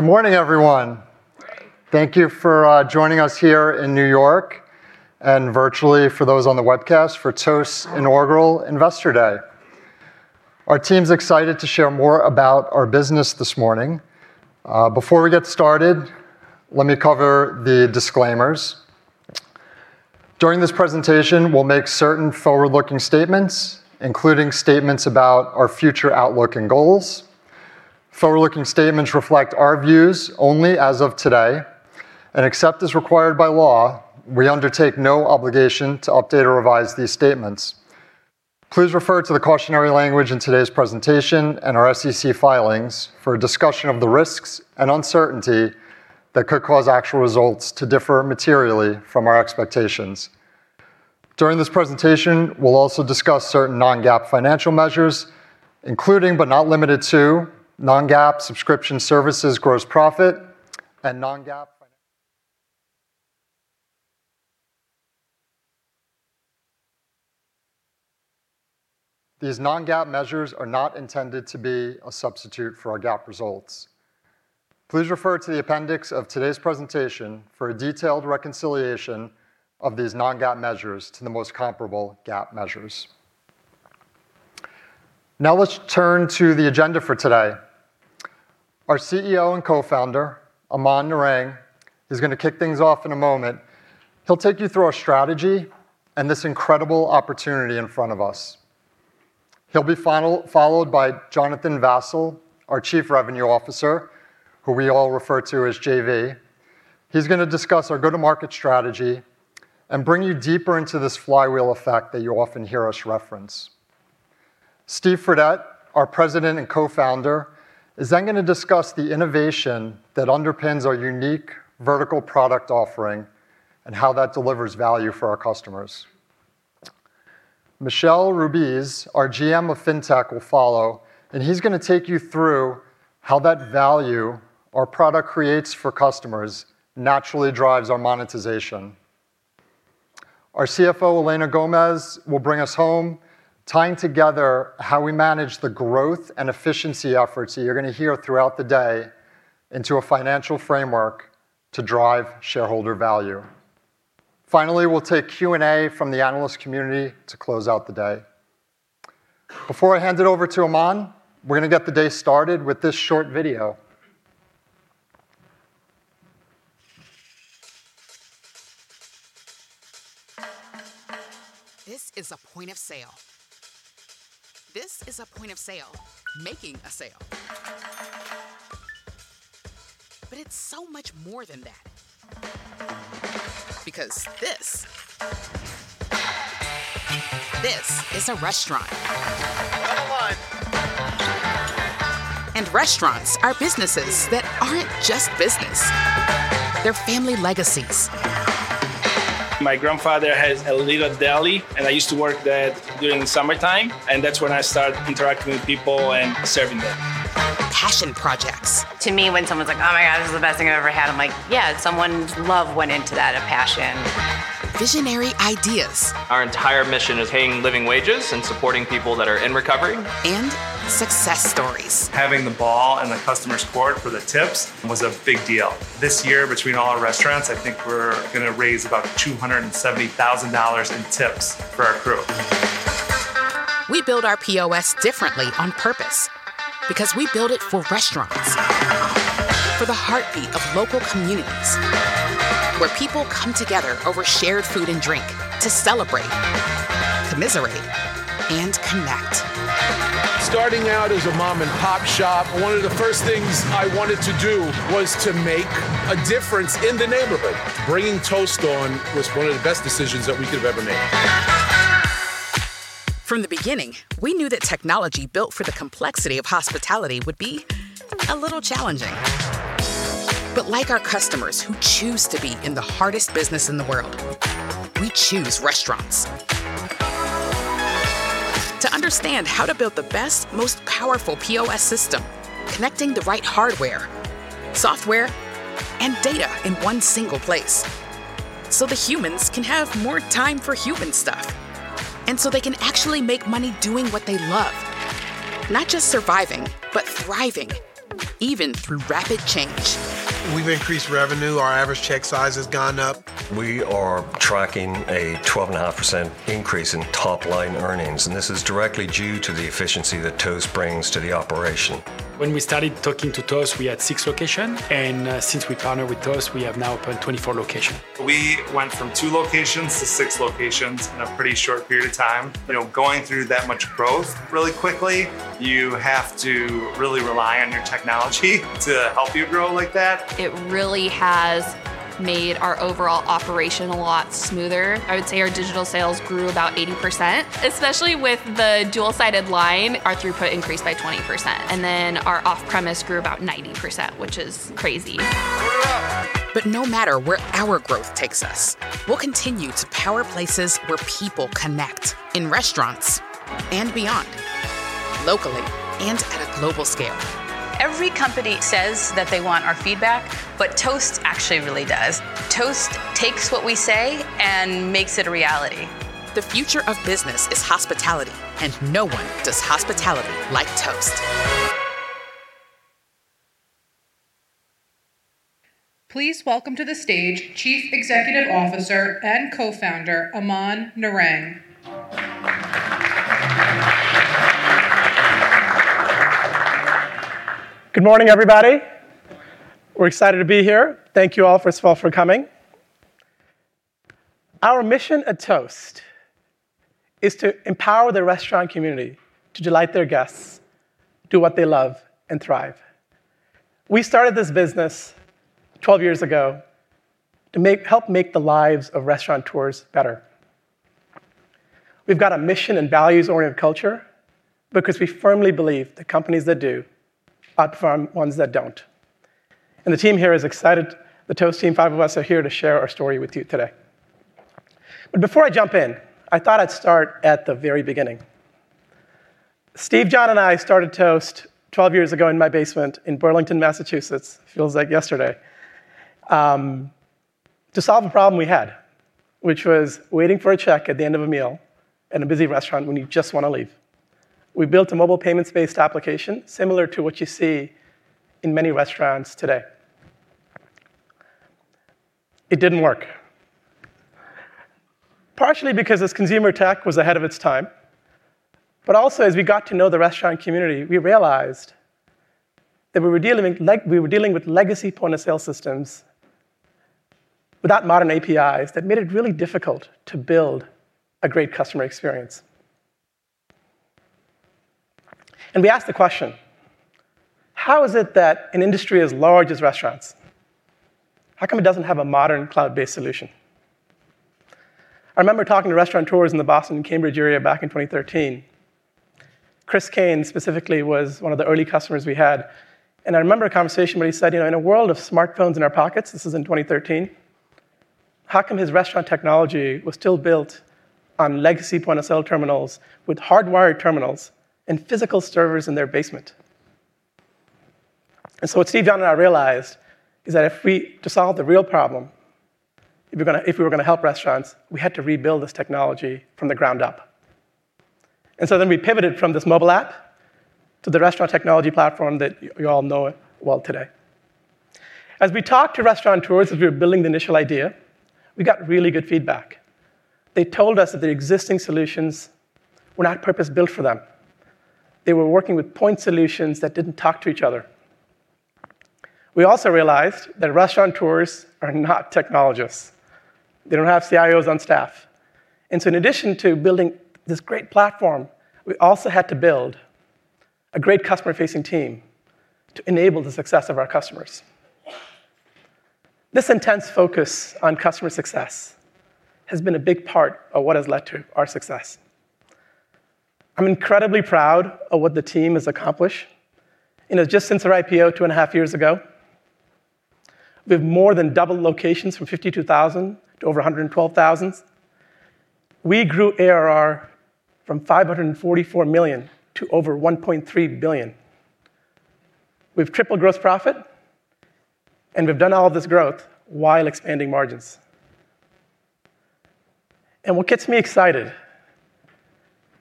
Good morning, everyone. Thank you for joining us here in New York, and virtually for those on the webcast, for Toast's Inaugural Investor Day. Our team's excited to share more about our business this morning. Before we get started, let me cover the disclaimers. During this presentation, we'll make certain forward-looking statements, including statements about our future outlook and goals. Forward-looking statements reflect our views only as of today, and except as required by law, we undertake no obligation to update or revise these statements. Please refer to the cautionary language in today's presentation and our SEC filings for a discussion of the risks and uncertainty that could cause actual results to differ materially from our expectations. During this presentation, we'll also discuss certain non-GAAP financial measures, including, but not limited to, non-GAAP subscription services, gross profit, and non-GAAP financial... These non-GAAP measures are not intended to be a substitute for our GAAP results. Please refer to the appendix of today's presentation for a detailed reconciliation of these non-GAAP measures to the most comparable GAAP measures. Now, let's turn to the agenda for today. Our CEO and Co-founder, Aman Narang, is gonna kick things off in a moment. He'll take you through our strategy and this incredible opportunity in front of us. He'll be followed by Jonathan Vassil, our Chief Revenue Officer, who we all refer to as JV. He's gonna discuss our go-to-market strategy and bring you deeper into this flywheel effect that you'll often hear us reference. Steve Fredette, our President and Co-founder, is then gonna discuss the innovation that underpins our unique vertical product offering, and how that delivers value for our customers. Michel Rbeiz, our GM of FinTech, will follow, and he's gonna take you through how that value our product creates for customers naturally drives our monetization. Our CFO, Elena Gomez, will bring us home, tying together how we manage the growth and efficiency efforts that you're gonna hear throughout the day into a financial framework to drive shareholder value. Finally, we'll take Q&A from the analyst community to close out the day. Before I hand it over to Aman, we're gonna get the day started with this short video. This is a point of sale. This is a point of sale making a sale. But it's so much more than that. Because this, this is a restaurant. Number one! Restaurants are businesses that aren't just business, they're family legacies. My grandfather had a little deli, and I used to work there during the summertime, and that's when I started interacting with people and serving them. Passion projects. To me, when someone's like, "Oh, my God, this is the best thing I've ever had," I'm like, "Yeah, someone's love went into that, a passion." Visionary ideas. Our entire mission is paying living wages and supporting people that are in recovery. Success stories. Having the ball in the customer's court for the tips was a big deal. This year, between all our restaurants, I think we're gonna raise about $270,000 in tips for our crew. We build our POS differently on purpose, because we build it for restaurants, for the heartbeat of local communities, where people come together over shared food and drink to celebrate, commiserate, and connect. Starting out as a Mom-and-Pop Shop, one of the first things I wanted to do was to make a difference in the neighborhood. Bringing Toast on was one of the best decisions that we could've ever made. From the beginning, we knew that technology built for the complexity of hospitality would be a little challenging. But like our customers who choose to be in the hardest business in the world, we choose restaurants. To understand how to build the best, most powerful POS system, connecting the right hardware, software, and data in one single place, so the humans can have more time for human stuff, and so they can actually make money doing what they love, not just surviving, but thriving, even through rapid change. We've increased revenue. Our average check size has gone up. We are tracking a 12.5% increase in top line earnings, and this is directly due to the efficiency that Toast brings to the operation. When we started talking to Toast, we had six locations, and since we partnered with Toast, we have now opened 24 locations. We went from two locations to six locations in a pretty short period of time. You know, going through that much growth really quickly, you have to really rely on your technology to help you grow like that. It really has made our overall operation a lot smoother. I would say our digital sales grew about 80%. Especially with the dual-sided line, our throughput increased by 20%, and then our off-premise grew about 90%, which is crazy. Order up! But no matter where our growth takes us, we'll continue to power places where people connect, in restaurants and beyond, locally and at a global scale. Every company says that they want our feedback, but Toast actually really does. Toast takes what we say and makes it a reality. The future of business is hospitality, and no one does hospitality like Toast. Please welcome to the stage Chief Executive Officer and Co-founder, Aman Narang. Good morning, everybody. Good morning. We're excited to be here. Thank you all, first of all, for coming. Our mission at Toast is to empower the restaurant community to delight their guests, do what they love, and thrive. We started this business 12 years ago to help make the lives of restaurateurs better. We've got a mission and values-oriented culture because we firmly believe the companies that do outperform ones that don't. The team here is excited. The Toast team, five of us, are here to share our story with you today. Before I jump in, I thought I'd start at the very beginning. Steve, Jonathan, and I started Toast 12 years ago in my basement in Burlington, Massachusetts, feels like yesterday, to solve a problem we had, which was waiting for a check at the end of a meal in a busy restaurant when you just want to leave. We built a mobile payments-based application, similar to what you see in many restaurants today. It didn't work. Partially because this consumer tech was ahead of its time, but also, as we got to know the restaurant community, we realized that we were dealing with legacy point-of-sale systems without modern APIs that made it really difficult to build a great customer experience. And we asked the question: How is it that an industry as large as restaurants, how come it doesn't have a modern, cloud-based solution? I remember talking to restaurateurs in the Boston, Cambridge area back in 2013. Chris Kane specifically was one of the early customers we had, and I remember a conversation where he said, you know, in a world of smartphones in our pockets, this is in 2013, how come his restaurant technology was still built on legacy point-of-sale terminals with hardwired terminals and physical servers in their basement? What Steve, Jonathan, and I realized is that to solve the real problem, if we're gonna, if we were gonna help restaurants, we had to rebuild this technology from the ground up. So then we pivoted from this mobile app to the restaurant technology platform that you all know it well today. As we talked to restaurateurs as we were building the initial idea, we got really good feedback. They told us that the existing solutions were not purpose-built for them. They were working with point solutions that didn't talk to each other. We also realized that restaurateurs are not technologists. They don't have CIOs on staff. And so in addition to building this great platform, we also had to build a great customer-facing team to enable the success of our customers. This intense focus on customer success has been a big part of what has led to our success. I'm incredibly proud of what the team has accomplished. You know, just since our IPO 2.5 years ago, we've more than doubled locations from 52,000 to over 112,000. We grew ARR from $544 million to over $1.3 billion. We've tripled gross profit, and we've done all of this growth while expanding margins. And what gets me excited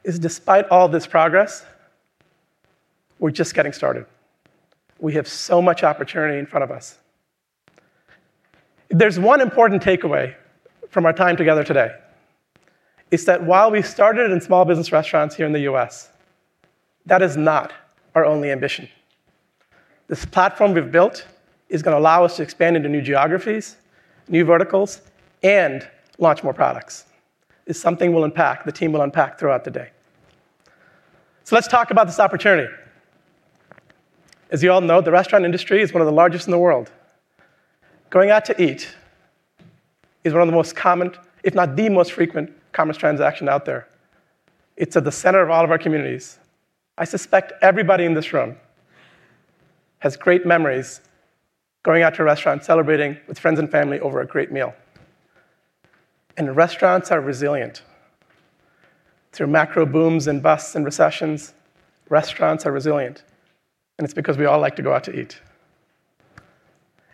is, despite all this progress, we're just getting started. We have so much opportunity in front of us. If there's one important takeaway from our time together today, it's that while we started in small business restaurants here in the U.S., that is not our only ambition. This platform we've built is gonna allow us to expand into new geographies, new verticals, and launch more products. It's something we'll unpack, the team will unpack throughout the day. So let's talk about this opportunity. As you all know, the restaurant industry is one of the largest in the world. Going out to eat is one of the most common, if not the most frequent, commerce transaction out there. It's at the center of all of our communities. I suspect everybody in this room has great memories going out to a restaurant, celebrating with friends and family over a great meal. And restaurants are resilient. Through macro booms and busts and recessions, restaurants are resilient, and it's because we all like to go out to eat.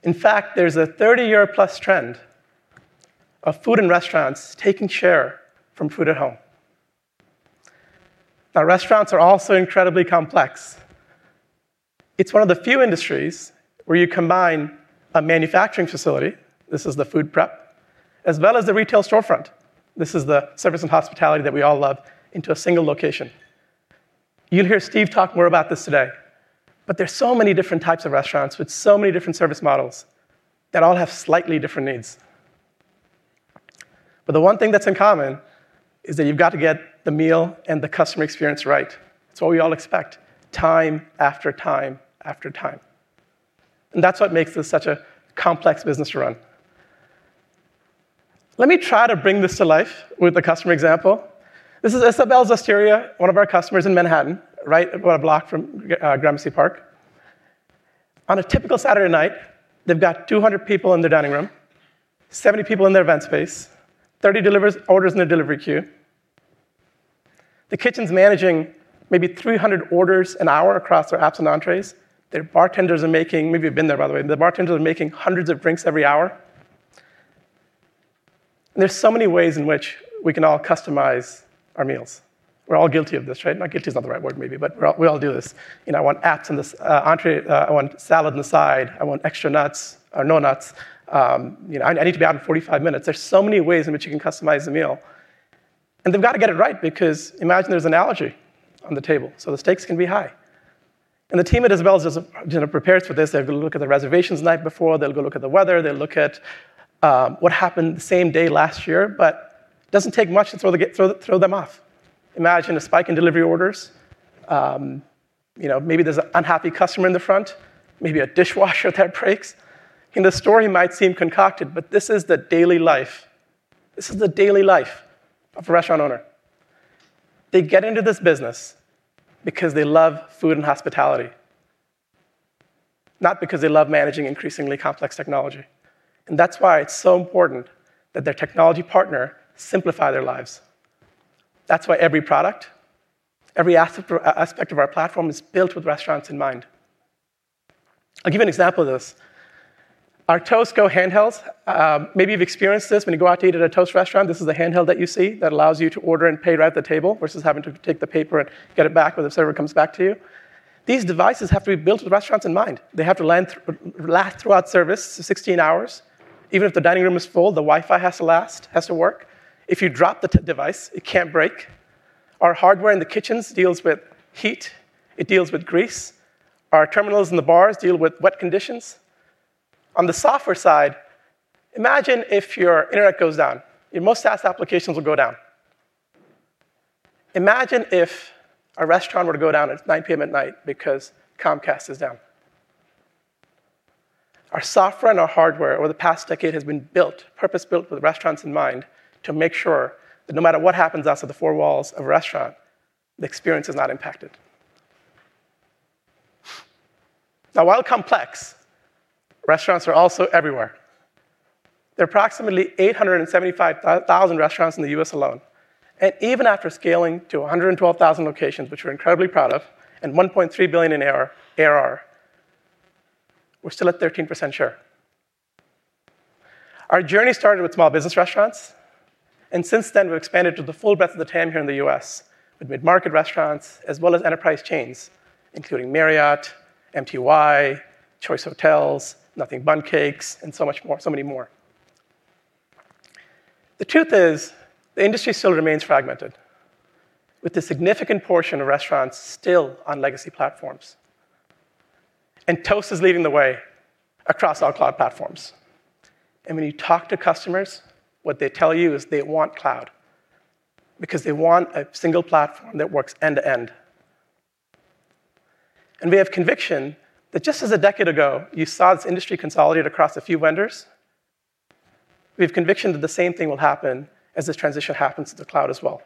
In fact, there's a 30-year+ trend of food in restaurants taking share from food at home. Now, restaurants are also incredibly complex. It's one of the few industries where you combine a manufacturing facility, this is the food prep, as well as the retail storefront, this is the service and hospitality that we all love, into a single location. You'll hear Steve talk more about this today, but there's so many different types of restaurants with so many different service models that all have slightly different needs. But the one thing that's in common is that you've got to get the meal and the customer experience right. It's what we all expect time after time after time, and that's what makes this such a complex business to run. Let me try to bring this to life with a customer example. This is Isabelle's Osteria, one of our customers in Manhattan, right, about a block from Gramercy Park. On a typical Saturday night, they've got 200 people in their dining room, 70 people in their event space, 30 delivery orders in their delivery queue... The kitchen's managing maybe 300 orders an hour across their apps and entrees. Their bartenders are making, maybe you've been there, by the way, the bartenders are making 100s of drinks every hour. There's so many ways in which we can all customize our meals. We're all guilty of this, right? Not guilty is not the right word, maybe, but we all, we all do this. You know, I want apps in this entree, I want salad on the side, I want extra nuts or no nuts, you know, I need to be out in 45 minutes. There's so many ways in which you can customize a meal, and they've got to get it right, because imagine there's an allergy on the table, so the stakes can be high. The team at Isabelle's prepares for this. They'll look at the reservations the night before, they'll go look at the weather, they'll look at what happened the same day last year, but it doesn't take much to throw them off. Imagine a spike in delivery orders, you know, maybe there's an unhappy customer in the front, maybe a dishwasher that breaks. The story might seem concocted, but this is the daily life, this is the daily life of a restaurant owner. They get into this business because they love food and hospitality, not because they love managing increasingly complex technology. And that's why it's so important that their technology partner simplify their lives. That's why every product, every aspect of our platform is built with restaurants in mind. I'll give you an example of this. Our Toast Go handhelds, maybe you've experienced this when you go out to eat at a Toast restaurant, this is the handheld that you see that allows you to order and pay right at the table, vs having to take the paper and get it back when the server comes back to you. These devices have to be built with restaurants in mind. They have to last throughout service, so 16 hours. Even if the dining room is full, the Wi-Fi has to last, has to work. If you drop the device, it can't break. Our hardware in the kitchens deals with heat, it deals with grease. Our terminals in the bars deal with wet conditions. On the software side, imagine if your internet goes down, your most SaaS applications will go down. Imagine if a restaurant were to go down at 9:00 P.M. at night because Comcast is down. Our software and our hardware over the past decade has been built, purpose-built with restaurants in mind, to make sure that no matter what happens outside the four walls of a restaurant, the experience is not impacted. Now, while complex, restaurants are also everywhere. There are approximately 875,000 restaurants in the U.S. alone, and even after scaling to 112,000 locations, which we're incredibly proud of, and $1.3 billion in ARR, we're still at 13% share. Our journey started with small business restaurants, and since then, we've expanded to the full breadth of the TAM here in the U.S., with mid-market restaurants, as well as enterprise chains, including Marriott, MTY, Choice Hotels, Nothing Bundt Cakes, and so much more, so many more. The truth is, the industry still remains fragmented, with a significant portion of restaurants still on legacy platforms. Toast is leading the way across all cloud platforms. When you talk to customers, what they tell you is they want cloud, because they want a single platform that works end to end. We have conviction that just as a decade ago, you saw this industry consolidate across a few vendors, we have conviction that the same thing will happen as this transition happens to the cloud as well.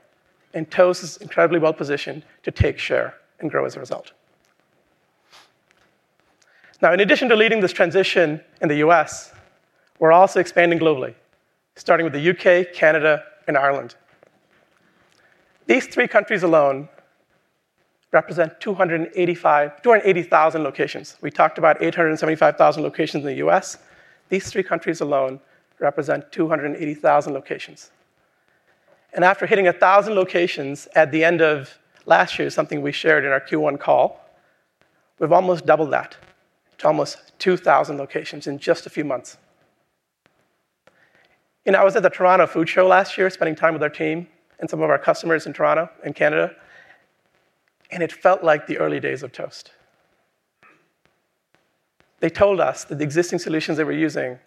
Toast is incredibly well positioned to take share and grow as a result. Now, in addition to leading this transition in the U.S., we're also expanding globally, starting with the U.K., Canada, and Ireland. These three countries alone represent 285, 280,000 locations. We talked about 875,000 locations in the U.S. These three countries alone represent 280,000 locations. After hitting 1,000 locations at the end of last year, something we shared in our Q1 call, we've almost doubled that to almost 2,000 locations in just a few months. You know, I was at the Toronto Food Show last year, spending time with our team and some of our customers in Toronto and Canada, and it felt like the early days of Toast. They told us that the existing solutions they were using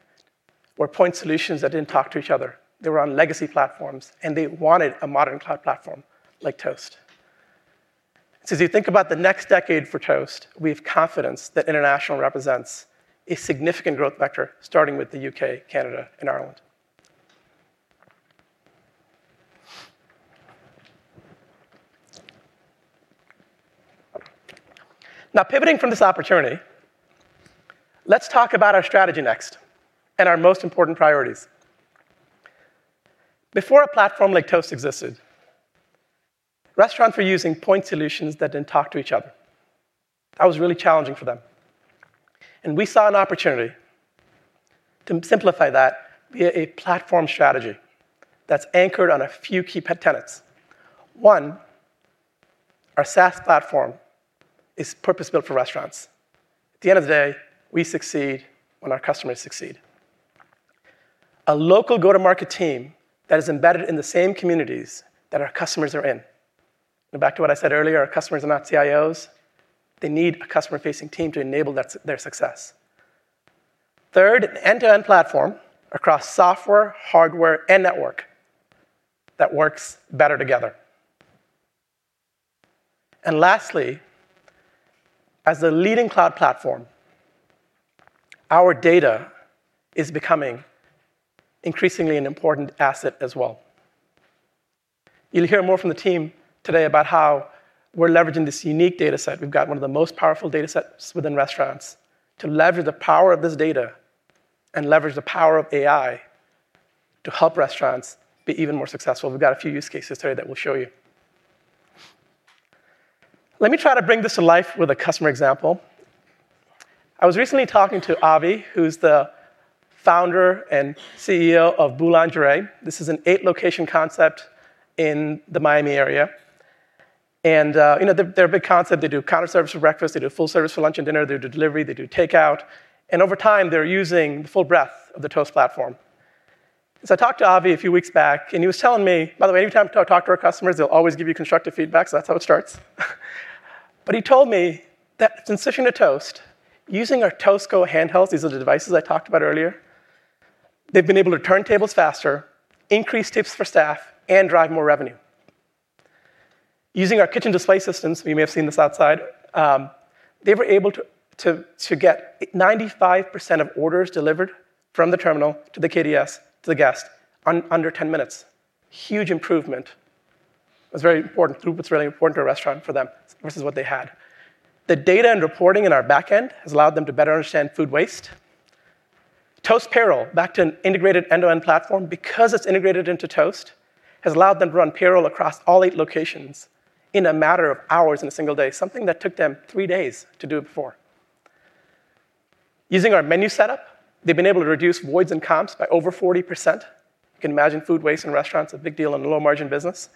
were point solutions that didn't talk to each other. They were on legacy platforms, and they wanted a modern cloud platform like Toast. So as you think about the next decade for Toast, we have confidence that international represents a significant growth vector, starting with the U.K., Canada, and Ireland. Now, pivoting from this opportunity, let's talk about our strategy next, and our most important priorities. Before a platform like Toast existed, restaurants were using point solutions that didn't talk to each other. That was really challenging for them, and we saw an opportunity to simplify that via a platform strategy that's anchored on a few key tenets. One, our SaaS platform is purpose-built for restaurants. At the end of the day, we succeed when our customers succeed. A local go-to-market team that is embedded in the same communities that our customers are in. And back to what I said earlier, our customers are not CIOs. They need a customer-facing team to enable that, their success. Third, an end-to-end platform across software, hardware, and network that works better together. And lastly, as a leading cloud platform, our data is becoming increasingly an important asset as well. You'll hear more from the team today about how we're leveraging this unique data set. We've got one of the most powerful data sets within restaurants to leverage the power of this data-... Leverage the power of AI to help restaurants be even more successful. We've got a few use cases today that we'll show you. Let me try to bring this to life with a customer example. I was recently talking to Avy, who's the Founder and CEO of Boulangerie. This is an eight-location concept in the Miami area, and, you know, their big concept, they do counter service for breakfast, they do full service for lunch and dinner, they do delivery, they do takeout, and over time, they're using the full breadth of the Toast platform. So I talked to Avy a few weeks back, and he was telling me, by the way, anytime I talk to our customers, they'll always give you constructive feedback, so that's how it starts. But he told me that since switching to Toast, using our Toast Go handhelds, these are the devices I talked about earlier, they've been able to turn tables faster, increase tips for staff, and drive more revenue. Using our kitchen display systems, you may have seen this outside, they were able to get 95% of orders delivered from the terminal to the KDS to the guest under 10 minutes. Huge improvement. That's very important. Throughput's really important to a restaurant for them, vs what they had. The data and reporting in our back end has allowed them to better understand food waste. Toast Payroll, back to an integrated end-to-end platform, because it's integrated into Toast, has allowed them to run payroll across all 8 locations in a matter of hours in a single day, something that took them three days to do it before. Using our menu setup, they've been able to reduce voids and comps by over 40%. You can imagine food waste in restaurants, a big deal in a low-margin business.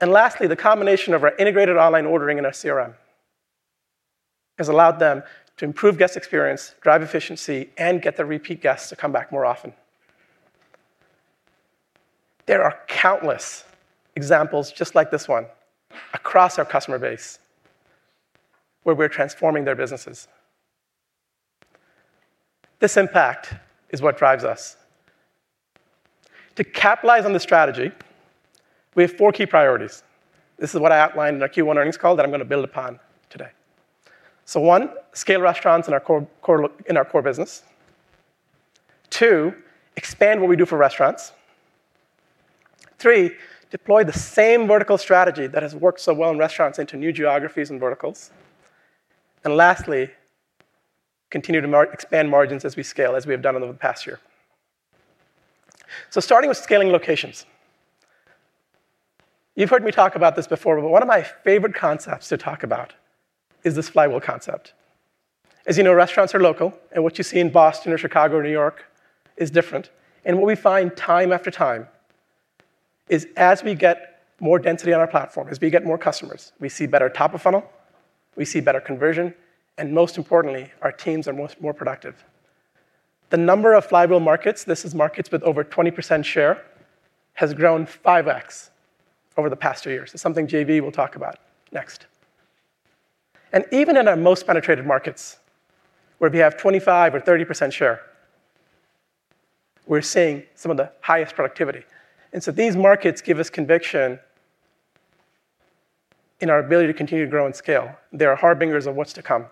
And lastly, the combination of our integrated online ordering and our CRM has allowed them to improve guest experience, drive efficiency, and get their repeat guests to come back more often. There are countless examples just like this one across our customer base, where we're transforming their businesses. This impact is what drives us. To capitalize on the strategy, we have four key priorities. This is what I outlined in our Q1 earnings call that I'm gonna build upon today. So one, scale restaurants in our core business. Two, expand what we do for restaurants. Three, deploy the same vertical strategy that has worked so well in restaurants into new geographies and verticals. Lastly, continue to expand margins as we scale, as we have done over the past year. Starting with scaling locations. You've heard me talk about this before, but one of my favorite concepts to talk about is this flywheel concept. As you know, restaurants are local, and what you see in Boston or Chicago or New York is different. And what we find time after time is as we get more density on our platform, as we get more customers, we see better top of funnel, we see better conversion, and most importantly, our teams are more productive. The number of flywheel markets, this is markets with over 20% share, has grown 5x over the past three years. It's something JV will talk about next. Even in our most penetrated markets, where we have 25 or 30% share, we're seeing some of the highest productivity. So these markets give us conviction in our ability to continue to grow and scale. They are harbingers of what's to come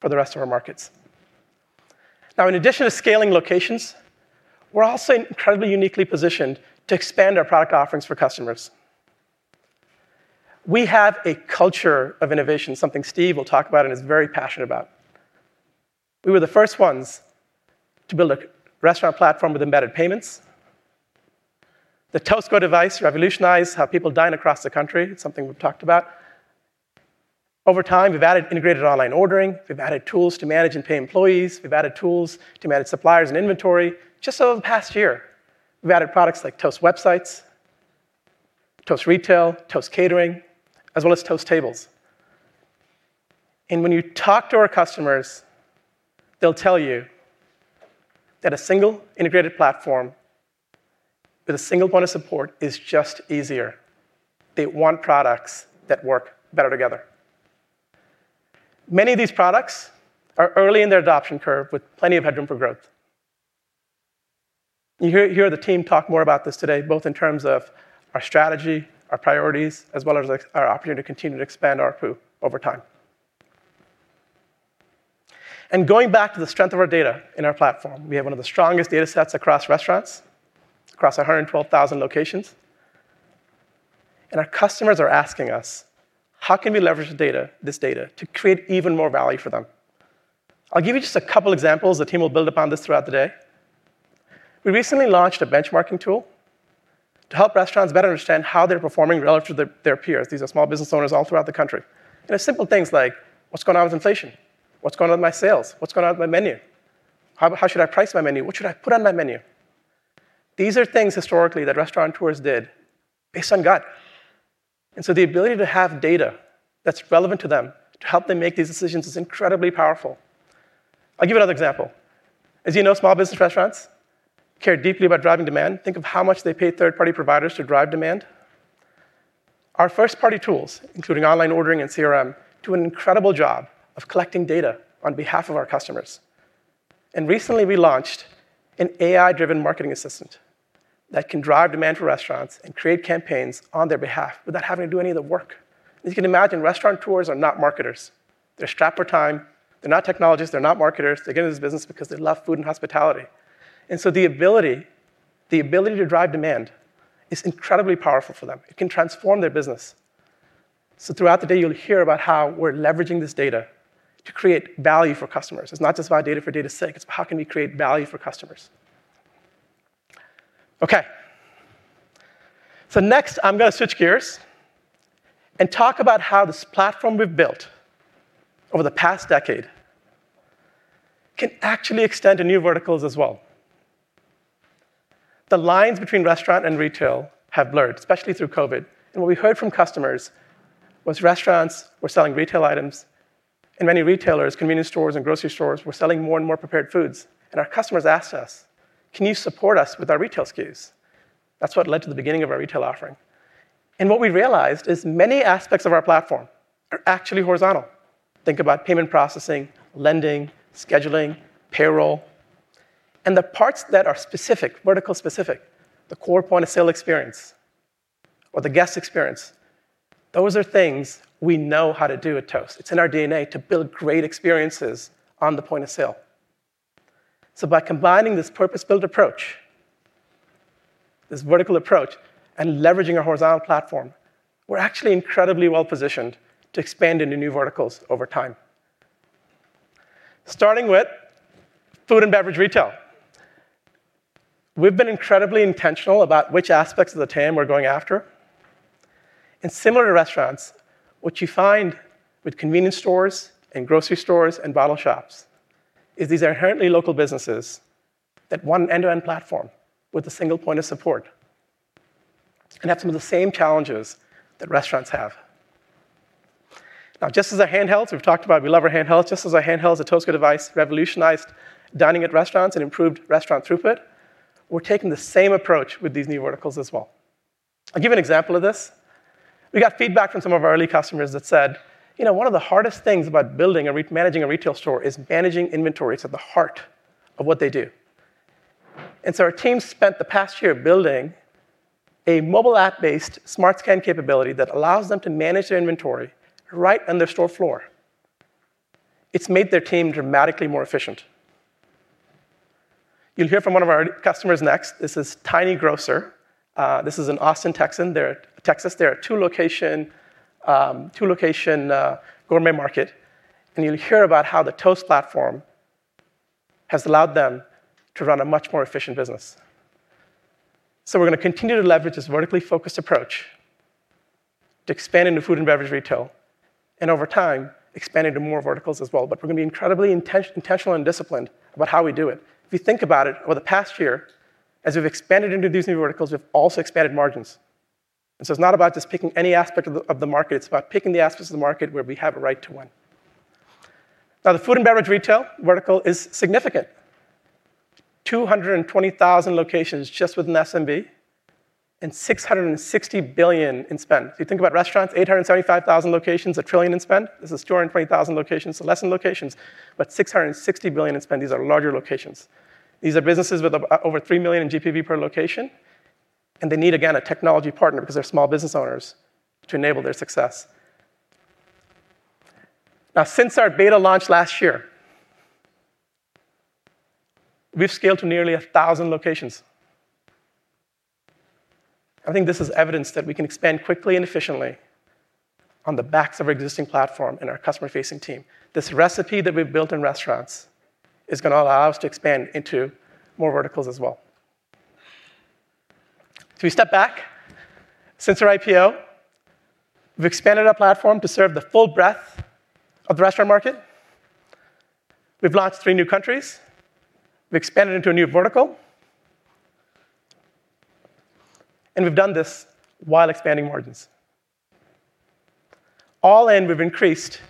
for the rest of our markets. Now, in addition to scaling locations, we're also incredibly uniquely positioned to expand our product offerings for customers. We have a culture of innovation, something Steve will talk about and is very passionate about. We were the first ones to build a restaurant platform with embedded payments. The Toast Go device revolutionized how people dine across the country. It's something we've talked about. Over time, we've added integrated online ordering, we've added tools to manage and pay employees, we've added tools to manage suppliers and inventory. Just over the past year, we've added products like Toast Websites, Toast Retail, Toast Catering, as well as Toast Tables. And when you talk to our customers, they'll tell you that a single integrated platform with a single point of support is just easier. They want products that work better together. Many of these products are early in their adoption curve with plenty of headroom for growth. You'll hear the team talk more about this today, both in terms of our strategy, our priorities, as well as, like our opportunity to continue to expand ARPU over time. And going back to the strength of our data in our platform, we have one of the strongest data sets across restaurants, across 112,000 locations, and our customers are asking us: How can we leverage the data, this data, to create even more value for them? I'll give you just a couple examples. The team will build upon this throughout the day. We recently launched a benchmarking tool to help restaurants better understand how they're performing relative to their, their peers. These are small business owners all throughout the country, and they're simple things like: What's going on with inflation? What's going on with my sales? What's going on with my menu? How, how should I price my menu? What should I put on my menu? These are things historically, that restaurateurs did based on gut. And so the ability to have data that's relevant to them to help them make these decisions is incredibly powerful. I'll give you another example. As you know, small business restaurants care deeply about driving demand. Think of how much they pay third-party providers to drive demand. Our first-party tools, including online ordering and CRM, do an incredible job of collecting data on behalf of our customers. And recently, we launched an AI-driven marketing assistant that can drive demand for restaurants and create campaigns on their behalf without having to do any of the work. As you can imagine, restaurateurs are not marketers. They're strapped for time. They're not technologists. They're not marketers. They get in this business because they love food and hospitality. And so the ability, the ability to drive demand is incredibly powerful for them. It can transform their business.... So throughout the day, you'll hear about how we're leveraging this data to create value for customers. It's not just about data for data's sake, it's how can we create value for customers? Okay. So next, I'm gonna switch gears and talk about how this platform we've built over the past decade can actually extend to new verticals as well. The lines between restaurant and retail have blurred, especially through COVID, and what we heard from customers was restaurants were selling retail items, and many retailers, convenience stores, and grocery stores were selling more and more prepared foods. And our customers asked us: "Can you support us with our retail SKUs?" That's what led to the beginning of our retail offering. And what we realized is many aspects of our platform are actually horizontal. Think about payment processing, lending, scheduling, payroll, and the parts that are specific, vertical specific, the core point-of-sale experience or the guest experience, those are things we know how to do at Toast. It's in our DNA to build great experiences on the point of sale. So by combining this purpose-built approach, this vertical approach, and leveraging our horizontal platform, we're actually incredibly well-positioned to expand into new verticals over time. Starting with food and beverage retail. We've been incredibly intentional about which aspects of the TAM we're going after. And similar to restaurants, what you find with convenience stores and grocery stores and bottle shops, is these are inherently local businesses that want an end-to-end platform with a single point of support, and have some of the same challenges that restaurants have. Now, just as our handhelds, we've talked about, we love our handhelds. Just as our handheld, the Toast Go device, revolutionized dining at restaurants and improved restaurant throughput, we're taking the same approach with these new verticals as well. I'll give you an example of this. We got feedback from some of our early customers that said, "You know, one of the hardest things about managing a retail store is managing inventory." It's at the heart of what they do. And so our team spent the past year building a mobile app-based smart scan capability that allows them to manage their inventory right on their store floor. It's made their team dramatically more efficient. You'll hear from one of our customers next. This is Tiny Grocer. This is in Austin, Texas. They're a two-location gourmet market, and you'll hear about how the Toast platform has allowed them to run a much more efficient business. So we're gonna continue to leverage this vertically focused approach to expand into food and beverage retail, and over time, expand into more verticals as well. But we're gonna be incredibly intentional and disciplined about how we do it. If you think about it, over the past year, as we've expanded into these new verticals, we've also expanded margins. And so it's not about just picking any aspect of the, of the market, it's about picking the aspects of the market where we have a right to win. Now, the food and beverage retail vertical is significant. 220,000 locations just within SMB, and $660 billion in spend. If you think about restaurants, 875,000 locations, $1 trillion in spend. This is 220,000 locations, so less in locations, but $660 billion in spend. These are larger locations. These are businesses with over $3 million in GPV per location, and they need, again, a technology partner because they're small business owners, to enable their success. Now, since our beta launch last year, we've scaled to nearly 1,000 locations. I think this is evidence that we can expand quickly and efficiently on the backs of our existing platform and our customer-facing team. This recipe that we've built in restaurants is gonna allow us to expand into more verticals as well. If we step back, since our IPO, we've expanded our platform to serve the full breadth of the restaurant market. We've launched three new countries, we've expanded into a new vertical, and we've done this while expanding margins. All in, we've increased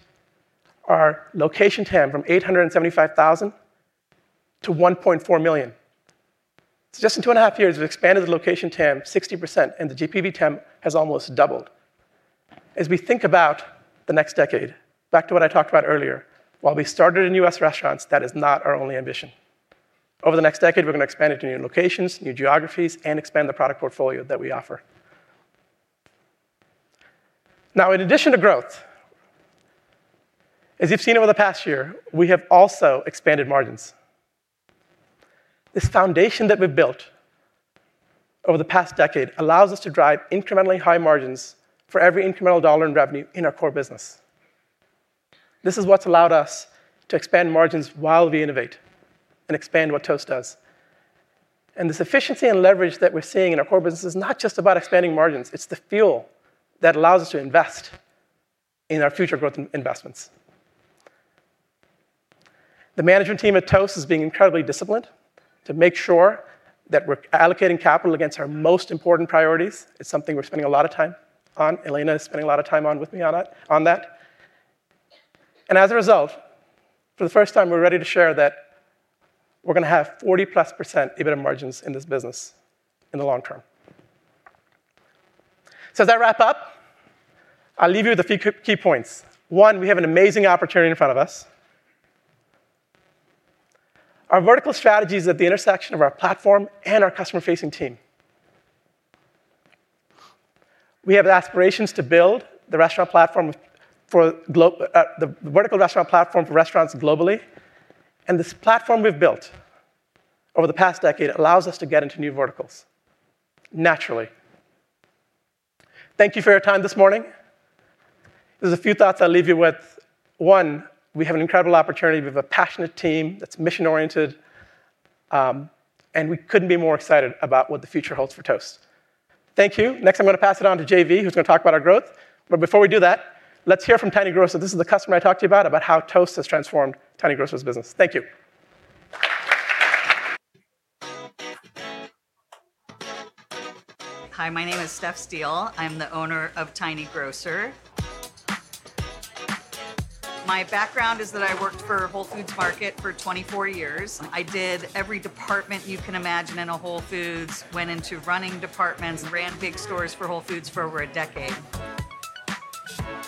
our location TAM from 875,000-1.4 million. So just in 2.5 years, we've expanded the location TAM 60%, and the GPV TAM has almost doubled. As we think about the next decade, back to what I talked about earlier, while we started in U.S. restaurants, that is not our only ambition. Over the next decade, we're gonna expand into new locations, new geographies, and expand the product portfolio that we offer. Now, in addition to growth, as you've seen over the past year, we have also expanded margins. This foundation that we've built over the past decade allows us to drive incrementally high margins for every incremental dollar in revenue in our core business. This is what's allowed us to expand margins while we innovate and expand what Toast does. This efficiency and leverage that we're seeing in our core business is not just about expanding margins; it's the fuel that allows us to invest in our future growth investments. The management team at Toast is being incredibly disciplined to make sure that we're allocating capital against our most important priorities. It's something we're spending a lot of time on. Elena is spending a lot of time on with me on that, on that. And as a result, for the first time, we're ready to share that we're gonna have 40%+ EBITDA margins in this business in the long term. So as I wrap up, I'll leave you with a few key, key points. One, we have an amazing opportunity in front of us. Our vertical strategy is at the intersection of our platform and our customer-facing team. We have aspirations to build the restaurant platform for the vertical restaurant platform for restaurants globally, and this platform we've built over the past decade allows us to get into new verticals, naturally. Thank you for your time this morning. There's a few thoughts I'll leave you with. One, we have an incredible opportunity. We have a passionate team that's mission-oriented, and we couldn't be more excited about what the future holds for Toast. Thank you. Next, I'm gonna pass it on to JV, who's gonna talk about our growth. But before we do that, let's hear from Tiny Grocer. This is the customer I talked to you about, about how Toast has transformed Tiny Grocer's business. Thank you. Hi, my name is Steph Steele. I'm the owner of Tiny Grocer. My background is that I worked for Whole Foods Market for 24 years. I did every department you can imagine in a Whole Foods, went into running departments, ran big stores for Whole Foods for over a decade.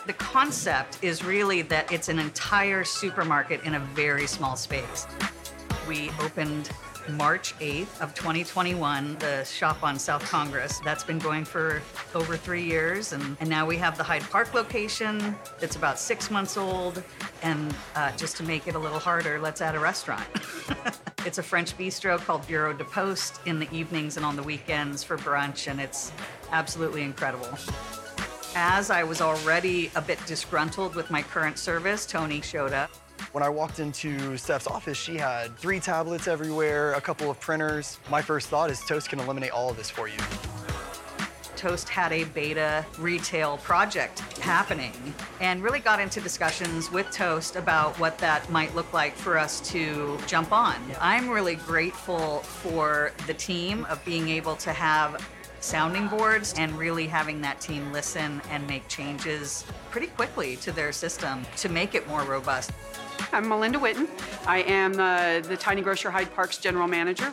The concept is really that it's an entire supermarket in a very small space. We opened March 8, 2021, the shop on South Congress. That's been going for over three years, and now we have the Hyde Park location. It's about six months old, and just to make it a little harder, let's add a restaurant. It's a French bistro called Bureau de Poste, in the evenings and on the weekends for brunch, and it's absolutely incredible. As I was already a bit disgruntled with my current service, Tony showed up. When I walked into Steph's office, she had three tablets everywhere, a couple of printers. My first thought is, Toast can eliminate all of this for you. Toast had a beta retail project happening, and really got into discussions with Toast about what that might look like for us to jump on. I'm really grateful for the team of being able to have sounding boards, and really having that team listen and make changes pretty quickly to their system to make it more robust. I'm Melinda Whitten. I am, the Tiny Grocer Hyde Park's general manager.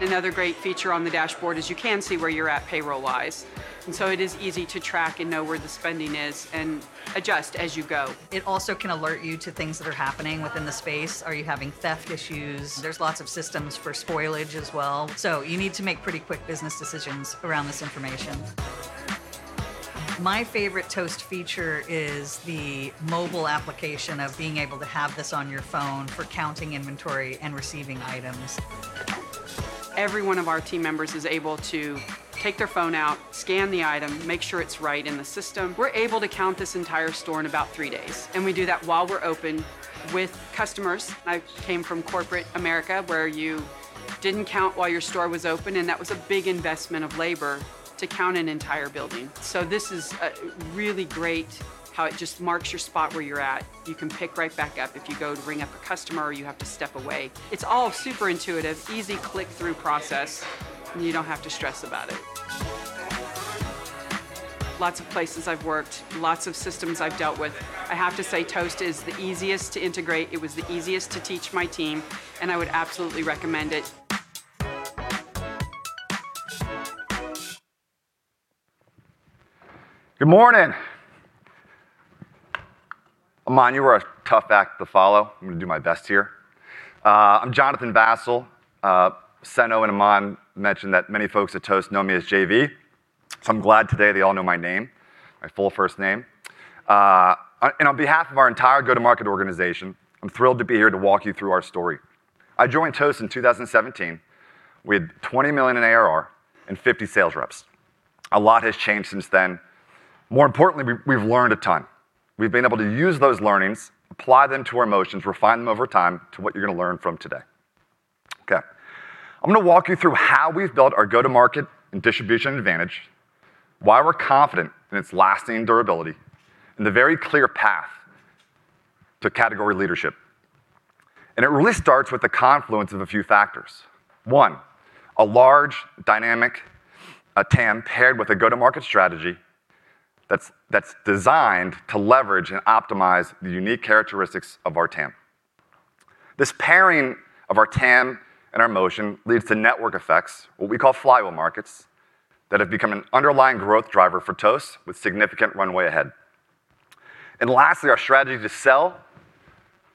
Another great feature on the dashboard is you can see where you're at payroll-wise, and so it is easy to track and know where the spending is and adjust as you go. It also can alert you to things that are happening within the space. Are you having theft issues? There's lots of systems for spoilage as well. So you need to make pretty quick business decisions around this information. My favorite Toast feature is the mobile application, of being able to have this on your phone for counting inventory and receiving items. Every one of our team members is able to take their phone out, scan the item, make sure it's right in the system. We're able to count this entire store in about three days, and we do that while we're open with customers. I came from corporate America, where you didn't count while your store was open, and that was a big investment of labor to count an entire building. So this is really great, how it just marks your spot where you're at. You can pick right back up if you go to ring up a customer, or you have to step away. It's all super intuitive, easy click-through process, and you don't have to stress about it. Lots of places I've worked, lots of systems I've dealt with, I have to say, Toast is the easiest to integrate. It was the easiest to teach my team, and I would absolutely recommend it. Good morning! Aman, you were a tough act to follow. I'm gonna do my best here. I'm Jonathan Vassil. Senno and Aman mentioned that many folks at Toast know me as JV, so I'm glad today they all know my name, my full first name. On behalf of our entire go-to-market organization, I'm thrilled to be here to walk you through our story. I joined Toast in 2017. We had $20 million in ARR and 50 sales reps. A lot has changed since then. More importantly, we've learned a ton. We've been able to use those learnings, apply them to our motions, refine them over time to what you're gonna learn from today. Okay, I'm gonna walk you through how we've built our go-to-market and distribution advantage, why we're confident in its lasting durability, and the very clear path to category leadership. And it really starts with the confluence of a few factors. One, a large, dynamic, TAM, paired with a go-to-market strategy that's designed to leverage and optimize the unique characteristics of our TAM. This pairing of our TAM and our motion leads to network effects, what we call flywheel markets, that have become an underlying growth driver for Toast, with significant runway ahead. And lastly, our strategy to sell,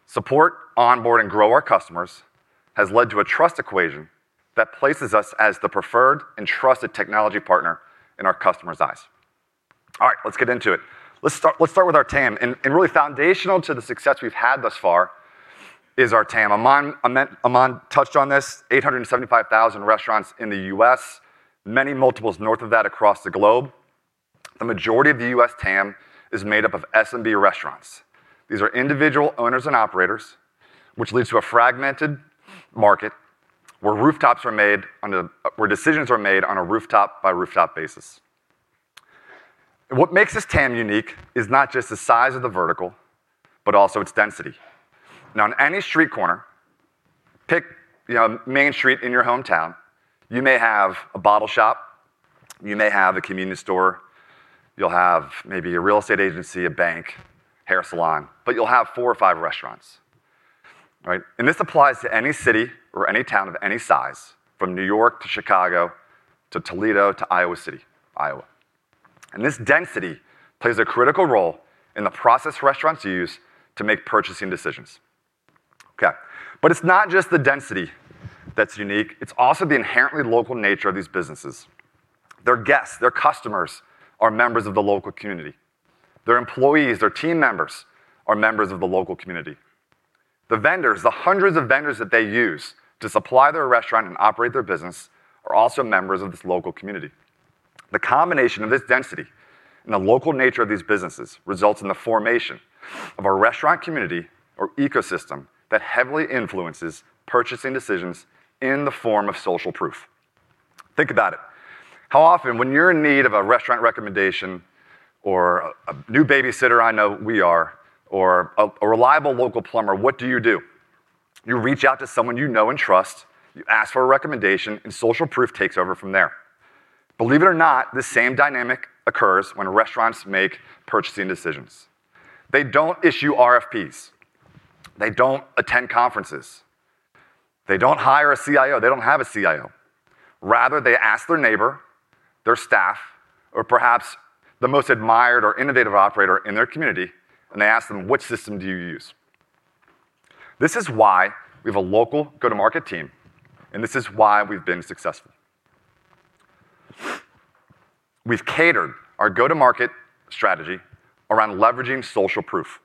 support, onboard, and grow our customers has led to a trust equation that places us as the preferred and trusted technology partner in our customers' eyes. All right, let's get into it. Let's start with our TAM, and really foundational to the success we've had thus far is our TAM. Aman touched on this, 875,000 restaurants in the U.S., many multiples north of that across the globe. The majority of the U.S. TAM is made up of SMB restaurants. These are individual owners and operators, which leads to a fragmented market, where decisions are made on a rooftop-by-rooftop basis. What makes this TAM unique is not just the size of the vertical, but also its density. Now, in any street corner, pick, you know, main street in your hometown, you may have a bottle shop, you may have a convenience store, you'll have maybe a real estate agency, a bank, hair salon, but you'll have four or five restaurants, right? This applies to any city or any town of any size, from New York to Chicago, to Toledo, to Iowa City, Iowa. This density plays a critical role in the process restaurants use to make purchasing decisions. Okay, but it's not just the density that's unique, it's also the inherently local nature of these businesses.... Their guests, their customers, are members of the local community. Their employees, their team members, are members of the local community. The vendors, the 100s of vendors that they use to supply their restaurant and operate their business, are also members of this local community. The combination of this density and the local nature of these businesses results in the formation of a restaurant community or ecosystem that heavily influences purchasing decisions in the form of social proof. Think about it. How often, when you're in need of a restaurant recommendation or a, a new babysitter, I know we are, or a, a reliable local plumber, what do you do? You reach out to someone you know and trust, you ask for a recommendation, and social proof takes over from there. Believe it or not, the same dynamic occurs when restaurants make purchasing decisions. They don't issue RFPs. They don't attend conferences. They don't hire a CIO. They don't have a CIO. Rather, they ask their neighbor, their staff, or perhaps the most admired or innovative operator in their community, and they ask them: Which system do you use? This is why we have a local go-to-market team, and this is why we've been successful. We've catered our go-to-market strategy around leveraging social proof,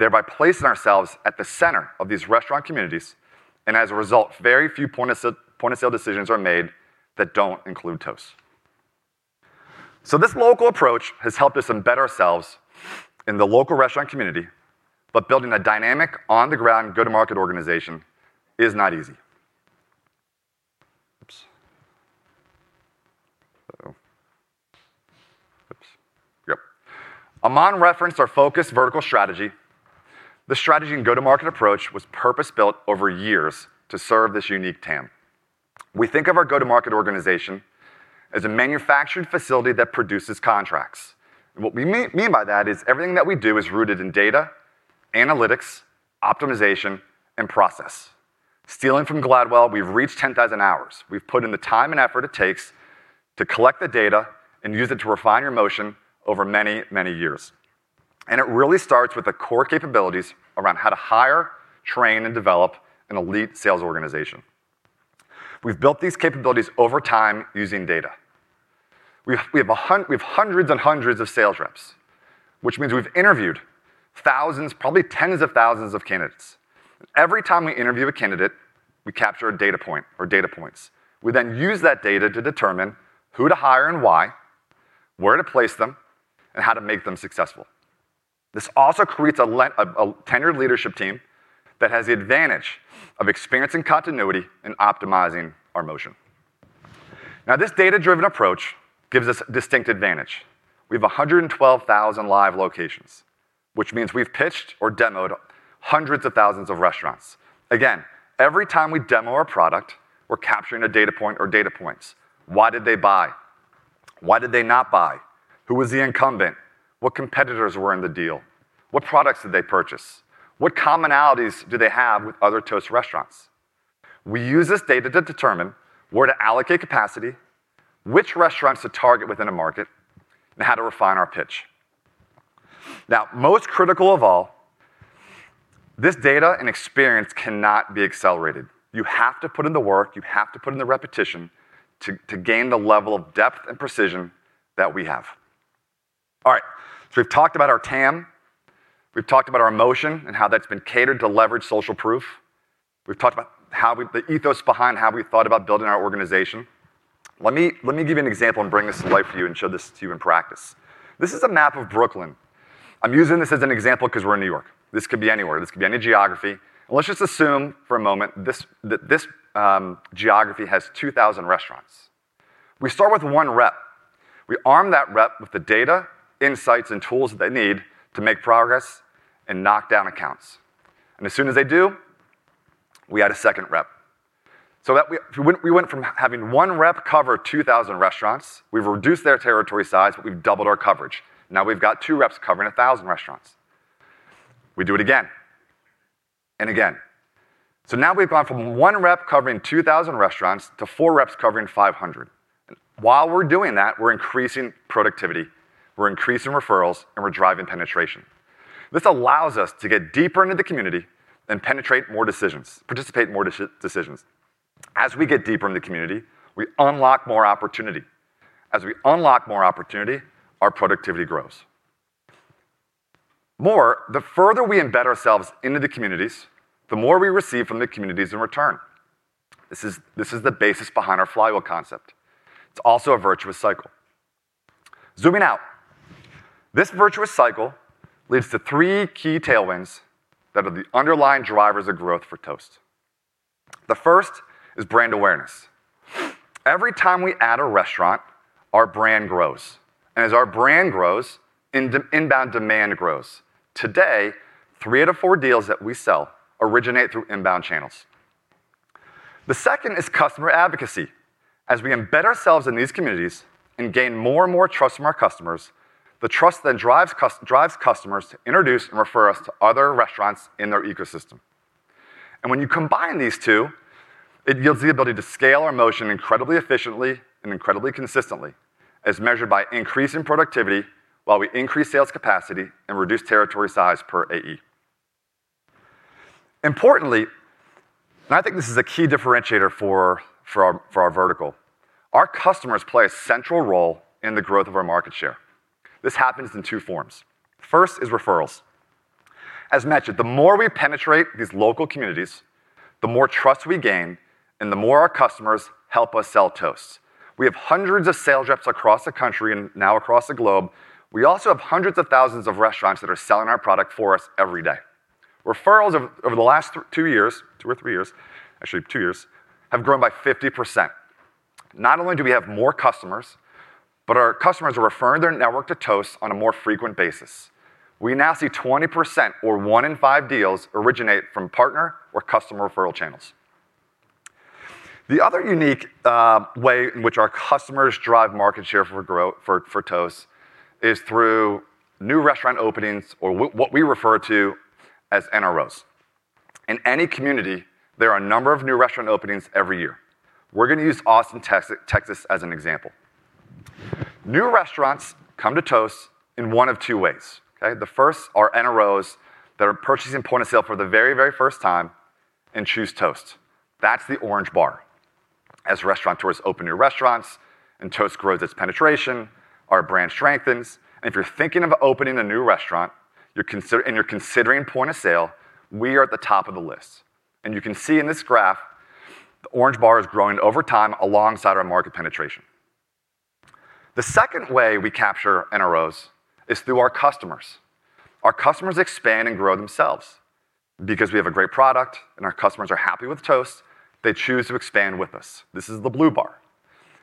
thereby placing ourselves at the center of these restaurant communities, and as a result, very few point-of-sale, point-of-sale decisions are made that don't include Toast. So this local approach has helped us embed ourselves in the local restaurant community, but building a dynamic, on-the-ground, go-to-market organization is not easy. Aman referenced our focused vertical strategy. The strategy and go-to-market approach was purpose-built over years to serve this unique TAM. We think of our go-to-market organization as a manufactured facility that produces contracts. What we mean by that is everything that we do is rooted in data, analytics, optimization, and process. Stealing from Gladwell, we've reached 10,000 hours. We've put in the time and effort it takes to collect the data and use it to refine our motion over many, many years. It really starts with the core capabilities around how to hire, train, and develop an elite sales organization. We've built these capabilities over time using data. We have 100s and 100s of sales reps, which means we've interviewed 1000s, probably 10s of 1000s of candidates. Every time we interview a candidate, we capture a data point or data points. We then use that data to determine who to hire and why, where to place them, and how to make them successful. This also creates a tenured leadership team that has the advantage of experience and continuity in optimizing our motion. Now, this data-driven approach gives us distinct advantage. We have 112,000 live locations, which means we've pitched or demoed 100s of 1000s of restaurants. Again, every time we demo our product, we're capturing a data point or data points. Why did they buy? Why did they not buy? Who was the incumbent? What competitors were in the deal? What products did they purchase? What commonalities do they have with other Toast restaurants? We use this data to determine where to allocate capacity, which restaurants to target within a market, and how to refine our pitch. Now, most critical of all, this data and experience cannot be accelerated. You have to put in the work, you have to put in the repetition to gain the level of depth and precision that we have. All right. So we've talked about our TAM, we've talked about our motion and how that's been catered to leverage social proof, we've talked about the ethos behind how we thought about building our organization. Let me give you an example and bring this to life for you and show this to you in practice. This is a map of Brooklyn. I'm using this as an example 'cause we're in New York. This could be anywhere, this could be any geography. And let's just assume for a moment that this geography has 2,000 restaurants. We start with one rep. We arm that rep with the data, insights, and tools that they need to make progress and knock down accounts. And as soon as they do, we add a second rep. So we went from having one rep cover 2,000 restaurants, we've reduced their territory size, but we've doubled our coverage. Now, we've got two reps covering 1,000 restaurants. We do it again, and again. So now we've gone from one rep covering 2,000 restaurants to four reps covering 500. While we're doing that, we're increasing productivity, we're increasing referrals, and we're driving penetration. This allows us to get deeper into the community and penetrate more decisions, participate in more decisions. As we get deeper in the community, we unlock more opportunity. As we unlock more opportunity, our productivity grows. More, the further we embed ourselves into the communities, the more we receive from the communities in return. This is the basis behind our flywheel concept. It's also a virtuous cycle. Zooming out, this virtuous cycle leads to three key tailwinds that are the underlying drivers of growth for Toast. The first is brand awareness. Every time we add a restaurant, our brand grows, and as our brand grows, inbound demand grows. Today, three out of four deals that we sell originate through inbound channels. The second is customer advocacy. As we embed ourselves in these communities and gain more and more trust from our customers, the trust then drives customers to introduce and refer us to other restaurants in their ecosystem. When you combine these two, it yields the ability to scale our motion incredibly efficiently and incredibly consistently, as measured by increase in productivity while we increase sales capacity and reduce territory size per AE. Importantly, and I think this is a key differentiator for our vertical, our customers play a central role in the growth of our market share. This happens in two forms. First is referrals. As mentioned, the more we penetrate these local communities, the more trust we gain, and the more our customers help us sell Toast. We have 100s of sales reps across the country and now across the globe. We also have 100s of 1000s of restaurants that are selling our product for us every day. Referrals over the last two years, two or three years, actually two years, have grown by 50%. Not only do we have more customers, but our customers are referring their network to Toast on a more frequent basis. We now see 20%, or one in five deals, originate from partner or customer referral channels. The other unique way in which our customers drive market share growth for Toast is through new restaurant openings, or what we refer to as NROs. In any community, there are a number of new restaurant openings every year. We're going to use Austin, Texas as an example. New restaurants come to Toast in one of two ways, okay? The first are NROs that are purchasing point-of-sale for the very, very first time and choose Toast. That's the orange bar. As restaurateurs open new restaurants and Toast grows its penetration, our brand strengthens, and if you're thinking of opening a new restaurant, you're considering point of sale, we are at the top of the list. And you can see in this graph, the orange bar is growing over time alongside our market penetration. The second way we capture NROs is through our customers. Our customers expand and grow themselves. Because we have a great product, and our customers are happy with Toast, they choose to expand with us. This is the blue bar.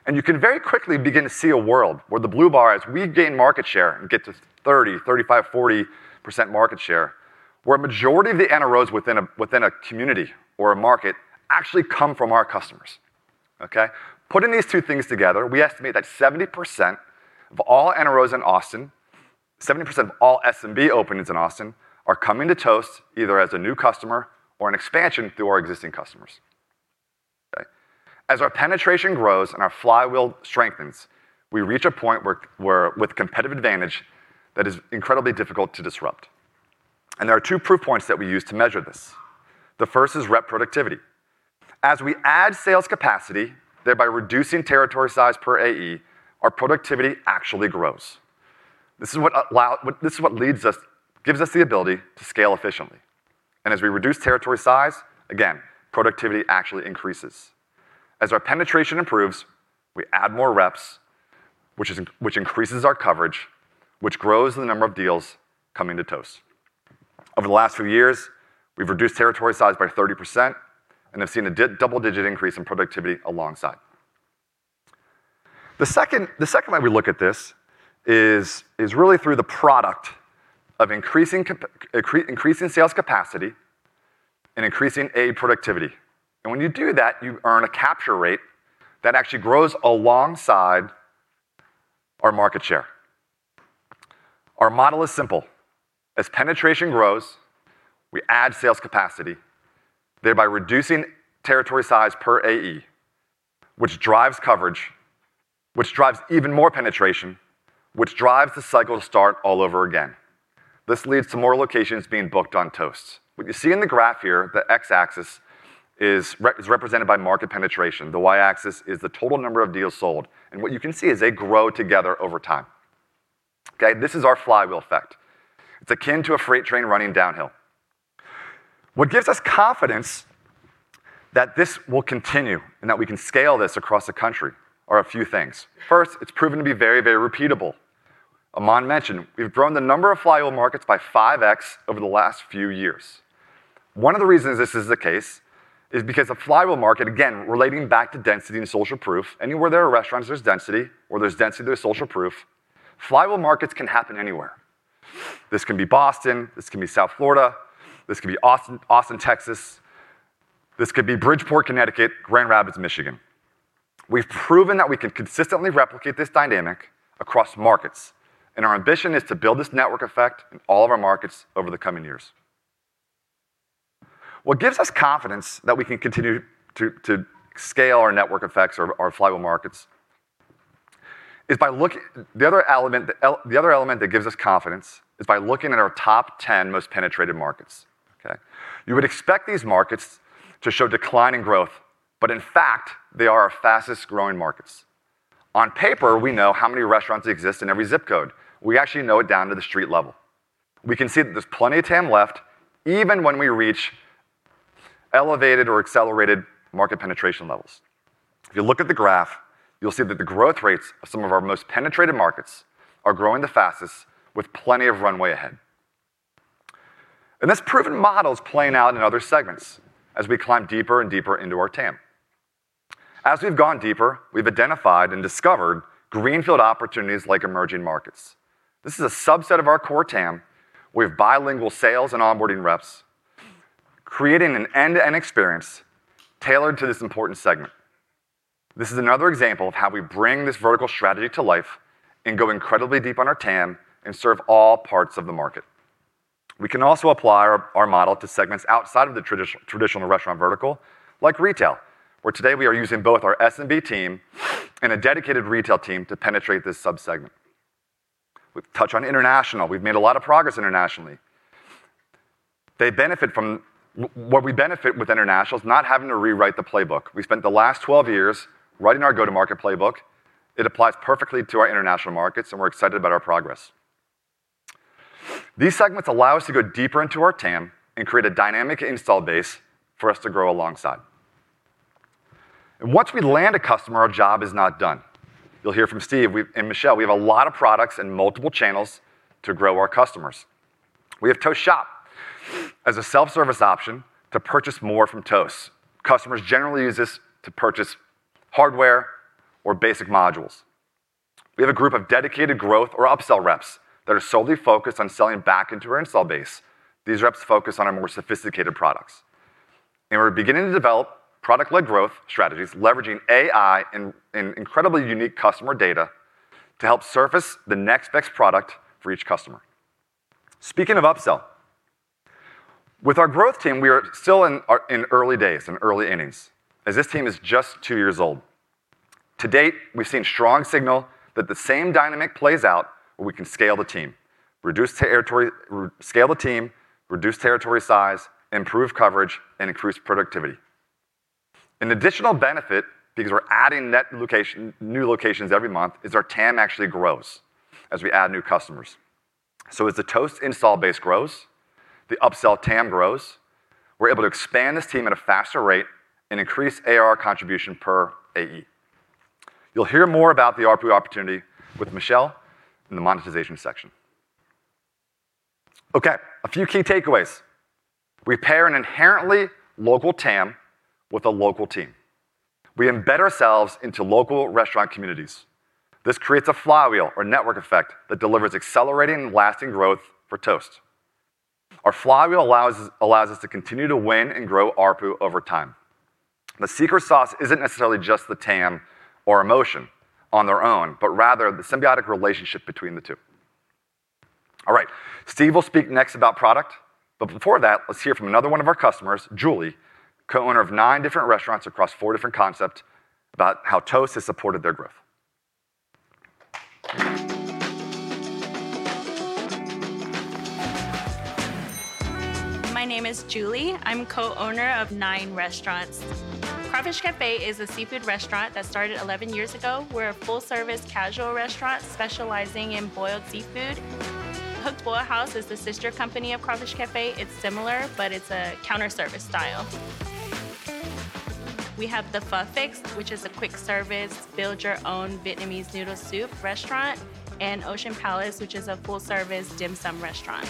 And you can very quickly begin to see a world where the blue bar, as we gain market share and get to 30, 35, 40% market share, where a majority of the NROs within a community or a market actually come from our customers, okay? Putting these two things together, we estimate that 70% of all NROs in Austin, 70% of all SMB openings in Austin are coming to Toast either as a new customer or an expansion through our existing customers. Okay. As our penetration grows and our flywheel strengthens, we reach a point where, with competitive advantage that is incredibly difficult to disrupt. And there are two proof points that we use to measure this. The first is rep productivity. As we add sales capacity, thereby reducing territory size per AE, our productivity actually grows. This is what leads us, gives us the ability to scale efficiently. And as we reduce territory size, again, productivity actually increases. As our penetration improves, we add more reps, which is, which increases our coverage, which grows the number of deals coming to Toast. Over the last few years, we've reduced territory size by 30% and have seen a double-digit increase in productivity alongside. The second way we look at this is really through the product of increasing sales capacity and increasing AE productivity. And when you do that, you earn a capture rate that actually grows alongside our market share. Our model is simple: As penetration grows, we add sales capacity, thereby reducing territory size per AE, which drives coverage, which drives even more penetration, which drives the cycle to start all over again. This leads to more locations being booked on Toast. What you see in the graph here, the x-axis is represented by market penetration. The y-axis is the total number of deals sold, and what you can see is they grow together over time. Okay, this is our flywheel effect. It's akin to a freight train running downhill. What gives us confidence that this will continue and that we can scale this across the country are a few things. First, it's proven to be very, very repeatable. Aman mentioned we've grown the number of flywheel markets by 5x over the last few years. One of the reasons this is the case is because a flywheel market, again, relating back to density and social proof, anywhere there are restaurants, there's density, or there's density, there's social proof. Flywheel markets can happen anywhere. This can be Boston. This can be South Florida. This could be Austin, Austin, Texas. This could be Bridgeport, Connecticut, Grand Rapids, Michigan. We've proven that we can consistently replicate this dynamic across markets, and our ambition is to build this network effect in all of our markets over the coming years. What gives us confidence that we can continue to scale our network effects or flywheel markets. The other element that gives us confidence is by looking at our top 10 most penetrated markets, okay? You would expect these markets to show decline in growth, but in fact, they are our fastest-growing markets. On paper, we know how many restaurants exist in every zip code. We actually know it down to the street level. We can see that there's plenty of TAM left, even when we reach elevated or accelerated market penetration levels. If you look at the graph, you'll see that the growth rates of some of our most penetrated markets are growing the fastest with plenty of runway ahead. And this proven model is playing out in other segments as we climb deeper and deeper into our TAM. As we've gone deeper, we've identified and discovered greenfield opportunities like emerging markets. This is a subset of our core TAM. We have bilingual sales and onboarding reps, creating an end-to-end experience tailored to this important segment. This is another example of how we bring this vertical strategy to life and go incredibly deep on our TAM and serve all parts of the market. We can also apply our model to segments outside of the traditional restaurant vertical, like retail, where today we are using both our SMB team and a dedicated retail team to penetrate this subsegment.... We've touched on international. We've made a lot of progress internationally. They benefit from what we benefit with international is not having to rewrite the playbook. We spent the last 12 years writing our go-to-market playbook. It applies perfectly to our international markets, and we're excited about our progress. These segments allow us to go deeper into our TAM, and create a dynamic install base for us to grow alongside. Once we land a customer, our job is not done. You'll hear from Steve and Michel, we have a lot of products and multiple channels to grow our customers. We have Toast Shop as a self-service option to purchase more from Toast. Customers generally use this to purchase hardware or basic modules. We have a group of dedicated growth or upsell reps that are solely focused on selling back into our install base. These reps focus on our more sophisticated products. We're beginning to develop product-led growth strategies, leveraging AI and incredibly unique customer data, to help surface the next best product for each customer. Speaking of upsell, with our growth team, we are still in our, in early days, in early innings, as this team is just two years old. To date, we've seen strong signal that the same dynamic plays out, where we can scale the team, reduce territory... Scale the team, reduce territory size, improve coverage, and increase productivity. An additional benefit, because we're adding net location, new locations every month, is our TAM actually grows as we add new customers. So as the Toast install base grows, the upsell TAM grows. We're able to expand this team at a faster rate and increase AR contribution per AE. You'll hear more about the ARPU opportunity with Michel in the monetization section. Okay, a few key takeaways. We pair an inherently local TAM with a local team. We embed ourselves into local restaurant communities. This creates a flywheel or network effect that delivers accelerating, lasting growth for Toast. Our flywheel allows us, allows us to continue to win and grow ARPU over time. The secret sauce isn't necessarily just the TAM or emotion on their own, but rather the symbiotic relationship between the two. All right, Steve will speak next about product, but before that, let's hear from another one of our customers, Julie, co-owner of nine different restaurants across four different concepts, about how Toast has supported their growth. My name is Julie. I'm Co-owner of nine restaurants. Crawfish Cafe is a seafood restaurant that started 11 years ago. We're a full-service, casual restaurant, specializing in boiled seafood. Hook Boil House is the sister company of Crawfish Cafe. It's similar, but it's a counter service style. We have The Pho Fix, which is a quick service, build-your-own Vietnamese noodle soup restaurant, and Ocean Palace, which is a full-service dim sum restaurant.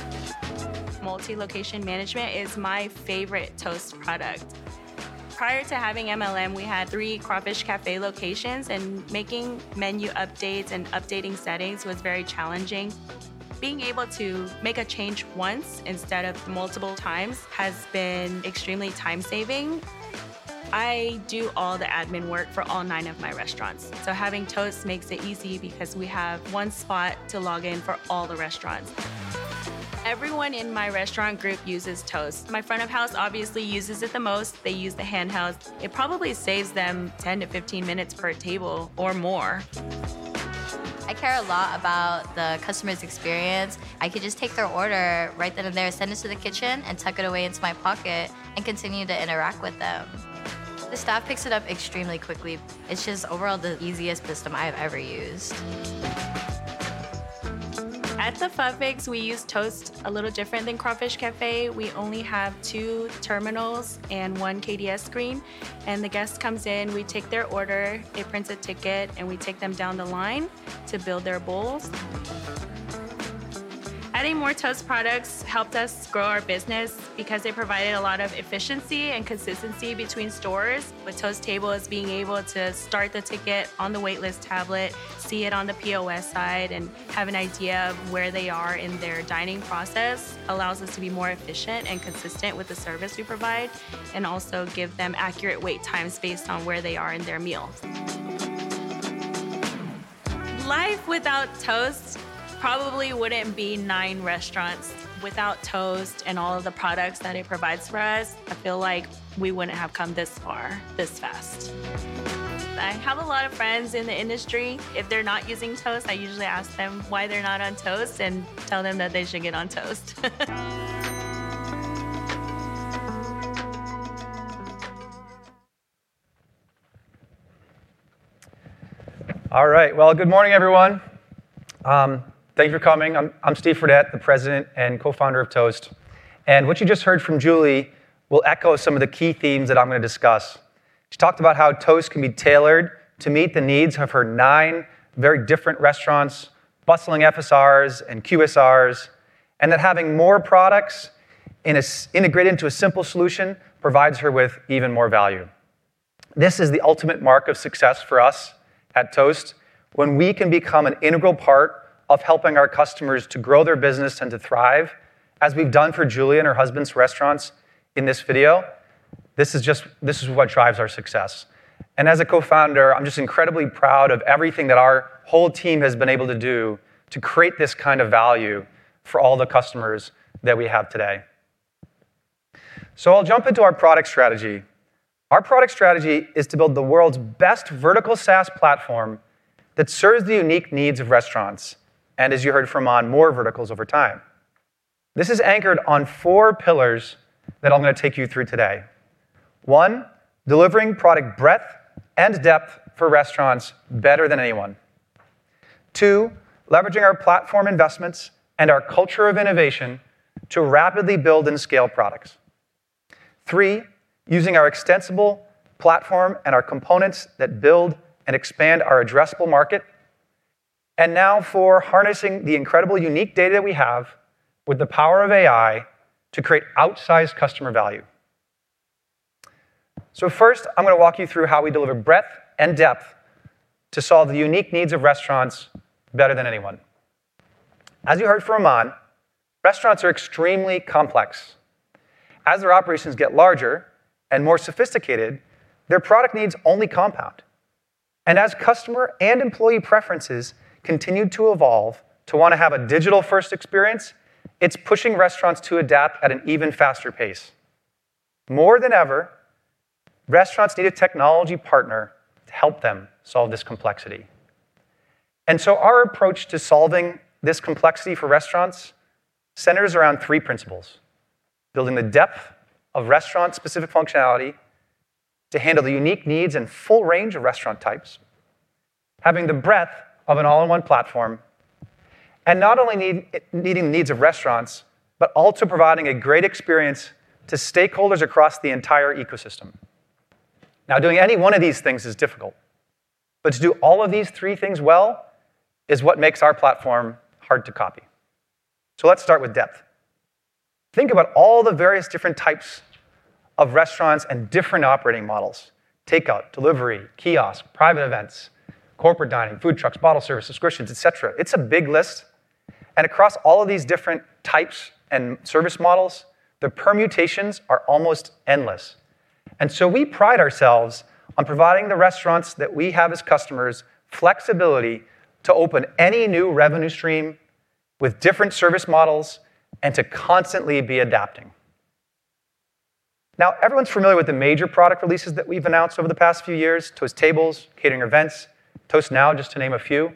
Multi-Location Management is my favorite Toast product. Prior to having MLM, we had three Crawfish Cafe locations, and making menu updates and updating settings was very challenging. Being able to make a change once instead of multiple times has been extremely time-saving. I do all the admin work for all nine of my restaurants, so having Toast makes it easy because we have one spot to log in for all the restaurants. Everyone in my restaurant group uses Toast. My front of house obviously uses it the most. They use the handheld. It probably saves them 10-15 minutes per table or more. I care a lot about the customer's experience. I could just take their order, write that in there, send it to the kitchen, and tuck it away into my pocket and continue to interact with them. The staff picks it up extremely quickly. It's just overall the easiest system I've ever used. At The Pho Fix, we use Toast a little different than Crawfish Cafe. We only have two terminals and one KDS screen, and the guest comes in, we take their order, it prints a ticket, and we take them down the line to build their bowls. Adding more Toast products helped us grow our business because it provided a lot of efficiency and consistency between stores. With Toast Tables is being able to start the ticket on the wait list tablet, see it on the POS side, and have an idea of where they are in their dining process, allows us to be more efficient and consistent with the service we provide, and also give them accurate wait times based on where they are in their meal. Life without Toast probably wouldn't be nine restaurants. Without Toast and all of the products that it provides for us, I feel like we wouldn't have come this far, this fast. I have a lot of friends in the industry. If they're not using Toast, I usually ask them why they're not on Toast, and tell them that they should get on Toast. All right, well, good morning, everyone. Thank you for coming. I'm Steve Fredette, the President and Co-founder of Toast, and what you just heard from Julie will echo some of the key themes that I'm going to discuss. She talked about how Toast can be tailored to meet the needs of her nine very different restaurants, bustling FSRs and QSRs, and that having more products in a single integrated into a simple solution provides her with even more value. This is the ultimate mark of success for us at Toast. When we can become an integral part of helping our customers to grow their business and to thrive, as we've done for Julie and her husband's restaurants in this video, this is what drives our success. As a co-founder, I'm just incredibly proud of everything that our whole team has been able to do to create this kind of value for all the customers that we have today.... So I'll jump into our product strategy. Our product strategy is to build the world's best vertical SaaS platform that serves the unique needs of restaurants, and as you heard from Aman, more verticals over time. This is anchored on four pillars that I'm gonna take you through today. One, delivering product breadth and depth for restaurants better than anyone. Two, leveraging our platform investments and our culture of innovation to rapidly build and scale products. Three, using our extensible platform and our components that build and expand our addressable market. And now, four, harnessing the incredible unique data that we have with the power of AI to create outsized customer value. So first, I'm gonna walk you through how we deliver breadth and depth to solve the unique needs of restaurants better than anyone. As you heard from Aman, restaurants are extremely complex. As their operations get larger and more sophisticated, their product needs only compound. And as customer and employee preferences continue to evolve to want to have a digital-first experience, it's pushing restaurants to adapt at an even faster pace. More than ever, restaurants need a technology partner to help them solve this complexity. And so our approach to solving this complexity for restaurants centers around three principles: building the depth of restaurant-specific functionality to handle the unique needs and full range of restaurant types, having the breadth of an all-in-one platform, and not only need, meeting the needs of restaurants, but also providing a great experience to stakeholders across the entire ecosystem. Now, doing any one of these things is difficult, but to do all of these three things well is what makes our platform hard to copy. So let's start with depth. Think about all the various different types of restaurants and different operating models: takeout, delivery, kiosk, private events, corporate dining, food trucks, bottle service, subscriptions, et cetera. It's a big list, and across all of these different types and service models, the permutations are almost endless. And so we pride ourselves on providing the restaurants that we have as customers, flexibility to open any new revenue stream with different service models and to constantly be adapting. Now, everyone's familiar with the major product releases that we've announced over the past few years, Toast Tables, Toast Catering & Events, Toast Now, just to name a few.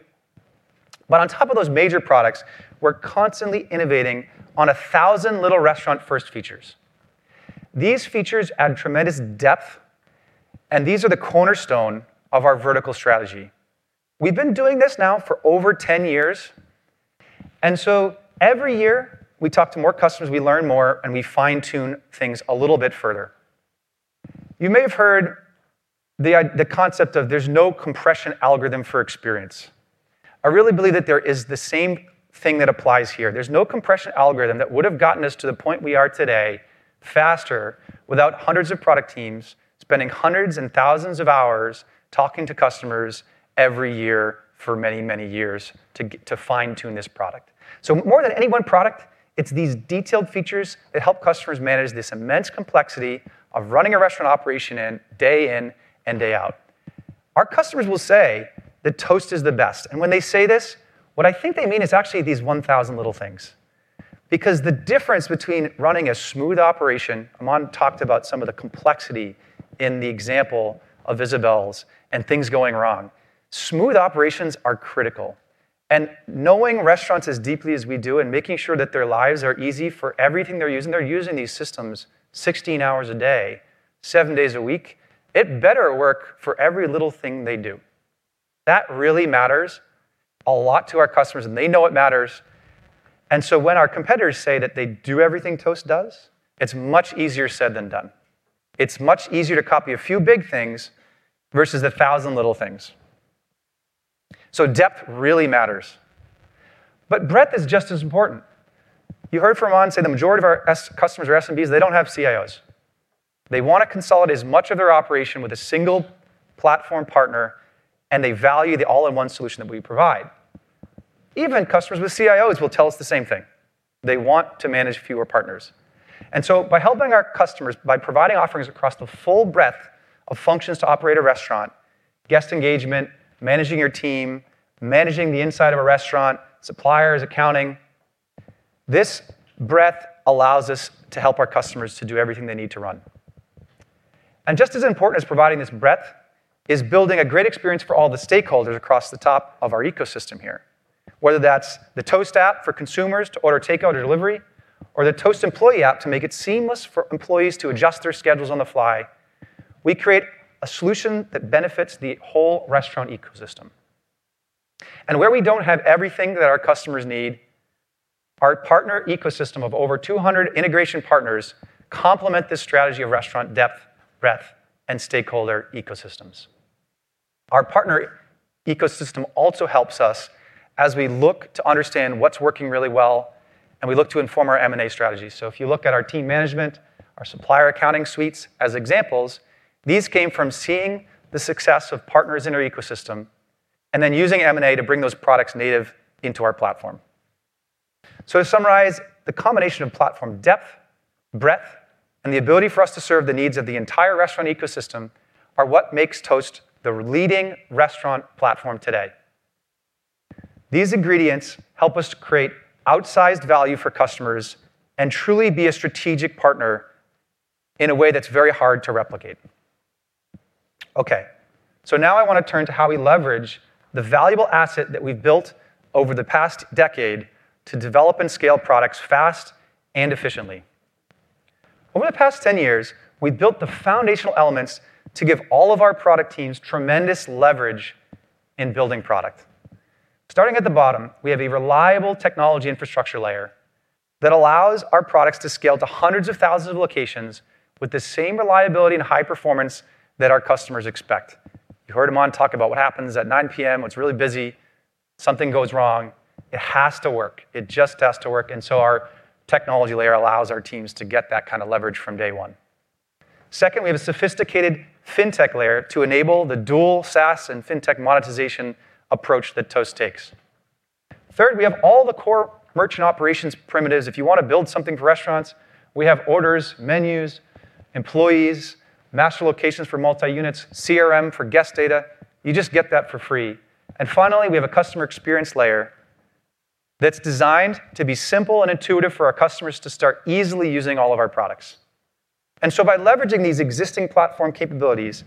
But on top of those major products, we're constantly innovating on 1,000 little restaurant-first features. These features add tremendous depth, and these are the cornerstone of our vertical strategy. We've been doing this now for over 10 years, and so every year, we talk to more customers, we learn more, and we fine-tune things a little bit further. You may have heard the concept of there's no compression algorithm for experience. I really believe that there is the same thing that applies here. There's no compression algorithm that would have gotten us to the point we are today, faster, without 100s of product teams spending 100s and 1000s of hours talking to customers every year for many, many years to fine-tune this product. So more than any one product, it's these detailed features that help customers manage this immense complexity of running a restaurant operation in, day in and day out. Our customers will say that Toast is the best, and when they say this, what I think they mean is actually these 1000 little things. Because the difference between running a smooth operation, Aman talked about some of the complexity in the example of Isabelle's and things going wrong. Smooth operations are critical, and knowing restaurants as deeply as we do, and making sure that their lives are easy for everything they're using, they're using these systems 16 hours a day, seven days a week, it better work for every little thing they do. That really matters a lot to our customers, and they know it matters. And so when our competitors say that they do everything Toast does, it's much easier said than done. It's much easier to copy a few big things vs 1000 little things. So depth really matters. But breadth is just as important. You heard from Aman say the majority of our customers are SMBs, they don't have CIOs. They want to consolidate as much of their operation with a single platform partner, and they value the all-in-one solution that we provide. Even customers with CIOs will tell us the same thing, they want to manage fewer partners. And so by helping our customers, by providing offerings across the full breadth of functions to operate a restaurant, guest engagement, managing your team, managing the inside of a restaurant, suppliers, accounting, this breadth allows us to help our customers to do everything they need to run. And just as important as providing this breadth, is building a great experience for all the stakeholders across the top of our ecosystem here. Whether that's the Toast app for consumers to order takeout or delivery, or the Toast employee app to make it seamless for employees to adjust their schedules on the fly, we create a solution that benefits the whole restaurant ecosystem. Where we don't have everything that our customers need, our partner ecosystem of over 200 integration partners complement this strategy of restaurant depth, breadth, and stakeholder ecosystems. Our partner ecosystem also helps us as we look to understand what's working really well, and we look to inform our M&A strategy. If you look at our team management, our supplier accounting suites as examples, these came from seeing the success of partners in our ecosystem, and then using M&A to bring those products native into our platform. So to summarize, the combination of platform depth, breadth, and the ability for us to serve the needs of the entire restaurant ecosystem, are what makes Toast the leading restaurant platform today. These ingredients help us to create outsized value for customers and truly be a strategic partner in a way that's very hard to replicate. Okay, so now I want to turn to how we leverage the valuable asset that we've built over the past decade to develop and scale products fast and efficiently. Over the past 10 years, we've built the foundational elements to give all of our product teams tremendous leverage in building product. Starting at the bottom, we have a reliable technology infrastructure layer that allows our products to scale to 100s of 1000s of locations with the same reliability and high performance that our customers expect. You heard Aman talk about what happens at 9:00 P.M., when it's really busy, something goes wrong, it has to work. It just has to work, and so our technology layer allows our teams to get that kind of leverage from day one. Second, we have a sophisticated FinTech layer to enable the dual SaaS and FinTech monetization approach that Toast takes. Third, we have all the core merchant operations primitives. If you want to build something for restaurants, we have orders, menus, employees, master locations for multi-units, CRM for guest data. You just get that for free. And finally, we have a customer experience layer that's designed to be simple and intuitive for our customers to start easily using all of our products. And so by leveraging these existing platform capabilities,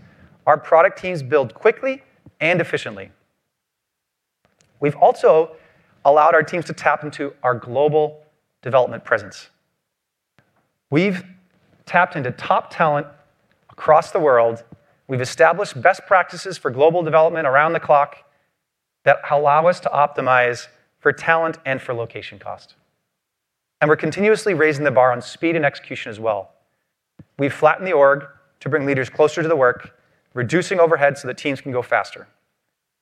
our product teams build quickly and efficiently. We've also allowed our teams to tap into our global development presence. We've tapped into top talent across the world. We've established best practices for global development around the clock that allow us to optimize for talent and for location cost. We're continuously raising the bar on speed and execution as well. We've flattened the org to bring leaders closer to the work, reducing overhead so that teams can go faster.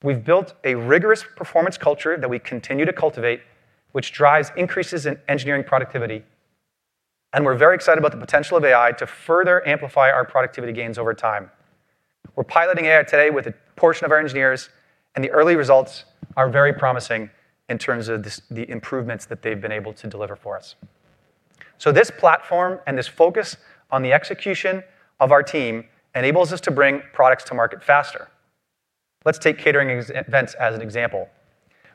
We've built a rigorous performance culture that we continue to cultivate, which drives increases in engineering productivity, and we're very excited about the potential of AI to further amplify our productivity gains over time. We're piloting AI today with a portion of our engineers, and the early results are very promising in terms of the improvements that they've been able to deliver for us. So this platform and this focus on the execution of our team enables us to bring products to market faster. Let's take catering and events as an example.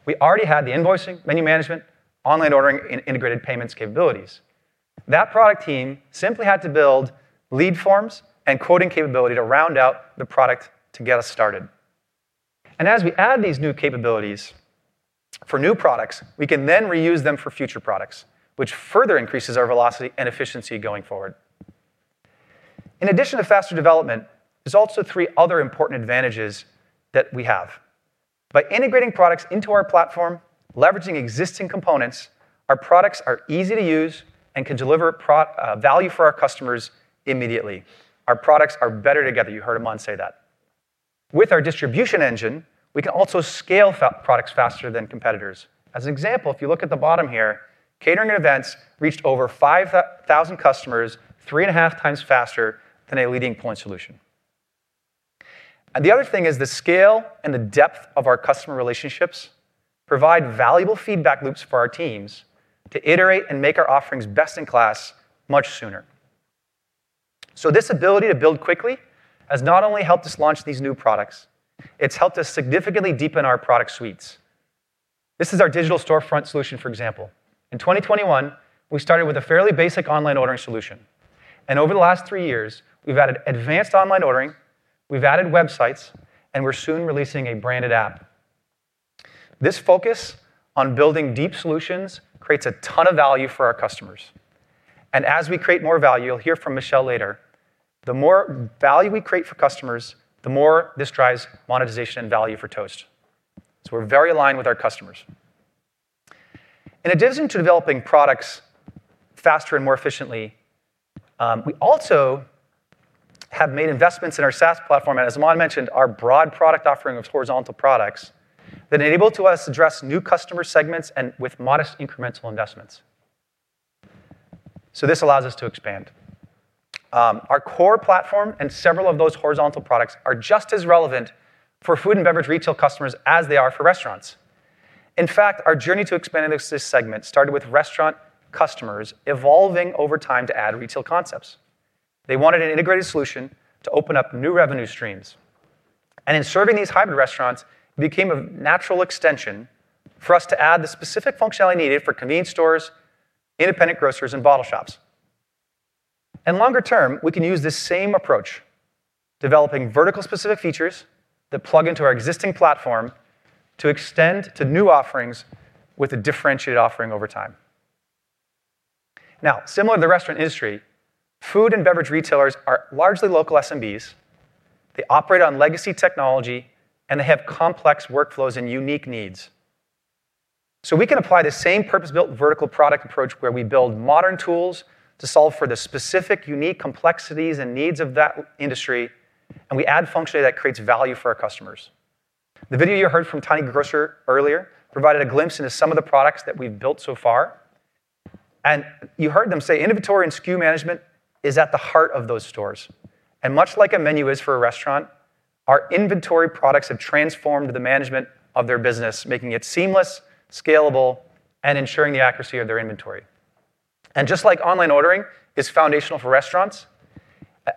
We already had the invoicing, menu management, online ordering, and integrated payments capabilities. That product team simply had to build lead forms and quoting capability to round out the product to get us started. And as we add these new capabilities for new products, we can then reuse them for future products, which further increases our velocity and efficiency going forward. In addition to faster development, there's also three other important advantages that we have. By integrating products into our platform, leveraging existing components, our products are easy to use and can deliver provide value for our customers immediately. Our products are better together. You heard Aman say that. With our distribution engine, we can also scale products faster than competitors. As an example, if you look at the bottom here, catering and events reached over 5,000 customers, 3.5x faster than a leading point solution. The other thing is the scale and the depth of our customer relationships provide valuable feedback loops for our teams to iterate and make our offerings best-in-class much sooner. This ability to build quickly has not only helped us launch these new products, it's helped us significantly deepen our product suites. This is our Digital Storefront solution, for example. In 2021, we started with a fairly basic online ordering solution, and over the last three years, we've added advanced online ordering, we've added websites, and we're soon releasing a branded app. This focus on building deep solutions creates a ton of value for our customers, and as we create more value, you'll hear from Michel later, the more value we create for customers, the more this drives monetization and value for Toast. So we're very aligned with our customers. In addition to developing products faster and more efficiently, we also have made investments in our SaaS platform, and as Aman mentioned, our broad product offering of horizontal products that enable to us address new customer segments and with modest incremental investments. So this allows us to expand. Our core platform and several of those horizontal products are just as relevant for food and beverage retail customers as they are for restaurants. In fact, our journey to expanding this segment started with restaurant customers evolving over time to add retail concepts. They wanted an integrated solution to open up new revenue streams, and in serving these hybrid restaurants, it became a natural extension for us to add the specific functionality needed for convenience stores, independent grocers, and bottle shops. Longer term, we can use this same approach, developing vertical-specific features that plug into our existing platform to extend to new offerings with a differentiated offering over time. Now, similar to the restaurant industry, food and beverage retailers are largely local SMBs. They operate on legacy technology, and they have complex workflows and unique needs. We can apply the same purpose-built vertical product approach, where we build modern tools to solve for the specific, unique complexities and needs of that industry, and we add functionality that creates value for our customers. The video you heard from Tiny Grocer earlier provided a glimpse into some of the products that we've built so far, and you heard them say, inventory and SKU management is at the heart of those stores. Much like a menu is for a restaurant, our inventory products have transformed the management of their business, making it seamless, scalable, and ensuring the accuracy of their inventory. Just like online ordering is foundational for restaurants,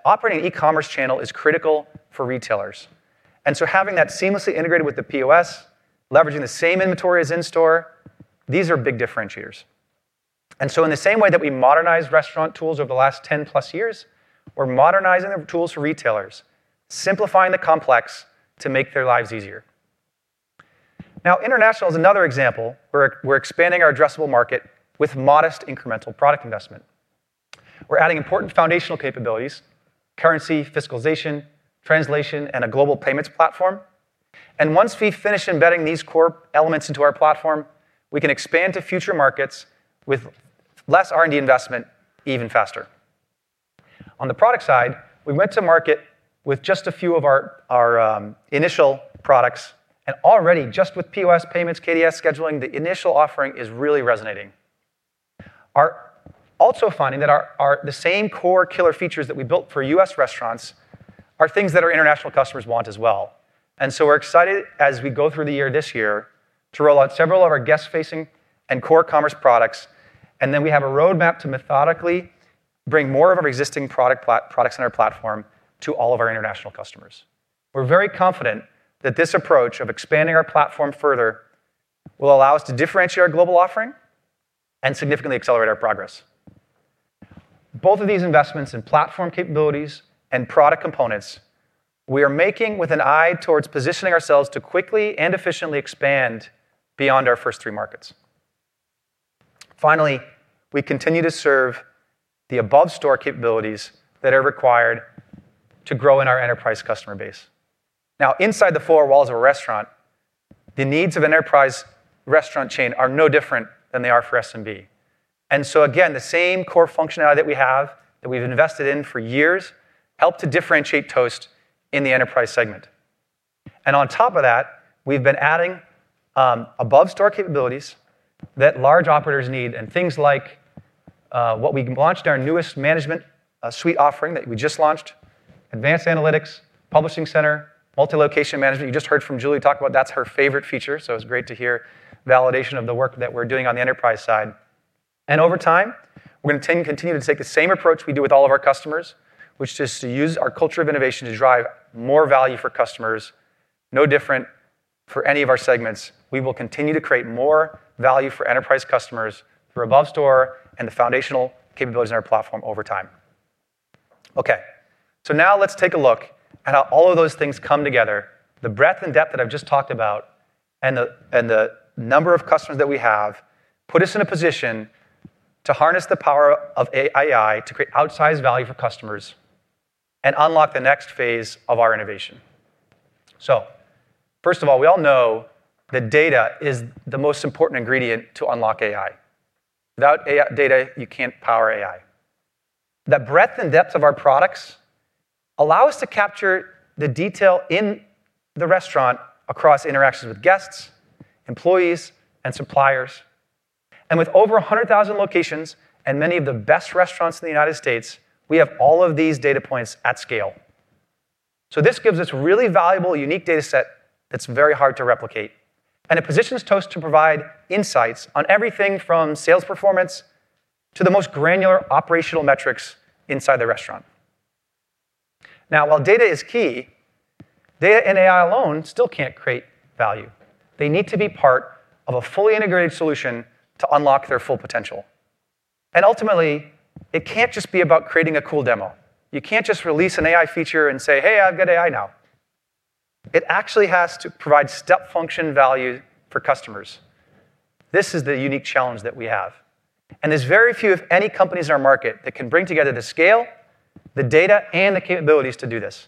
operating an e-commerce channel is critical for retailers. Having that seamlessly integrated with the POS, leveraging the same inventory as in-store, these are big differentiators. In the same way that we modernized restaurant tools over the last 10+ years, we're modernizing the tools for retailers, simplifying the complex to make their lives easier. Now, international is another example, where we're expanding our addressable market with modest incremental product investment. We're adding important foundational capabilities, currency, fiscalization, translation, and a global payments platform. Once we finish embedding these core elements into our platform, we can expand to future markets with less R&D investment even faster. On the product side, we went to market with just a few of our initial products, and already just with POS payments, KDS scheduling, the initial offering is really resonating. We're also finding that the same core killer features that we built for U.S. restaurants are things that our international customers want as well. So we're excited as we go through the year this year to roll out several of our guest-facing and core commerce products, and then we have a roadmap to methodically bring more of our existing products in our platform to all of our international customers. We're very confident that this approach of expanding our platform further will allow us to differentiate our global offering and significantly accelerate our progress. Both of these investments in platform capabilities and product components, we are making with an eye towards positioning ourselves to quickly and efficiently expand beyond our first three markets. Finally, we continue to serve the above store capabilities that are required to grow in our enterprise customer base. Now, inside the four walls of a restaurant, the needs of an enterprise restaurant chain are no different than they are for SMB. So again, the same core functionality that we have, that we've invested in for years, help to differentiate Toast in the Enterprise segment. On top of that, we've been adding above store capabilities that large operators need, and things like what we launched, our newest management suite offering that we just launched, Advanced Analytics, Publishing Center, Multi-Location Management. You just heard from Julie talk about that's her favorite feature, so it's great to hear validation of the work that we're doing on the enterprise side. Over time, we're gonna continue to take the same approach we do with all of our customers, which is to use our culture of innovation to drive more value for customers. No different for any of our segments. We will continue to create more value for enterprise customers through above store and the foundational capabilities in our platform over time. Okay, so now let's take a look at how all of those things come together. The breadth and depth that I've just talked about, and the number of customers that we have, put us in a position to harness the power of AI to create outsized value for customers and unlock the next phase of our innovation. So first of all, we all know that data is the most important ingredient to unlock AI. Without AI, data, you can't power AI. The breadth and depth of our products allow us to capture the detail in the restaurant across interactions with guests, employees, and suppliers. And with over 100,000 locations and many of the best restaurants in the United States, we have all of these data points at scale. So this gives us really valuable, unique data set that's very hard to replicate, and it positions Toast to provide insights on everything from sales performance to the most granular operational metrics inside the restaurant. Now, while data is key, data and AI alone still can't create value. They need to be part of a fully integrated solution to unlock their full potential. And ultimately, it can't just be about creating a cool demo. You can't just release an AI feature and say, "Hey, I've got AI now." It actually has to provide step function value for customers. This is the unique challenge that we have, and there's very few, if any, companies in our market that can bring together the scale, the data, and the capabilities to do this.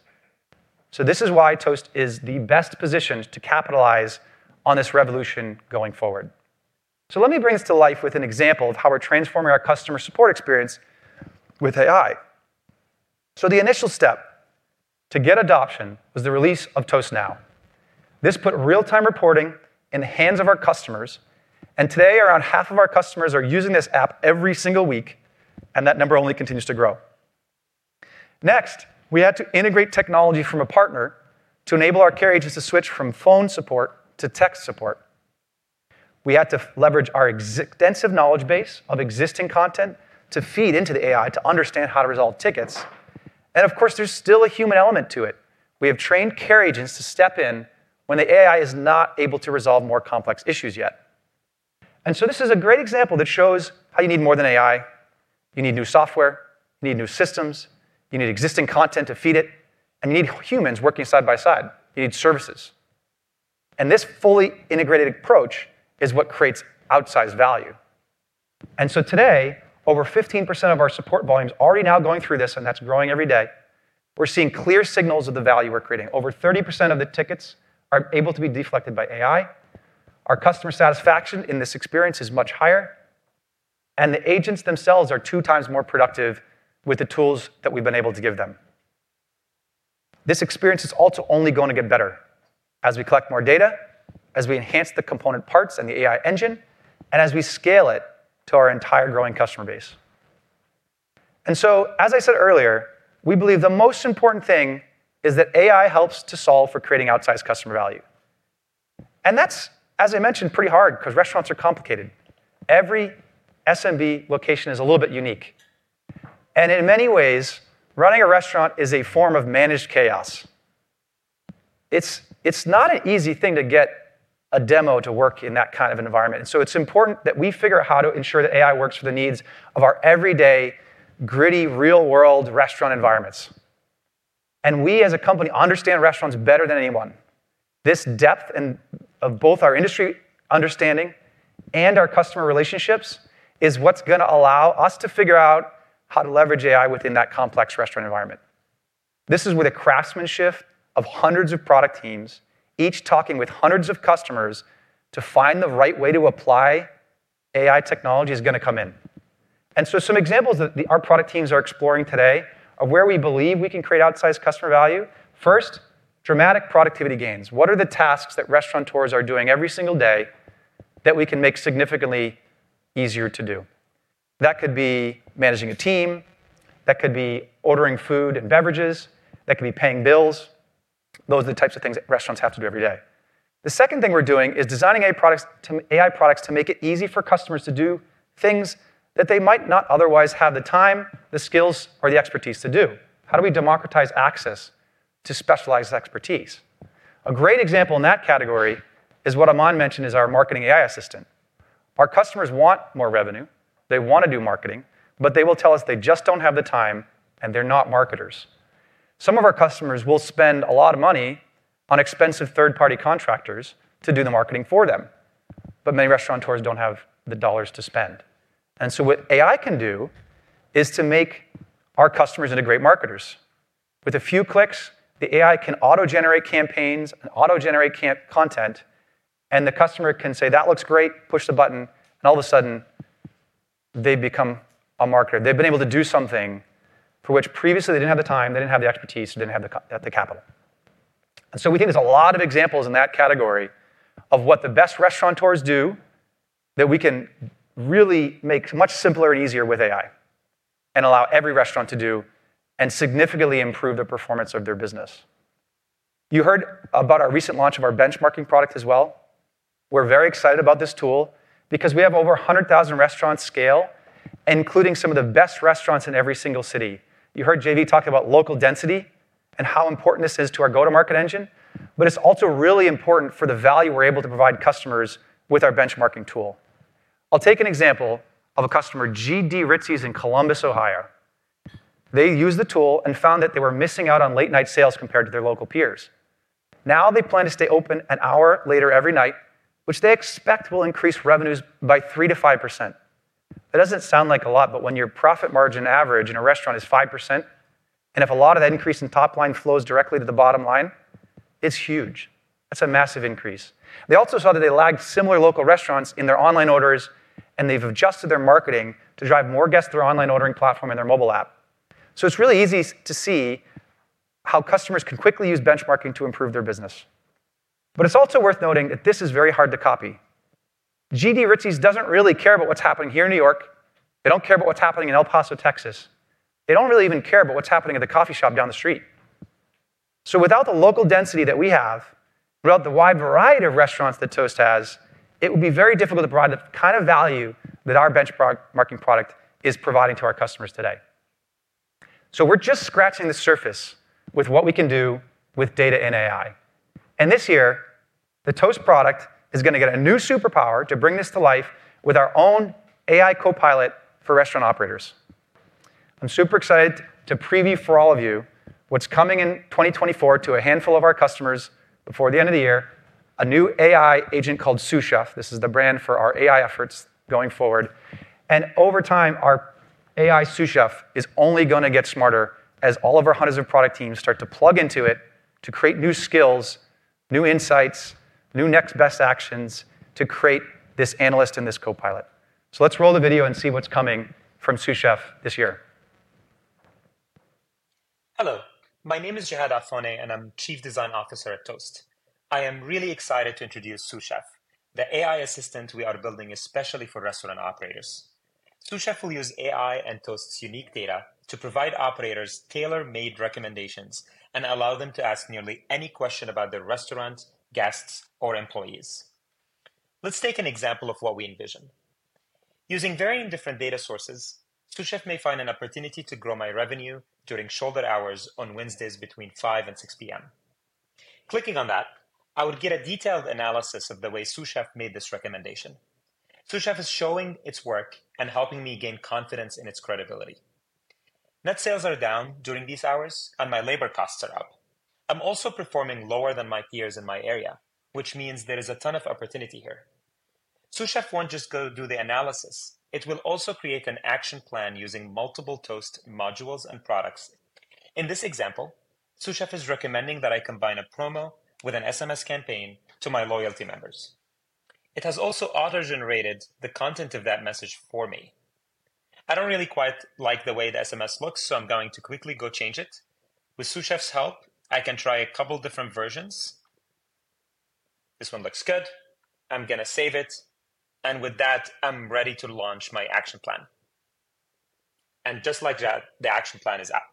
So this is why Toast is the best positioned to capitalize on this revolution going forward. So let me bring this to life with an example of how we're transforming our customer support experience with AI. So the initial step to get adoption was the release of Toast Now. This put real-time reporting in the hands of our customers, and today, around half of our customers are using this app every single week, and that number only continues to grow. Next, we had to integrate technology from a partner to enable our care agents to switch from phone support to text support. We had to leverage our extensive knowledge base of existing content to feed into the AI to understand how to resolve tickets. And of course, there's still a human element to it. We have trained care agents to step in when the AI is not able to resolve more complex issues yet. This is a great example that shows how you need more than AI. You need new software, you need new systems, you need existing content to feed it, and you need humans working side by side. You need services. This fully integrated approach is what creates outsized value. Today, over 15% of our support volume is already now going through this, and that's growing every day. We're seeing clear signals of the value we're creating. Over 30% of the tickets are able to be deflected by AI. Our customer satisfaction in this experience is much higher, and the agents themselves are 2x more productive with the tools that we've been able to give them. This experience is also only going to get better as we collect more data, as we enhance the component parts and the AI engine, and as we scale it to our entire growing customer base. And so, as I said earlier, we believe the most important thing is that AI helps to solve for creating outsized customer value... And that's, as I mentioned, pretty hard, 'cause restaurants are complicated. Every SMB location is a little bit unique, and in many ways, running a restaurant is a form of managed chaos. It's not an easy thing to get a demo to work in that kind of environment. So it's important that we figure out how to ensure that AI works for the needs of our everyday, gritty, real-world restaurant environments. And we, as a company, understand restaurants better than anyone. This depth and, of both our industry understanding and our customer relationships is what's gonna allow us to figure out how to leverage AI within that complex restaurant environment. This is where the craftsmanship of 100s of product teams, each talking with 100s of customers to find the right way to apply AI technology, is gonna come in. And so some examples that the, our product teams are exploring today of where we believe we can create outsized customer value. First, dramatic productivity gains. What are the tasks that restaurateurs are doing every single day that we can make significantly easier to do? That could be managing a team, that could be ordering food and beverages, that could be paying bills. Those are the types of things that restaurants have to do every day. The second thing we're doing is designing AI products to make it easy for customers to do things that they might not otherwise have the time, the skills, or the expertise to do. How do we democratize access to specialized expertise? A great example in that category is what Aman mentioned: our marketing AI assistant. Our customers want more revenue; they want to do marketing, but they will tell us they just don't have the time, and they're not marketers. Some of our customers will spend a lot of money on expensive third-party contractors to do the marketing for them, but many restaurateurs don't have the dollars to spend. And so what AI can do is to make our customers into great marketers. With a few clicks, the AI can auto-generate campaigns and auto-generate campaign content, and the customer can say, "That looks great," push the button, and all of a sudden, they've become a marketer. They've been able to do something for which previously they didn't have the time, they didn't have the expertise, they didn't have the capital. So we think there's a lot of examples in that category of what the best restaurateurs do that we can really make much simpler and easier with AI, and allow every restaurant to do, and significantly improve the performance of their business. You heard about our recent launch of our Benchmarking product as well. We're very excited about this tool because we have over 100,000 restaurants at scale, including some of the best restaurants in every single city. You heard JV talk about local density and how important this is to our go-to-market engine, but it's also really important for the value we're able to provide customers with our benchmarking tool. I'll take an example of a customer, GD Ritzy's in Columbus, Ohio. They used the tool and found that they were missing out on late-night sales compared to their local peers. Now, they plan to stay open an hour later every night, which they expect will increase revenues by 3%-5%. That doesn't sound like a lot, but when your profit margin average in a restaurant is 5%, and if a lot of that increase in top line flows directly to the bottom line, it's huge. That's a massive increase. They also saw that they lagged similar local restaurants in their online orders, and they've adjusted their marketing to drive more guests through their online ordering platform and their mobile app. So it's really easy to see how customers can quickly use benchmarking to improve their business. But it's also worth noting that this is very hard to copy. GD Ritzy's doesn't really care about what's happening here in New York. They don't care about what's happening in El Paso, Texas. They don't really even care about what's happening at the coffee shop down the street. So without the local density that we have, without the wide variety of restaurants that Toast has, it would be very difficult to provide the kind of value that our benchmarking marketing product is providing to our customers today. So we're just scratching the surface with what we can do with data and AI. And this year, the Toast product is gonna get a new superpower to bring this to life with our own AI Copilot for restaurant operators. I'm super excited to preview for all of you what's coming in 2024 to a handful of our customers before the end of the year, a new AI agent called Sous Chef. This is the brand for our AI efforts going forward. And over time, our AI Sous Chef is only gonna get smarter as all of our 100s of product teams start to plug into it, to create new skills, new insights, new next best actions, to create this analyst and this copilot. So let's roll the video and see what's coming from Sous Chef this year. Hello, my name is Jehad Affoneh, and I'm Chief Design Officer at Toast. I am really excited to introduce Sous Chef, the AI assistant we are building especially for restaurant operators. Sous Chef will use AI and Toast's unique data to provide operators tailor-made recommendations and allow them to ask nearly any question about their restaurant, guests, or employees. Let's take an example of what we envision. Using varying different data sources, Sous Chef may find an opportunity to grow my revenue during shoulder hours on Wednesdays between 5 and 6 P.M. Clicking on that, I would get a detailed analysis of the way Sous Chef made this recommendation. Sous Chef is showing its work and helping me gain confidence in its credibility. Net sales are down during these hours, and my labor costs are up. I'm also performing lower than my peers in my area, which means there is a ton of opportunity here. Sous Chef won't just go do the analysis, it will also create an action plan using multiple Toast modules and products. In this example, Sous Chef is recommending that I combine a promo with an SMS campaign to my loyalty members. It has also auto-generated the content of that message for me. I don't really quite like the way the SMS looks, so I'm going to quickly go change it. With Sous Chef's help, I can try a couple different versions. This one looks good. I'm gonna save it, and with that, I'm ready to launch my action plan. And just like that, the action plan is out....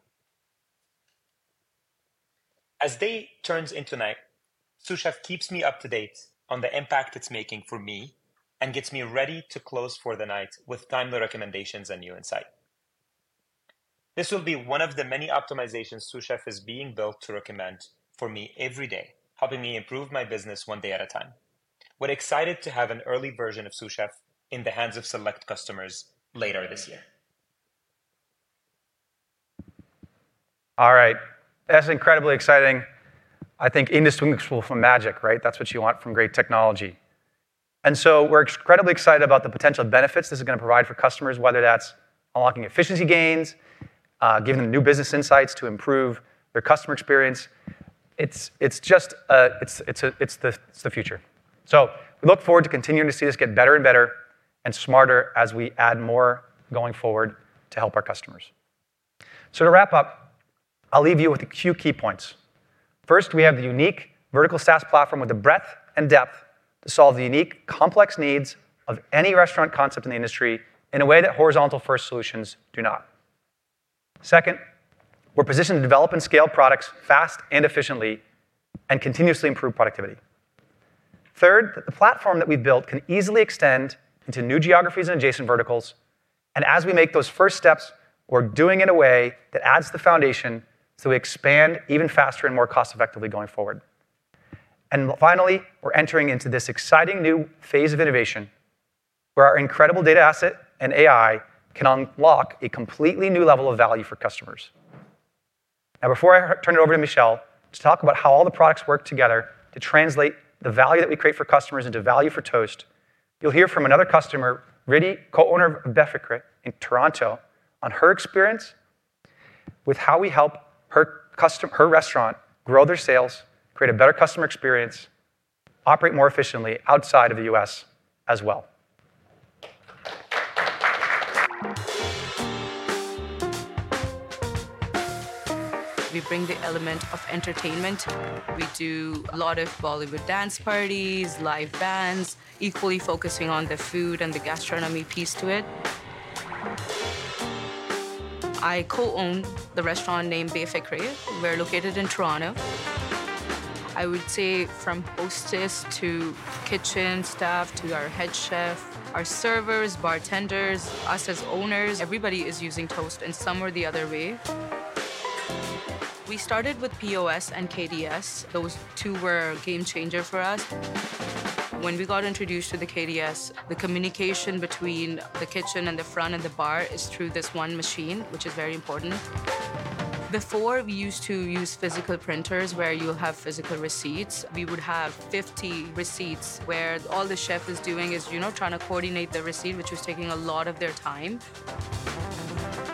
As day turns into night, Sous Chef keeps me up to date on the impact it's making for me, and gets me ready to close for the night with timely recommendations and new insight. This will be one of the many optimizations Sous Chef is being built to recommend for me every day, helping me improve my business one day at a time. We're excited to have an early version of Sous Chef in the hands of select customers later this year. All right. That's incredibly exciting. I think in the swimming pool for magic, right? That's what you want from great technology. And so we're incredibly excited about the potential benefits this is gonna provide for customers, whether that's unlocking efficiency gains, giving them new business insights to improve their customer experience. It's just the future. So we look forward to continuing to see this get better and better, and smarter as we add more going forward to help our customers. So to wrap up, I'll leave you with a few key points. First, we have the unique vertical SaaS platform with the breadth and depth to solve the unique, complex needs of any restaurant concept in the industry in a way that horizontal-first solutions do not. Second, we're positioned to develop and scale products fast and efficiently, and continuously improve productivity. Third, the platform that we've built can easily extend into new geographies and adjacent verticals, and as we make those first steps, we're doing it in a way that adds the foundation, so we expand even faster and more cost-effectively going forward. And finally, we're entering into this exciting new phase of innovation, where our incredible data asset and AI can unlock a completely new level of value for customers. Now, before I turn it over to Michel to talk about how all the products work together to translate the value that we create for customers into value for Toast, you'll hear from another customer, Riddhi, co-owner of Befikre in Toronto, on her experience with how we help her restaurant grow their sales, create a better customer experience, operate more efficiently outside of the US as well. We bring the element of entertainment. We do a lot of Bollywood dance parties, live bands, equally focusing on the food and the gastronomy piece to it. I co-own the restaurant named Befikre. We're located in Toronto. I would say from hostess to kitchen staff, to our head chef, our servers, bartenders, us as owners, everybody is using Toast in some or the other way. We started with POS and KDS. Those two were a game changer for us. When we got introduced to the KDS, the communication between the kitchen and the front and the bar is through this one machine, which is very important. Before, we used to use physical printers, where you'll have physical receipts. We would have 50 receipts, where all the chef is doing is, you know, trying to coordinate the receipt, which was taking a lot of their time.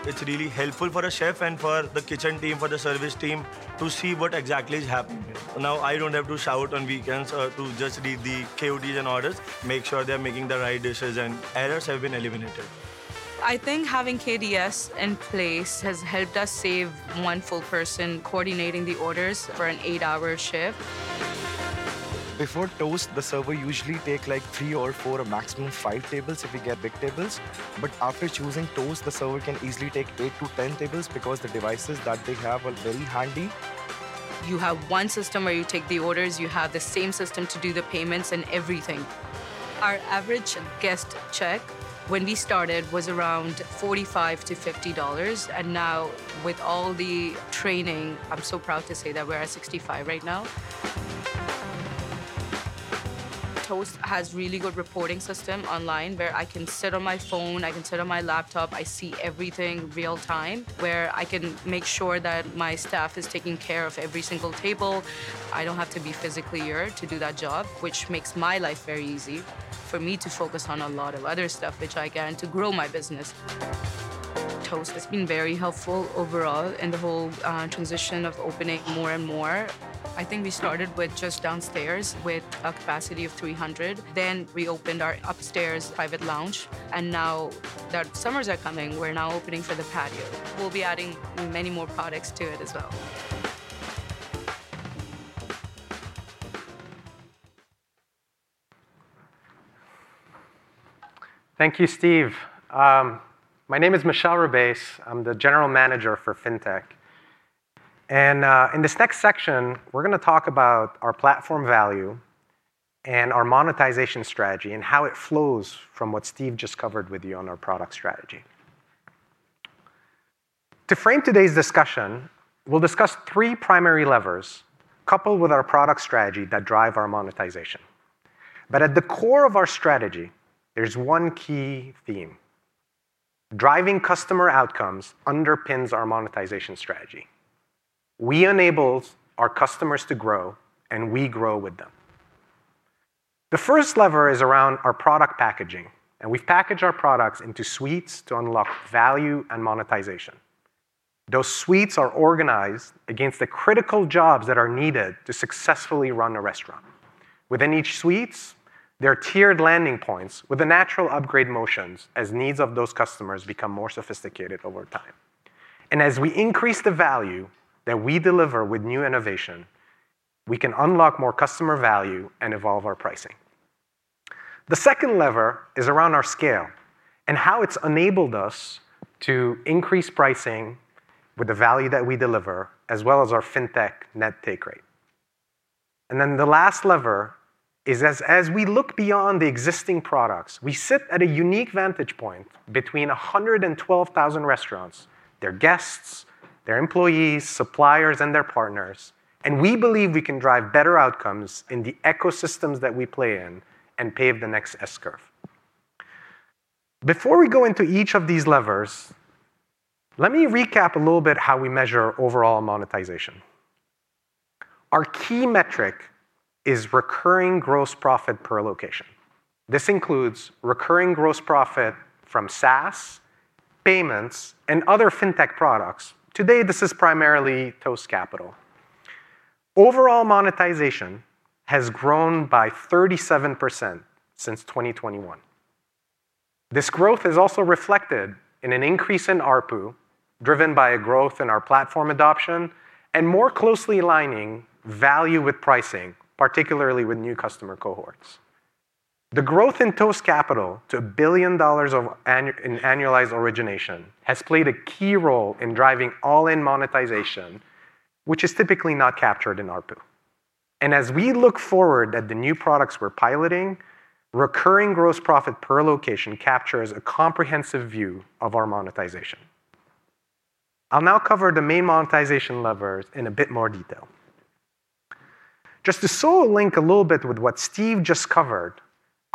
It's really helpful for a chef and for the kitchen team, for the service team, to see what exactly is happening here. Now, I don't have to shout on weekends, to just read the KDS and orders, make sure they're making the right dishes, and errors have been eliminated. I think having KDS in place has helped us save one full person coordinating the orders for an eight-hour shift. Before Toast, the server usually take, like, three or four, or maximum five tables if we get big tables. But after choosing Toast, the server can easily take eight to ten tables because the devices that they have are very handy. You have one system where you take the orders, you have the same system to do the payments and everything. Our average guest check, when we started, was around $45-$50, and now with all the training, I'm so proud to say that we're at $65 right now. Toast has really good reporting system online, where I can sit on my phone, I can sit on my laptop, I see everything real time, where I can make sure that my staff is taking care of every single table. I don't have to be physically here to do that job, which makes my life very easy for me to focus on a lot of other stuff, which I can, to grow my business. Toast has been very helpful overall in the whole transition of opening more and more. I think we started with just downstairs with a capacity of 300, then we opened our upstairs private lounge, and now that summers are coming, we're now opening for the patio. We'll be adding many more products to it as well. Thank you, Steve. My name is Michel Rbeiz. I'm the General Manager of FinTech. In this next section, we're gonna talk about our platform value and our monetization strategy, and how it flows from what Steve just covered with you on our product strategy. To frame today's discussion, we'll discuss three primary levers, coupled with our product strategy, that drive our monetization. But at the core of our strategy, there's one key theme: driving customer outcomes underpins our monetization strategy. We enable our customers to grow, and we grow with them. The first lever is around our product packaging, and we package our products into suites to unlock value and monetization. Those suites are organized against the critical jobs that are needed to successfully run a restaurant. Within each suite, there are tiered landing points with the natural upgrade motions as needs of those customers become more sophisticated over time. And as we increase the value that we deliver with new innovation, we can unlock more customer value and evolve our pricing. The second lever is around our scale, and how it's enabled us to increase pricing with the value that we deliver, as well as our FinTech net take rate. And then the last lever is as we look beyond the existing products, we sit at a unique vantage point between 112,000 restaurants, their guests, their employees, suppliers, and their partners, and we believe we can drive better outcomes in the ecosystems that we play in and pave the next S-curve. Before we go into each of these levers, let me recap a little bit how we measure overall monetization. Our key metric is recurring gross profit per location. This includes recurring gross profit from SaaS, payments, and other FinTech products. Today, this is primarily Toast Capital. Overall monetization has grown by 37% since 2021. This growth is also reflected in an increase in ARPU, driven by a growth in our platform adoption and more closely aligning value with pricing, particularly with new customer cohorts. The growth in Toast Capital to $1 billion in annualized origination has played a key role in driving all-in monetization, which is typically not captured in ARPU. As we look forward at the new products we're piloting, recurring gross profit per location captures a comprehensive view of our monetization. I'll now cover the main monetization levers in a bit more detail. Just to show a link a little bit with what Steve just covered,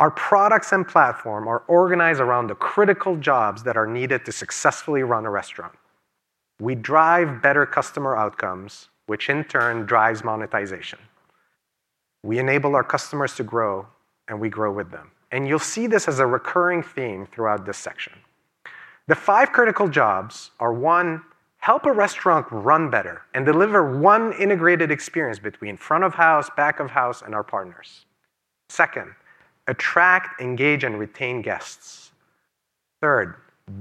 our products and platform are organized around the critical jobs that are needed to successfully run a restaurant. We drive better customer outcomes, which in turn drives monetization. We enable our customers to grow, and we grow with them, and you'll see this as a recurring theme throughout this section. The five critical jobs are, one: help a restaurant run better and deliver one integrated experience between front of house, back of house, and our partners. Second: attract, engage, and retain guests. Third: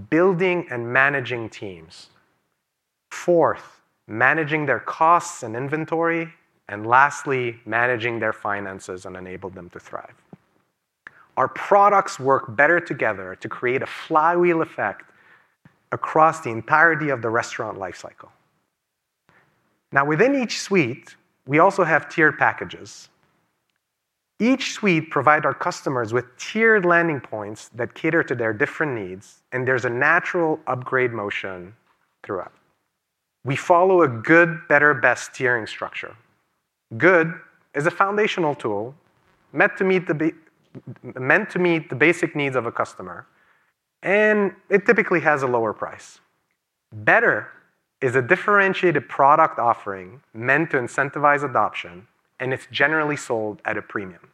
building and managing teams. Fourth: managing their costs and inventory, and lastly, managing their finances and enable them to thrive. Our products work better together to create a flywheel effect across the entirety of the restaurant life cycle. Now, within each suite, we also have tiered packages. Each suite provide our customers with tiered landing points that cater to their different needs, and there's a natural upgrade motion throughout. We follow a good, better, best tiering structure. Good is a foundational tool, meant to meet the basic needs of a customer, and it typically has a lower price. Better is a differentiated product offering meant to incentivize adoption, and it's generally sold at a premium.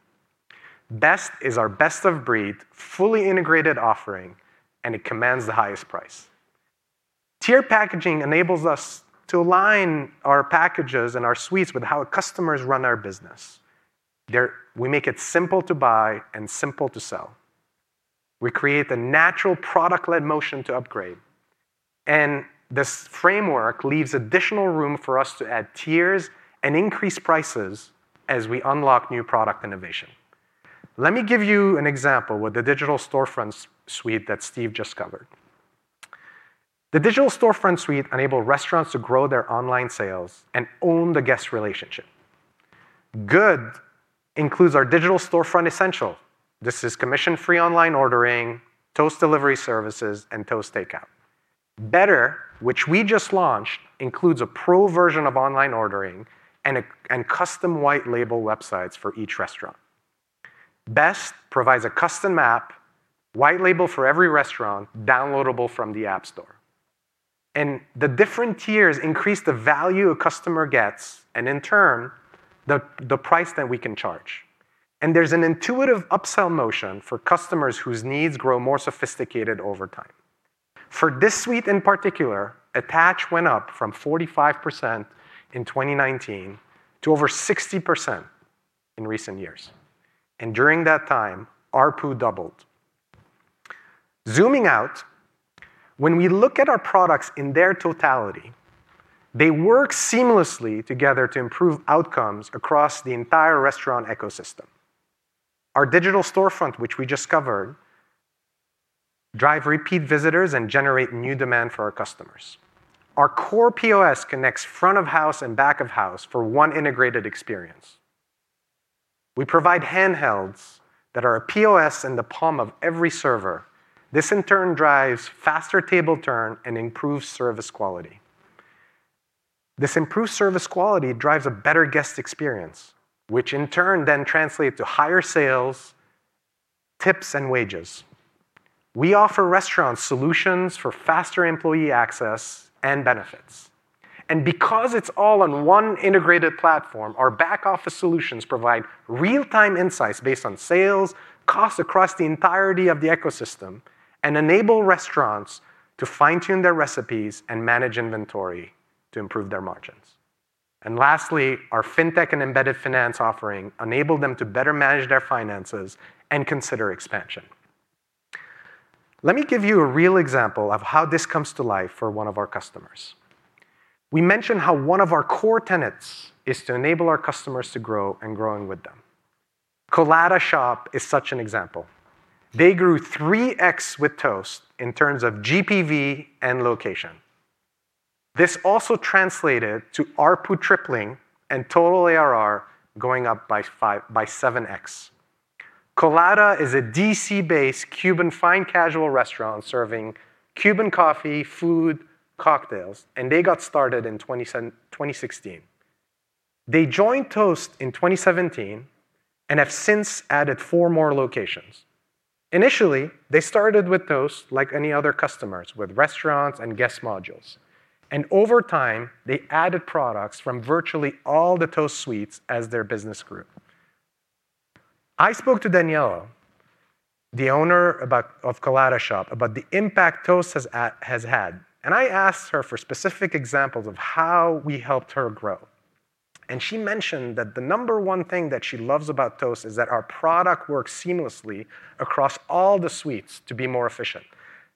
Best is our best-of-breed, fully integrated offering, and it commands the highest price. Tiered packaging enables us to align our packages and our suites with how customers run our business. We make it simple to buy and simple to sell. We create the natural product-led motion to upgrade, and this framework leaves additional room for us to add tiers and increase prices as we unlock new product innovation. Let me give you an example with the Digital Storefront Suite that Steve just covered. The Digital Storefront Suite enable restaurants to grow their online sales and own the guest relationship. Good includes our Digital Storefront Essentials. This is commission-free online ordering, Toast Delivery Services, and Toast Takeout. Better, which we just launched, includes a pro version of online ordering and custom white label websites for each restaurant. Best provides a custom mobile app white label for every restaurant, downloadable from the App Store. And the different tiers increase the value a customer gets, and in turn, the price that we can charge. And there's an intuitive upsell motion for customers whose needs grow more sophisticated over time. For this suite, in particular, attach went up from 45% in 2019 to over 60% in recent years, and during that time, ARPU doubled. Zooming out, when we look at our products in their totality, they work seamlessly together to improve outcomes across the entire restaurant ecosystem. Our digital storefront, which we just covered, drive repeat visitors and generate new demand for our customers. Our core POS connects front of house and back of house for one integrated experience. We provide handhelds that are a POS in the palm of every server. This, in turn, drives faster table turn and improves service quality. This improved service quality drives a better guest experience, which in turn then translate to higher sales, tips, and wages. We offer restaurants solutions for faster employee access and benefits, and because it's all on one integrated platform, our back-office solutions provide real-time insights based on sales, costs across the entirety of the ecosystem, and enable restaurants to fine-tune their recipes and manage inventory to improve their margins. And lastly, our FinTech and embedded finance offering enable them to better manage their finances and consider expansion. Let me give you a real example of how this comes to life for one of our customers. We mentioned how one of our core tenets is to enable our customers to grow and growing with them. Colada Shop is such an example. They grew 3x with Toast in terms of GPV and location. This also translated to ARPU tripling and total ARR going up by 5x-7x. Colada is a D.C.-based Cuban fine casual restaurant serving Cuban coffee, food, cocktails, and they got started in 2016. They joined Toast in 2017, and have since added four more locations. Initially, they started with Toast like any other customers, with restaurants and guest modules, and over time, they added products from virtually all the Toast suites as their business grew. I spoke to Daniella, the owner of Colada Shop, about the impact Toast has had, and I asked her for specific examples of how we helped her grow. She mentioned that the number one thing that she loves about Toast is that our product works seamlessly across all the suites to be more efficient.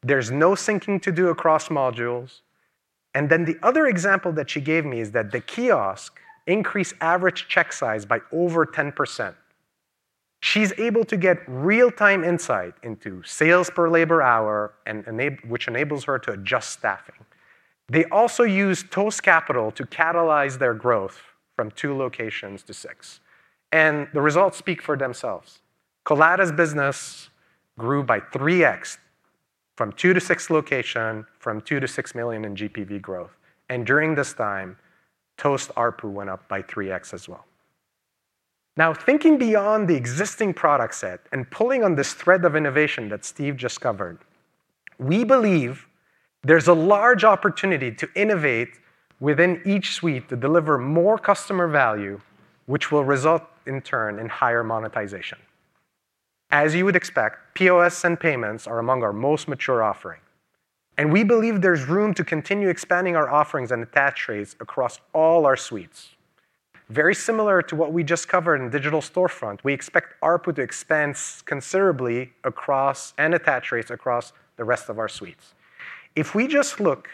There's no syncing to do across modules. The other example that she gave me is that the kiosk increased average check size by over 10%. She's able to get real-time insight into sales per labor hour, and which enables her to adjust staffing. They also use Toast Capital to catalyze their growth from two locations to six, and the results speak for themselves. Colada's business grew by 3x, from two to six locations, from $2 million-$6 million in GPV growth, and during this time, Toast ARPU went up by 3x as well. Now, thinking beyond the existing product set and pulling on this thread of innovation that Steve just covered, we believe there's a large opportunity to innovate within each suite to deliver more customer value, which will result, in turn, in higher monetization. As you would expect, POS and payments are among our most mature offerings, and we believe there's room to continue expanding our offerings and attach rates across all our suites. Very similar to what we just covered in digital storefront, we expect ARPU to expand considerably across and attach rates across the rest of our suites. If we just look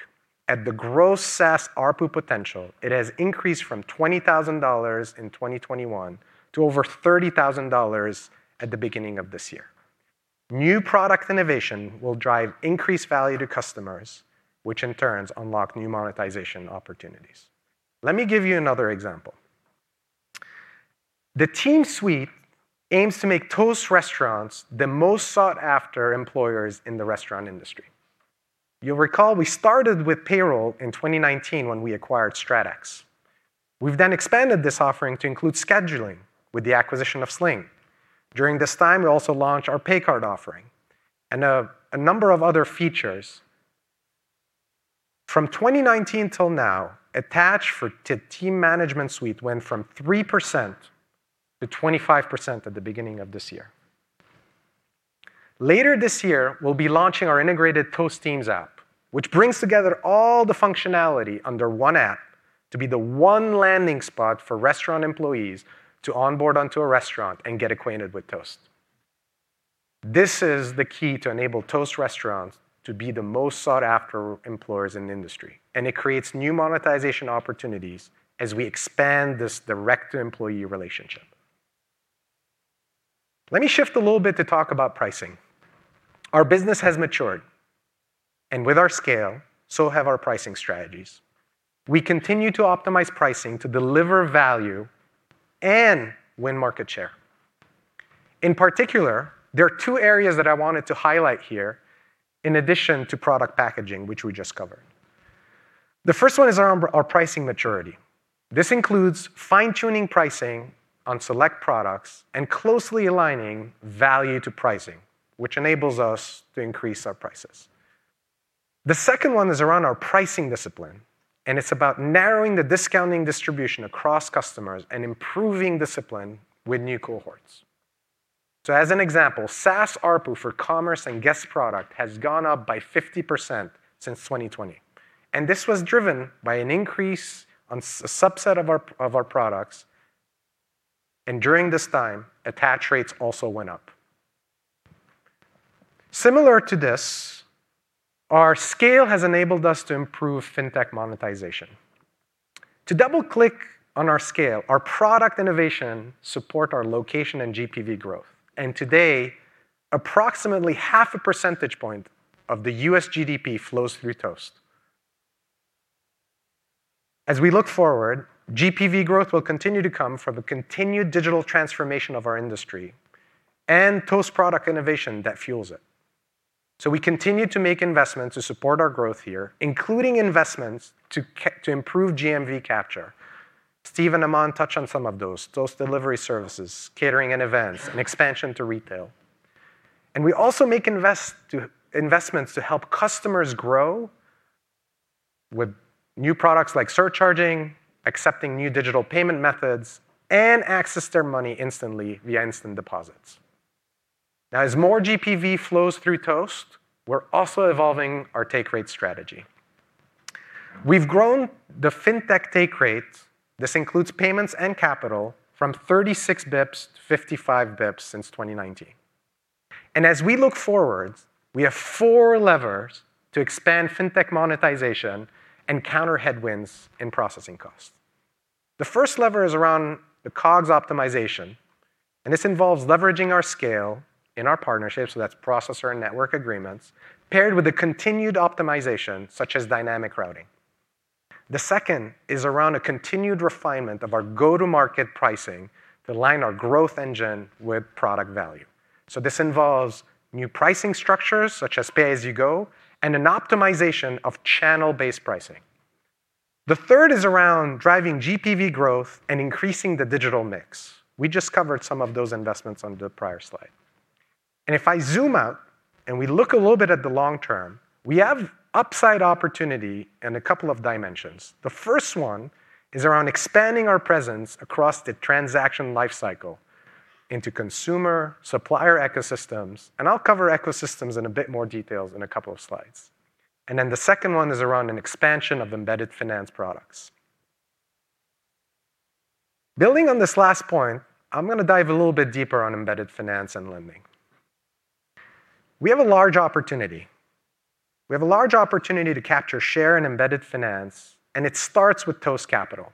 at the gross SaaS ARPU potential, it has increased from $20,000 in 2021 to over $30,000 at the beginning of this year. New product innovation will drive increased value to customers, which, in turn, unlock new monetization opportunities. Let me give you another example. The Team Suite aims to make Toast restaurants the most sought-after employers in the restaurant industry. You'll recall we started with payroll in 2019 when we acquired StratEx. We've then expanded this offering to include scheduling with the acquisition of Sling. During this time, we also launched our pay card offering and a number of other features. From 2019 till now, attach rate for the Team Management Suite went from 3%-25% at the beginning of this year. Later this year, we'll be launching our integrated Toast Teams app, which brings together all the functionality under one app to be the one landing spot for restaurant employees to onboard onto a restaurant and get acquainted with Toast. This is the key to enable Toast restaurants to be the most sought-after employers in the industry, and it creates new monetization opportunities as we expand this direct employee relationship. Let me shift a little bit to talk about pricing. Our business has matured, and with our scale, so have our pricing strategies. We continue to optimize pricing to deliver value and win market share. In particular, there are two areas that I wanted to highlight here in addition to product packaging, which we just covered. The first one is our pricing maturity. This includes fine-tuning pricing on select products and closely aligning value to pricing, which enables us to increase our prices. The second one is around our pricing discipline, and it's about narrowing the discounting distribution across customers and improving discipline with new cohorts. So as an example, SaaS ARPU for Commerce and Guest product has gone up by 50% since 2020, and this was driven by an increase on a subset of our products, and during this time, attach rates also went up. Similar to this, our scale has enabled us to improve FinTech monetization. To double-click on our scale, our product innovation support our location and GPV growth, and today, approximately 0.5 % point of the U.S. GDP flows through Toast. As we look forward, GPV growth will continue to come from the continued digital transformation of our industry and Toast product innovation that fuels it. So we continue to make investments to support our growth here, including investments to improve GMV capture. Steve and Aman touched on some of those, delivery services, catering and events, and expansion to retail. And we also make investments to help customers grow with new products like surcharging, accepting new digital payment methods, and access their money instantly via instant deposits. Now, as more GPV flows through Toast, we're also evolving our take rate strategy. We've grown the FinTech take rate, this includes payments and capital, from 36 basis points to 55 basis points since 2019. And as we look forward, we have four levers to expand FinTech monetization and counter headwinds in processing costs. The first lever is around the COGS optimization, and this involves leveraging our scale in our partnerships, so that's processor and network agreements, paired with a continued optimization, such as dynamic routing. The second is around a continued refinement of our go-to-market pricing to align our growth engine with product value. So this involves new pricing structures, such as pay-as-you-go, and an optimization of channel-based pricing. The third is around driving GPV growth and increasing the digital mix. We just covered some of those investments on the prior slide. If I zoom out, and we look a little bit at the long term, we have upside opportunity in a couple of dimensions. The first one is around expanding our presence across the transaction life cycle into consumer, supplier ecosystems, and I'll cover ecosystems in a bit more details in a couple of slides. Then the second one is around an expansion of embedded finance products. Building on this last point, I'm gonna dive a little bit deeper on embedded finance and lending. We have a large opportunity. We have a large opportunity to capture, share, and embed finance, and it starts with Toast Capital.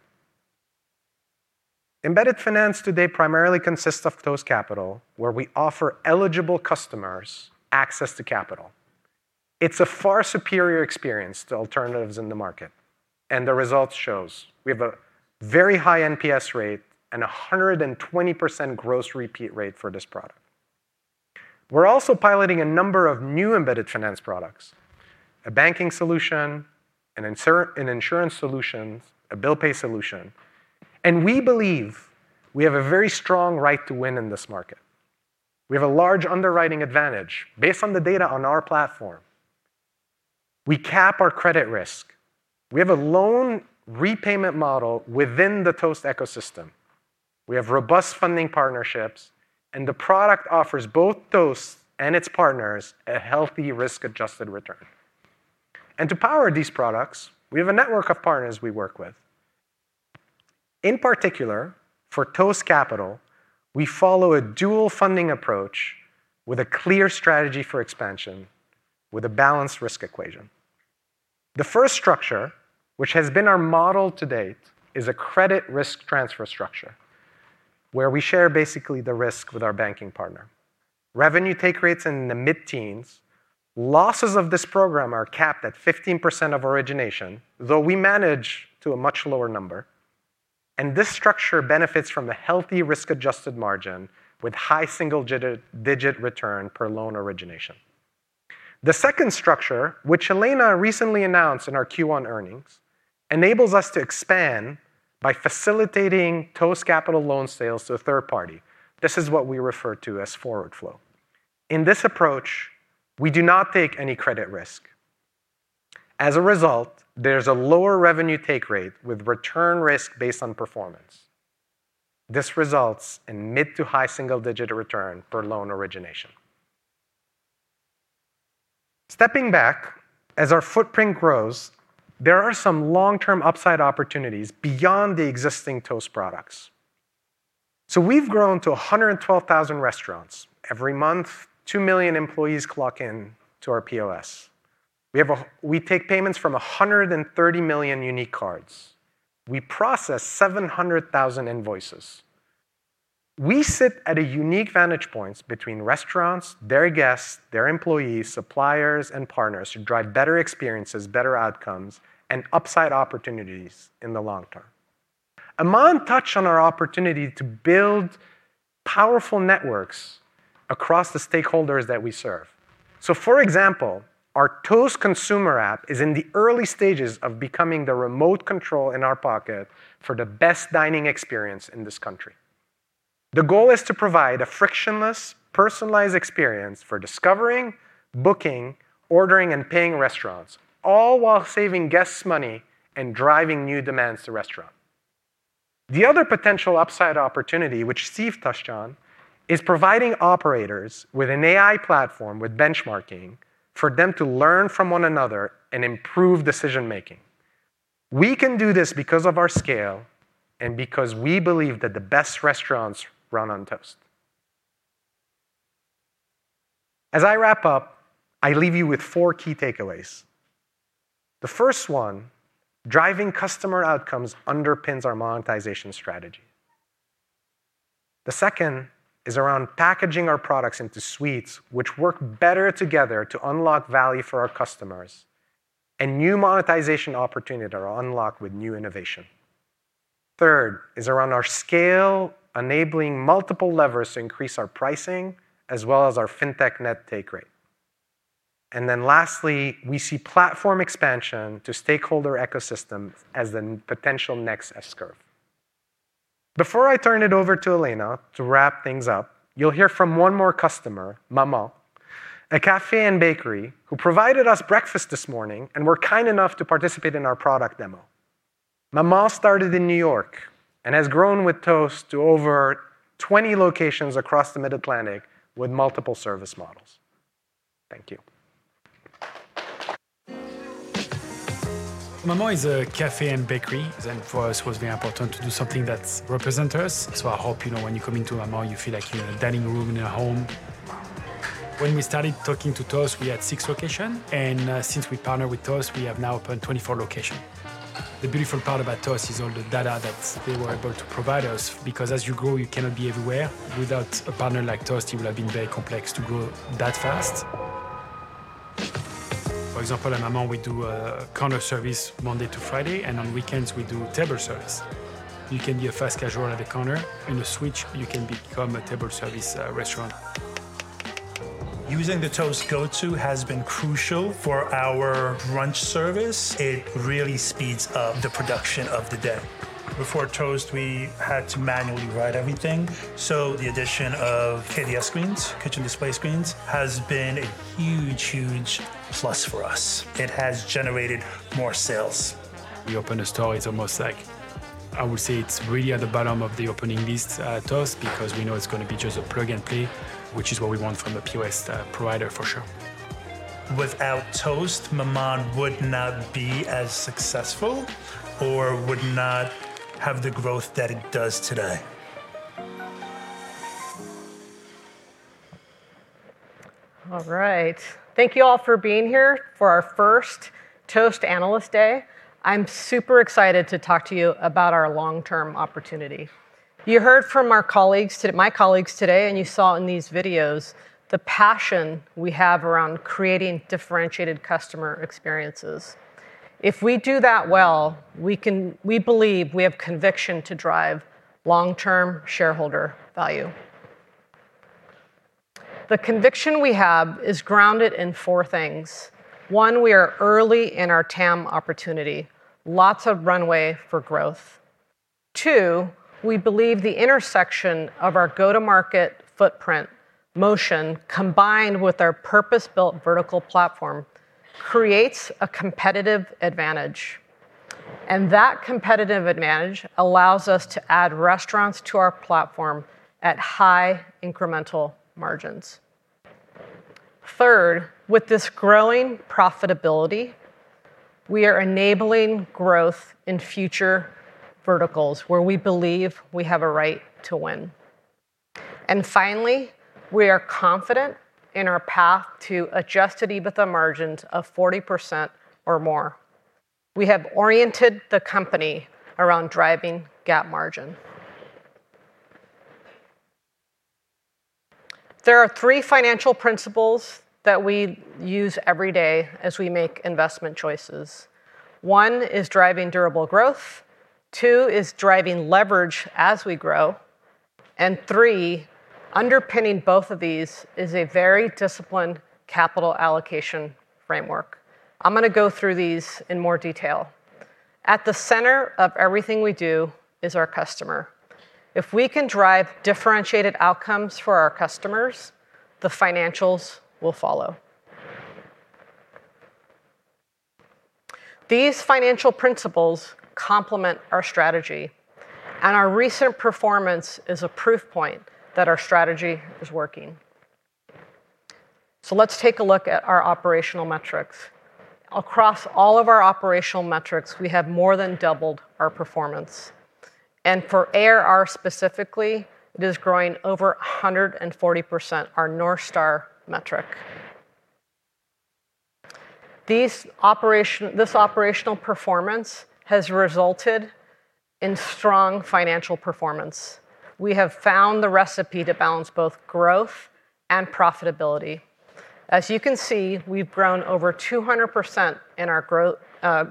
Embedded finance today primarily consists of Toast Capital, where we offer eligible customers access to capital. It's a far superior experience to alternatives in the market, and the results shows. We have a very high NPS rate and a 120% gross repeat rate for this product. We're also piloting a number of new embedded finance products: a banking solution, an insurance solutions, a bill pay solution. And we believe we have a very strong right to win in this market. We have a large underwriting advantage based on the data on our platform. We cap our credit risk. We have a loan repayment model within the Toast ecosystem. We have robust funding partnerships, and the product offers both Toast and its partners a healthy risk-adjusted return. And to power these products, we have a network of partners we work with. In particular, for Toast Capital, we follow a dual funding approach with a clear strategy for expansion, with a balanced risk equation. The first structure, which has been our model to date, is a credit risk transfer structure, where we share basically the risk with our banking partner. Revenue take rates in the mid-teens. Losses of this program are capped at 15% of origination, though we manage to a much lower number, and this structure benefits from a healthy risk-adjusted margin with high single-digit return per loan origination. The second structure, which Elena recently announced in our Q1 earnings, enables us to expand by facilitating Toast Capital loan sales to a third party. This is what we refer to as forward flow. In this approach, we do not take any credit risk. As a result, there's a lower revenue take rate with return risk based on performance. This results in mid- to high single-digit return per loan origination. Stepping back, as our footprint grows, there are some long-term upside opportunities beyond the existing Toast products. So we've grown to 112,000 restaurants. Every month, 2 million employees clock in to our POS. We take payments from 130 million unique cards. We process 700,000 invoices. We sit at a unique vantage point between restaurants, their guests, their employees, suppliers, and partners to drive better experiences, better outcomes, and upside opportunities in the long term. Aman touched on our opportunity to build powerful networks across the stakeholders that we serve. So for example, our Toast consumer app is in the early stages of becoming the remote control in our pocket for the best dining experience in this country. The goal is to provide a frictionless, personalized experience for discovering, booking, ordering, and paying restaurants, all while saving guests money and driving new demands to restaurants. The other potential upside opportunity, which Steve touched on, is providing operators with an AI platform with benchmarking for them to learn from one another and improve decision-making. We can do this because of our scale and because we believe that the best restaurants run on Toast. As I wrap up, I leave you with four key takeaways. The first one, driving customer outcomes underpins our monetization strategy. The second is around packaging our products into suites which work better together to unlock value for our customers, and new monetization opportunities are unlocked with new innovation. Third is around our scale, enabling multiple levers to increase our pricing, as well as our FinTech net take rate. And then lastly, we see platform expansion to stakeholder ecosystems as the potential next S-curve. Before I turn it over to Elena to wrap things up, you'll hear from one more customer, Maman, a cafe and bakery, who provided us breakfast this morning and were kind enough to participate in our product demo. Maman started in New York, and has grown with Toast to over 20 locations across the Mid-Atlantic, with multiple service models. Thank you. Maman is a cafe and bakery, and for us, it was very important to do something that represents us. So I hope, you know, when you come into Maman, you feel like you're in a dining room in a home. When we started talking to Toast, we had six locations, and since we partnered with Toast, we have now opened 24 locations. The beautiful part about Toast is all the data that they were able to provide us, because as you grow, you cannot be everywhere. Without a partner like Toast, it would have been very complex to grow that fast. For example, at Maman, we do a counter service Monday to Friday, and on weekends we do table service. You can be a fast casual at the counter, in a switch, you can become a table service restaurant. Using the Toast Go 2 has been crucial for our brunch service. It really speeds up the production of the day. Before Toast, we had to manually write everything, so the addition of KDS screens, kitchen display screens, has been a huge, huge plus for us. It has generated more sales. We open a store, it's almost like... I would say it's really at the bottom of the opening list at Toast, because we know it's gonna be just a plug and play, which is what we want from a POS provider, for sure. Without Toast, Maman would not be as successful or would not have the growth that it does today. All right. Thank you all for being here for our first Toast Analyst Day. I'm super excited to talk to you about our long-term opportunity. You heard from my colleagues today, and you saw in these videos, the passion we have around creating differentiated customer experiences. If we do that well, we believe we have conviction to drive long-term shareholder value. The conviction we have is grounded in four things. One, we are early in our TAM opportunity, lots of runway for growth. Two, we believe the intersection of our go-to-market footprint motion, combined with our purpose-built vertical platform, creates a competitive advantage, and that competitive advantage allows us to add restaurants to our platform at high incremental margins. Third, with this growing profitability, we are enabling growth in future verticals where we believe we have a right to win. Finally, we are confident in our path to adjusted EBITDA margins of 40% or more. We have oriented the company around driving GAAP margin. There are three financial principles that we use every day as we make investment choices. One is driving durable growth, two is driving leverage as we grow, and three, underpinning both of these, is a very disciplined capital allocation framework. I'm gonna go through these in more detail. At the center of everything we do is our customer. If we can drive differentiated outcomes for our customers, the financials will follow. These financial principles complement our strategy, and our recent performance is a proof point that our strategy is working. Let's take a look at our operational metrics. Across all of our operational metrics, we have more than doubled our performance, and for ARR specifically, it is growing over 140%, our North Star metric. This operational performance has resulted in strong financial performance. We have found the recipe to balance both growth and profitability. As you can see, we've grown over 200% in our gross,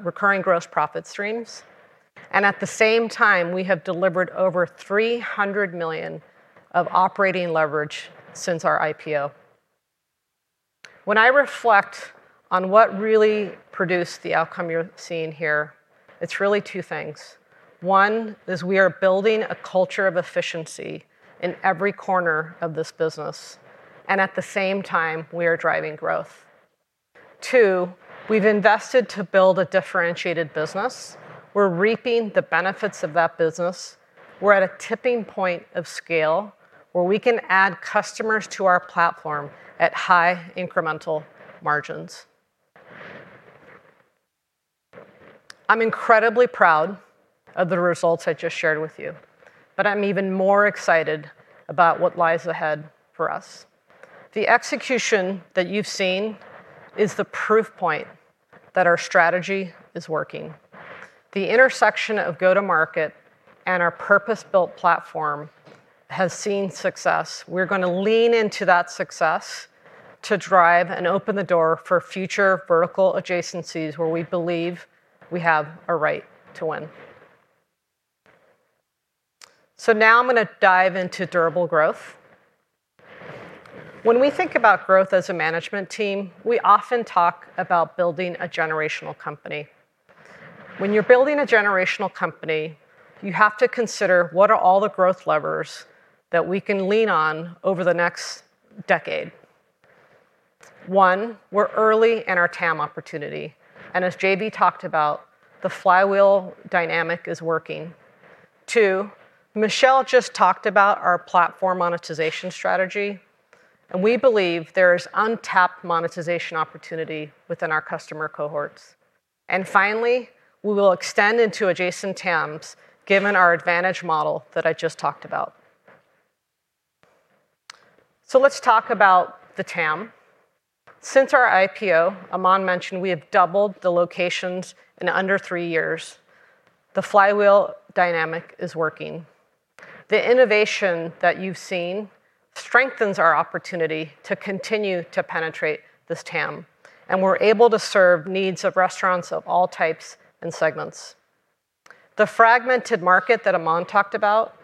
recurring gross profit streams, and at the same time, we have delivered over $300 million of operating leverage since our IPO. When I reflect on what really produced the outcome you're seeing here, it's really two things. One is we are building a culture of efficiency in every corner of this business, and at the same time, we are driving growth. Two, we've invested to build a differentiated business. We're reaping the benefits of that business. We're at a tipping point of scale, where we can add customers to our platform at high incremental margins. I'm incredibly proud of the results I just shared with you, but I'm even more excited about what lies ahead for us. The execution that you've seen is the proof point that our strategy is working. The intersection of go-to-market and our purpose-built platform has seen success. We're gonna lean into that success to drive and open the door for future vertical adjacencies, where we believe we have a right to win. So now I'm gonna dive into durable growth. When we think about growth as a management team, we often talk about building a generational company. When you're building a generational company, you have to consider what are all the growth levers that we can lean on over the next decade?... One, we're early in our TAM opportunity, and as JV talked about, the flywheel dynamic is working. Two, Michel just talked about our platform monetization strategy, and we believe there is untapped monetization opportunity within our customer cohorts. And finally, we will extend into adjacent TAMs, given our advantage model that I just talked about. So let's talk about the TAM. Since our IPO, Aman mentioned we have doubled the locations in under 3 years. The flywheel dynamic is working. The innovation that you've seen strengthens our opportunity to continue to penetrate this TAM, and we're able to serve needs of restaurants of all types and segments. The fragmented market that Aman talked about,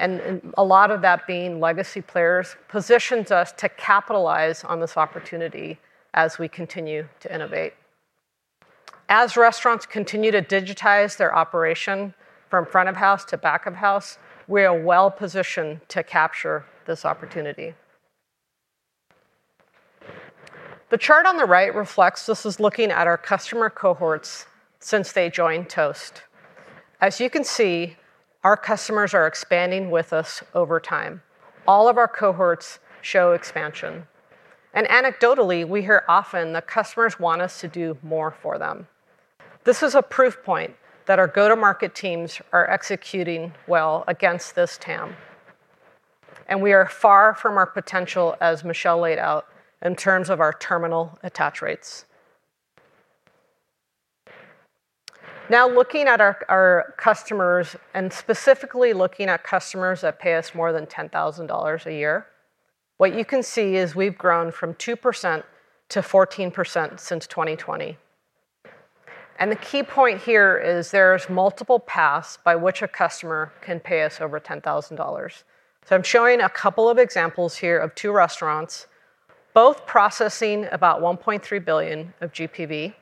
and a lot of that being legacy players, positions us to capitalize on this opportunity as we continue to innovate. As restaurants continue to digitize their operation from front of house to back of house, we are well-positioned to capture this opportunity. The chart on the right reflects this is looking at our customer cohorts since they joined Toast. As you can see, our customers are expanding with us over time. All of our cohorts show expansion, and anecdotally, we hear often that customers want us to do more for them. This is a proof point that our go-to-market teams are executing well against this TAM, and we are far from our potential, as Michel laid out, in terms of our terminal attach rates. Now, looking at our customers, and specifically looking at customers that pay us more than $10,000 a year, what you can see is we've grown from 2% to 14% since 2020. The key point here is there's multiple paths by which a customer can pay us over $10,000. So I'm showing a couple of examples here of two restaurants, both processing about 1.3 billion of GPV.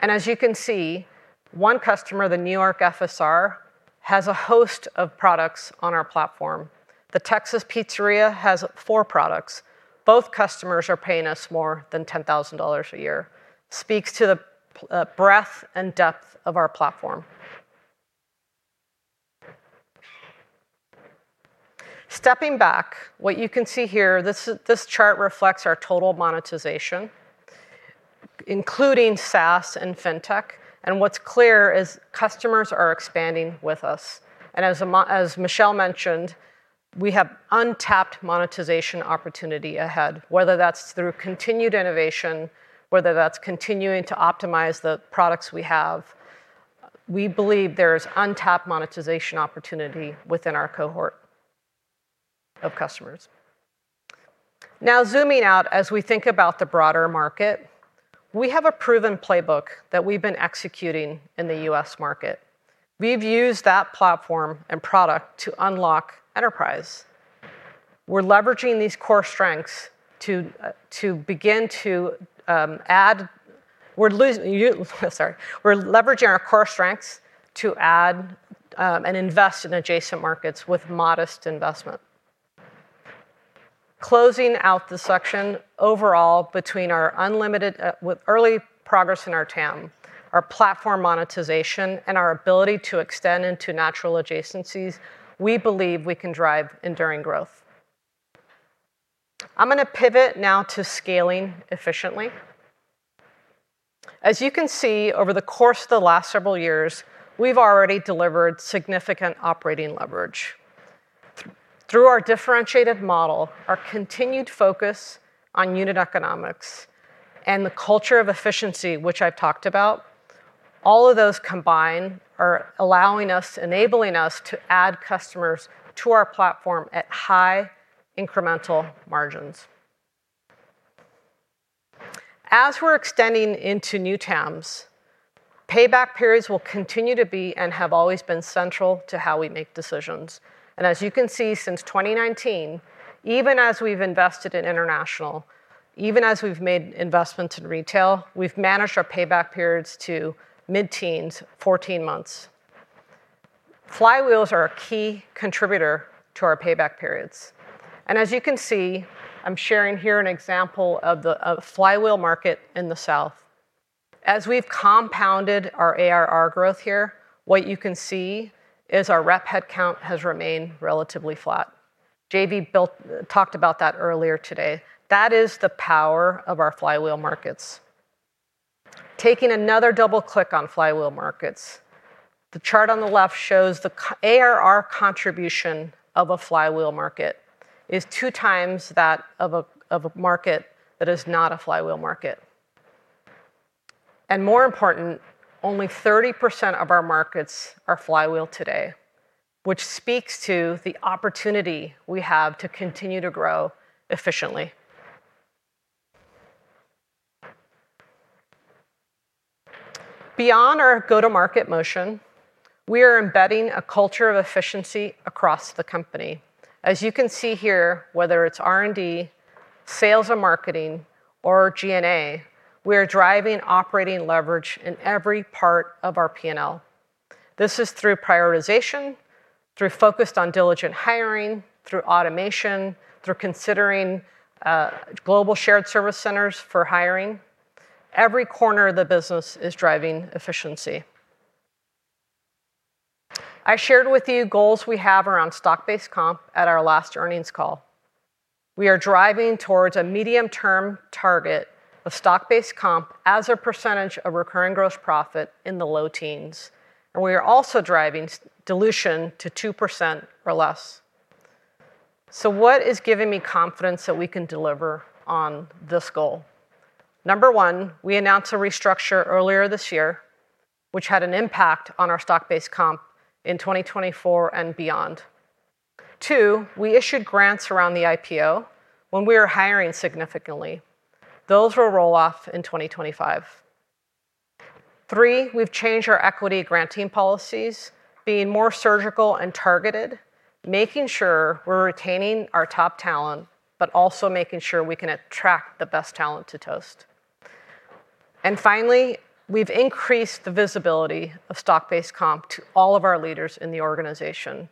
And as you can see, one customer, the New York FSR, has a host of products on our platform. The Texas pizzeria has four products. Both customers are paying us more than $10,000 a year, speaks to the breadth and depth of our platform. Stepping back, what you can see here, this chart reflects our total monetization, including SaaS and FinTech. And what's clear is customers are expanding with us, and as Michel mentioned, we have untapped monetization opportunity ahead, whether that's through continued innovation, whether that's continuing to optimize the products we have, we believe there is untapped monetization opportunity within our cohort of customers. Now, zooming out as we think about the broader market, we have a proven playbook that we've been executing in the U.S. market. We've used that platform and product to unlock enterprise. We're leveraging these core strengths to add and invest in adjacent markets with modest investment. Closing out the section, overall, between our unlimited, with early progress in our TAM, our platform monetization, and our ability to extend into natural adjacencies, we believe we can drive enduring growth. I'm gonna pivot now to scaling efficiently. As you can see, over the course of the last several years, we've already delivered significant operating leverage. Through our differentiated model, our continued focus on unit economics, and the culture of efficiency, which I've talked about, all of those combined are allowing us, enabling us, to add customers to our platform at high incremental margins. As we're extending into new TAMs, payback periods will continue to be, and have always been central to how we make decisions. And as you can see, since 2019, even as we've invested in international, even as we've made investments in retail, we've managed our payback periods to mid-teens, 14 months. Flywheels are a key contributor to our payback periods. And as you can see, I'm sharing here an example of the, of the flywheel market in the South. As we've compounded our ARR growth here, what you can see is our rep headcount has remained relatively flat. JV talked about that earlier today. That is the power of our flywheel markets. Taking another double click on flywheel markets, the chart on the left shows the ARR contribution of a flywheel market is 2x that of a market that is not a flywheel market. And more important, only 30% of our markets are flywheel today, which speaks to the opportunity we have to continue to grow efficiently. Beyond our go-to-market motion, we are embedding a culture of efficiency across the company. As you can see here, whether it's R&D, sales and marketing, or G&A, we are driving operating leverage in every part of our P&L. This is through prioritization, through focused on diligent hiring, through automation, through considering global shared service centers for hiring. Every corner of the business is driving efficiency. I shared with you goals we have around stock-based comp at our last earnings call. We are driving towards a medium-term target of stock-based comp as a % of recurring gross profit in the low teens, and we are also driving dilution to 2% or less. So what is giving me confidence that we can deliver on this goal? Number one, we announced a restructure earlier this year, which had an impact on our stock-based comp in 2024 and beyond. Two, we issued grants around the IPO when we were hiring significantly. Those will roll off in 2025. Three. We've changed our equity granting policies, being more surgical and targeted, making sure we're retaining our top talent, but also making sure we can attract the best talent to Toast. And finally, we've increased the visibility of stock-based comp to all of our leaders in the organization.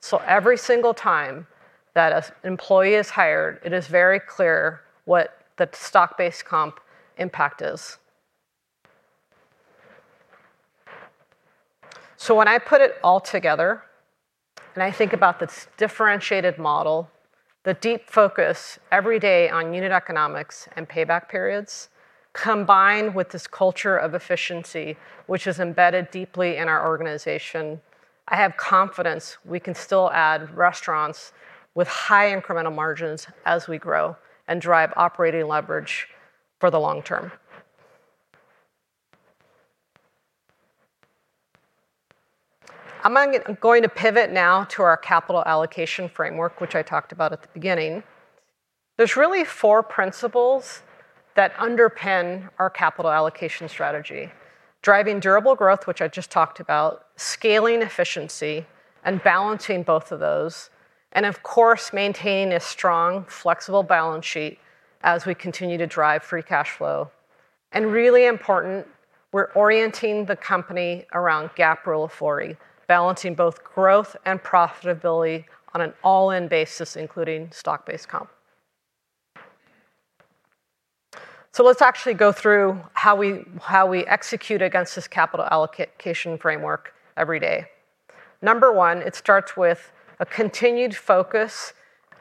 So every single time that an employee is hired, it is very clear what the stock-based comp impact is. So when I put it all together, and I think about this differentiated model, the deep focus every day on unit economics and payback periods, combined with this culture of efficiency, which is embedded deeply in our organization, I have confidence we can still add restaurants with high incremental margins as we grow and drive operating leverage for the long term. I'm going to pivot now to our capital allocation framework, which I talked about at the beginning. There's really four principles that underpin our capital allocation strategy: driving durable growth, which I just talked about, scaling efficiency, and balancing both of those, and of course, maintaining a strong, flexible balance sheet as we continue to drive free cash flow. And really important, we're orienting the company around GAAP Rule 40, balancing both growth and profitability on an all-in basis, including stock-based comp. So let's actually go through how we, how we execute against this capital allocation framework every day. Number one, it starts with a continued focus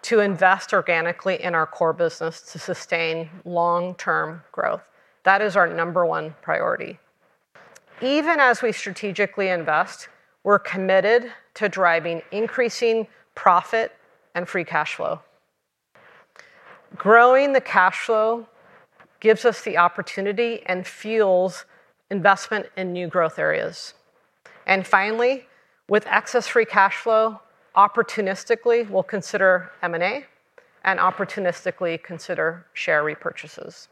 to invest organically in our core business to sustain long-term growth. That is our number one priority. Even as we strategically invest, we're committed to driving increasing profit and free cash flow. Growing the cash flow gives us the opportunity and fuels investment in new growth areas. And finally, with excess free cash flow, opportunistically, we'll consider M&A, and opportunistically consider share repurchases.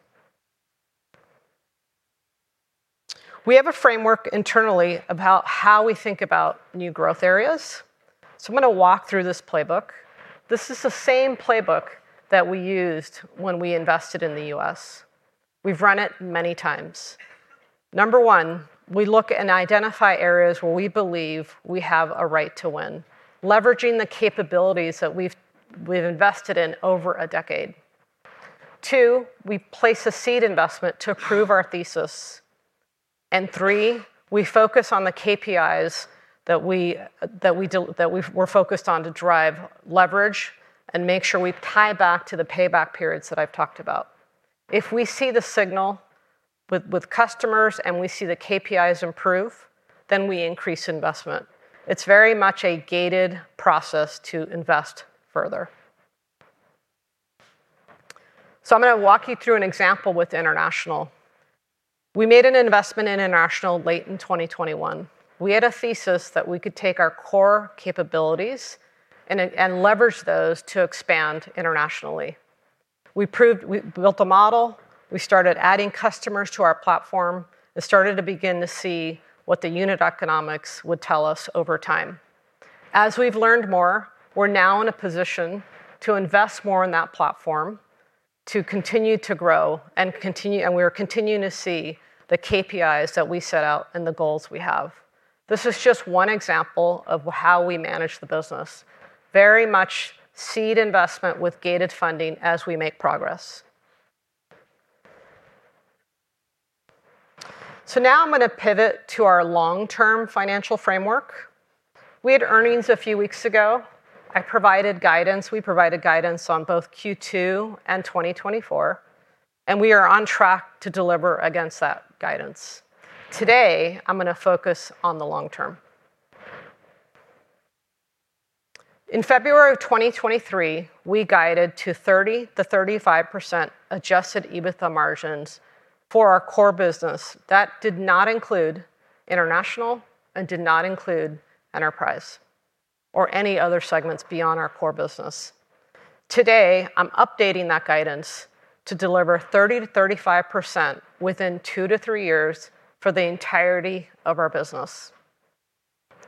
We have a framework internally about how we think about new growth areas, so I'm going to walk through this playbook. This is the same playbook that we used when we invested in the U.S.. We've run it many times. Number one, we look and identify areas where we believe we have a right to win, leveraging the capabilities that we've invested in over a decade. Two, we place a seed investment to prove our thesis. And three, we focus on the KPIs that we're focused on to drive leverage and make sure we tie back to the payback periods that I've talked about. If we see the signal with customers, and we see the KPIs improve, then we increase investment. It's very much a gated process to invest further. So I'm going to walk you through an example with international. We made an investment in international late in 2021. We had a thesis that we could take our core capabilities and, and leverage those to expand internationally. We proved. We built a model, we started adding customers to our platform, and started to begin to see what the unit economics would tell us over time. As we've learned more, we're now in a position to invest more in that platform, to continue to grow and continue, and we are continuing to see the KPIs that we set out and the goals we have. This is just one example of how we manage the business. Very much seed investment with gated funding as we make progress. So now I'm going to pivot to our long-term financial framework. We had earnings a few weeks ago. I provided guidance, we provided guidance on both Q2 and 2024, and we are on track to deliver against that guidance. Today, I'm going to focus on the long term. In February of 2023, we guided to 30%-35% adjusted EBITDA margins for our core business. That did not include international, and did not include enterprise or any other segments beyond our core business. Today, I'm updating that guidance to deliver 30%-35% within two to three years for the entirety of our business.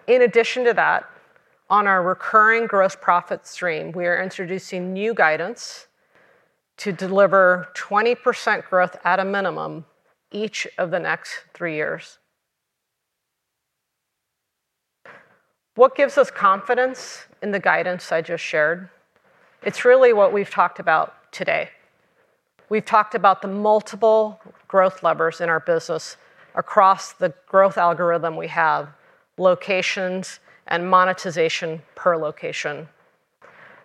In addition to that, on our recurring gross profit stream, we are introducing new guidance to deliver 20% growth at a minimum, each of the next three years. What gives us confidence in the guidance I just shared? It's really what we've talked about today. We've talked about the multiple growth levers in our business across the growth algorithm we have, locations, and monetization per location.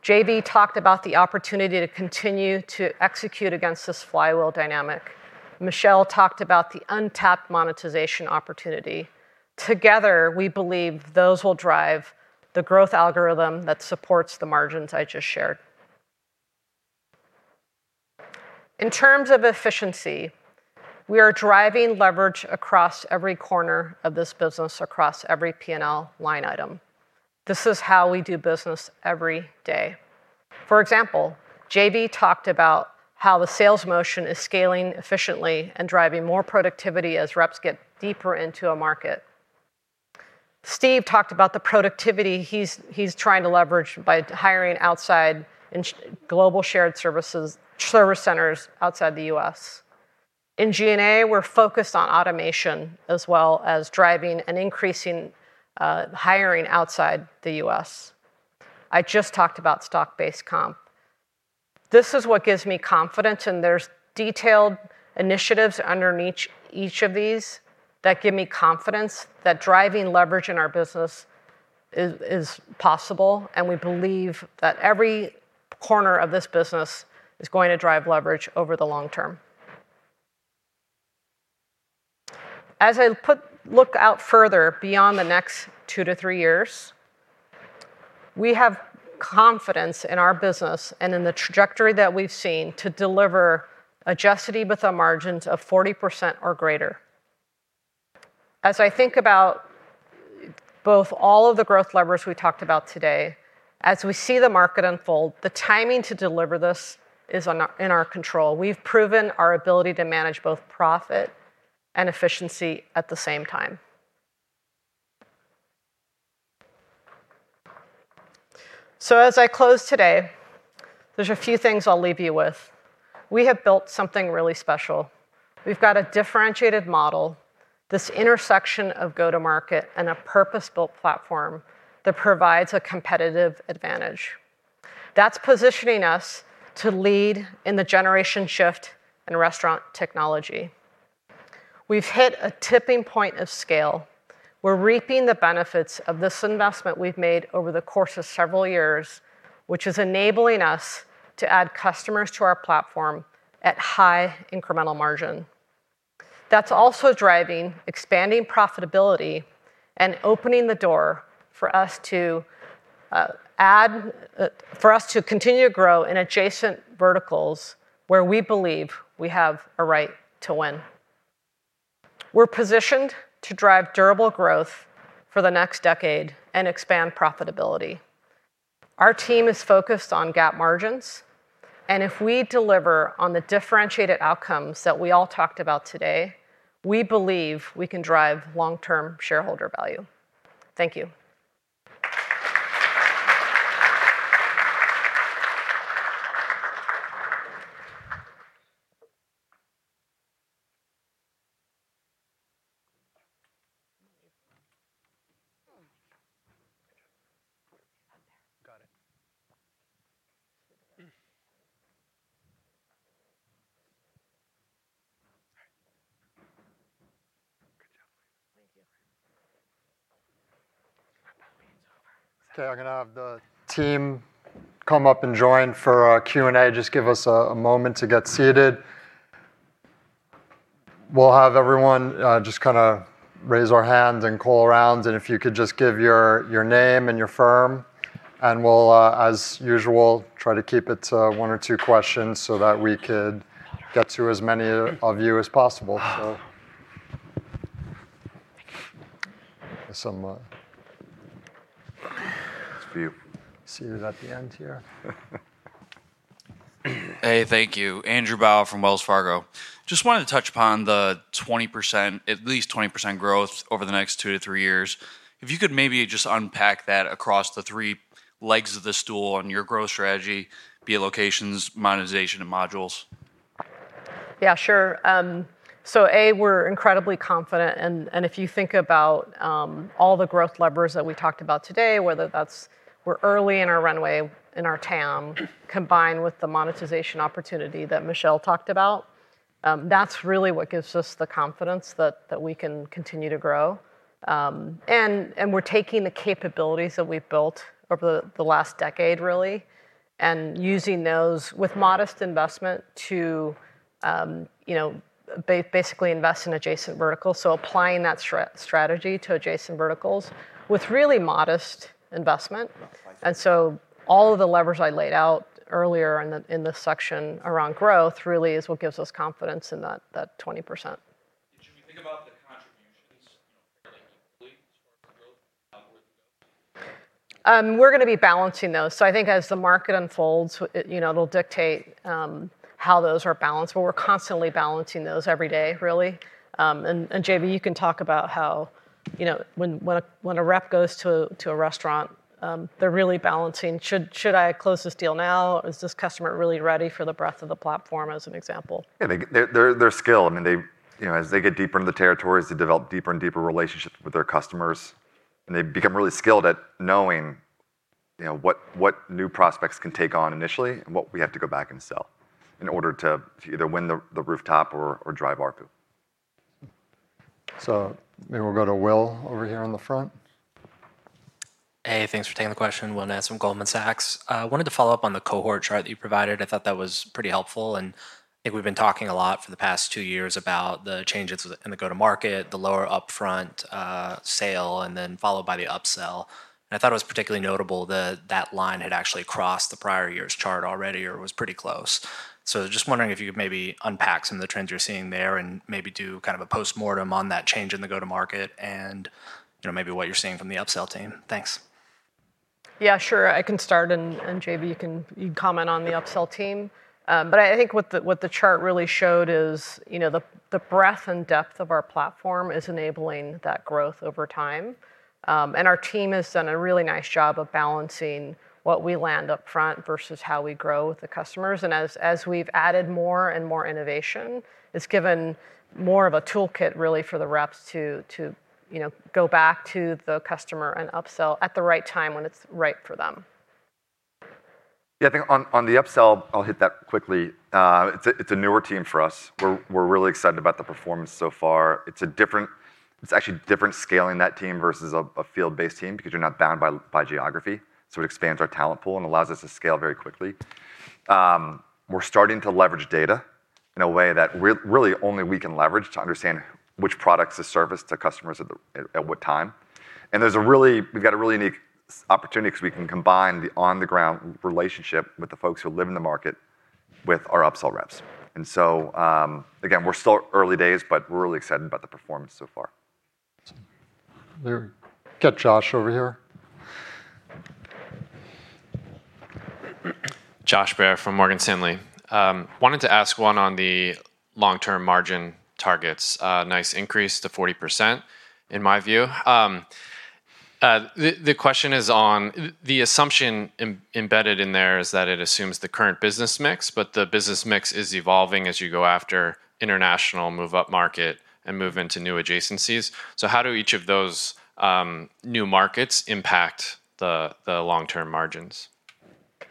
JV talked about the opportunity to continue to execute against this flywheel dynamic. Michel talked about the untapped monetization opportunity. Together, we believe those will drive the growth algorithm that supports the margins I just shared. In terms of efficiency, we are driving leverage across every corner of this business, across every P&L line item. This is how we do business every day. For example, JV talked about how the sales motion is scaling efficiently and driving more productivity as reps get deeper into a market. Steve talked about the productivity he's trying to leverage by hiring outside in shared global services, service centers outside the U.S. In G&A, we're focused on automation as well as driving and increasing hiring outside the U.S... I just talked about stock-based comp. This is what gives me confidence, and there's detailed initiatives underneath each of these that give me confidence that driving leverage in our business is possible, and we believe that every corner of this business is going to drive leverage over the long term. As I look out further beyond the next two to three years, we have confidence in our business and in the trajectory that we've seen to deliver adjusted EBITDA margins of 40% or greater. As I think about both all of the growth levers we talked about today, as we see the market unfold, the timing to deliver this is in our control. We've proven our ability to manage both profit and efficiency at the same time. So as I close today, there's a few things I'll leave you with. We have built something really special. We've got a differentiated model, this intersection of go-to-market and a purpose-built platform that provides a competitive advantage. That's positioning us to lead in the generation shift in restaurant technology. We've hit a tipping point of scale. We're reaping the benefits of this investment we've made over the course of several years, which is enabling us to add customers to our platform at high incremental margin. That's also driving expanding profitability and opening the door for us to continue to grow in adjacent verticals where we believe we have a right to win. We're positioned to drive durable growth for the next decade and expand profitability. Our team is focused on GAAP margins, and if we deliver on the differentiated outcomes that we all talked about today, we believe we can drive long-term shareholder value. Thank you. Got it. Good job. Thank you. Okay, I'm gonna have the team come up and join for our Q&A. Just give us a moment to get seated. We'll have everyone just kinda raise our hand and call around, and if you could just give your name and your firm, and we'll, as usual, try to keep it to one or two questions so that we could get to as many of you as possible. So... It's for you. Seated at the end here. Hey, thank you. Andrew Bauch from Wells Fargo. Just wanted to touch upon the 20%, at least 20% growth over the next two to three years. If you could maybe just unpack that across the three legs of the stool on your growth strategy, be it locations, monetization, and modules. Yeah, sure. So A, we're incredibly confident, and if you think about all the growth levers that we talked about today, whether that's we're early in our runway, in our TAM, combined with the monetization opportunity that Michel talked about, that's really what gives us the confidence that we can continue to grow. And we're taking the capabilities that we've built over the last decade, really, and using those with modest investment to, you know, basically invest in adjacent verticals, so applying that strategy to adjacent verticals with really modest investment. And so all of the levers I laid out earlier in this section around growth, really is what gives us confidence in that 20%. Should we think about the contributions, you know, fairly equally?... We're gonna be balancing those. So I think as the market unfolds, you know, it'll dictate how those are balanced, but we're constantly balancing those every day, really. And JV, you can talk about how, you know, when a rep goes to a restaurant, they're really balancing, "Should I close this deal now? Is this customer really ready for the breadth of the platform?" As an example. Yeah, they're skilled, I mean, they, you know, as they get deeper into the territories, they develop deeper and deeper relationships with their customers, and they become really skilled at knowing, you know, what new prospects can take on initially, and what we have to go back and sell in order to either win the rooftop or drive ARPU. Maybe we'll go to Will over here on the front. Hey, thanks for taking the question. Will Nance from Goldman Sachs. Wanted to follow up on the cohort chart that you provided. I thought that was pretty helpful, and I think we've been talking a lot for the past two years about the changes in the go-to-market, the lower upfront sale, and then followed by the upsell. And I thought it was particularly notable that that line had actually crossed the prior year's chart already or was pretty close. So just wondering if you could maybe unpack some of the trends you're seeing there, and maybe do kind of a postmortem on that change in the go-to-market, and, you know, maybe what you're seeing from the upsell team. Thanks. Yeah, sure. I can start, and JV, you can comment on the upsell team. But I think what the chart really showed is, you know, the breadth and depth of our platform is enabling that growth over time. And our team has done a really nice job of balancing what we land up front vs how we grow with the customers, and as we've added more and more innovation, it's given more of a toolkit, really, for the reps to, you know, go back to the customer and upsell at the right time when it's right for them. Yeah, I think on the upsell, I'll hit that quickly. It's a newer team for us. We're really excited about the performance so far. It's actually different scaling that team vs a field-based team because you're not bound by geography, so it expands our talent pool and allows us to scale very quickly. We're starting to leverage data in a way that really only we can leverage to understand which products to service to customers at the at what time. And we've got a really unique opportunity, because we can combine the on-the-ground relationship with the folks who live in the market with our upsell reps. And so, again, we're still early days, but we're really excited about the performance so far. There, get Josh over here. Josh Baer from Morgan Stanley. Wanted to ask one on the long-term margin targets. Nice increase to 40%, in my view. The question is on the assumption embedded in there is that it assumes the current business mix, but the business mix is evolving as you go after international, move upmarket, and move into new adjacencies. So how do each of those new markets impact the long-term margins?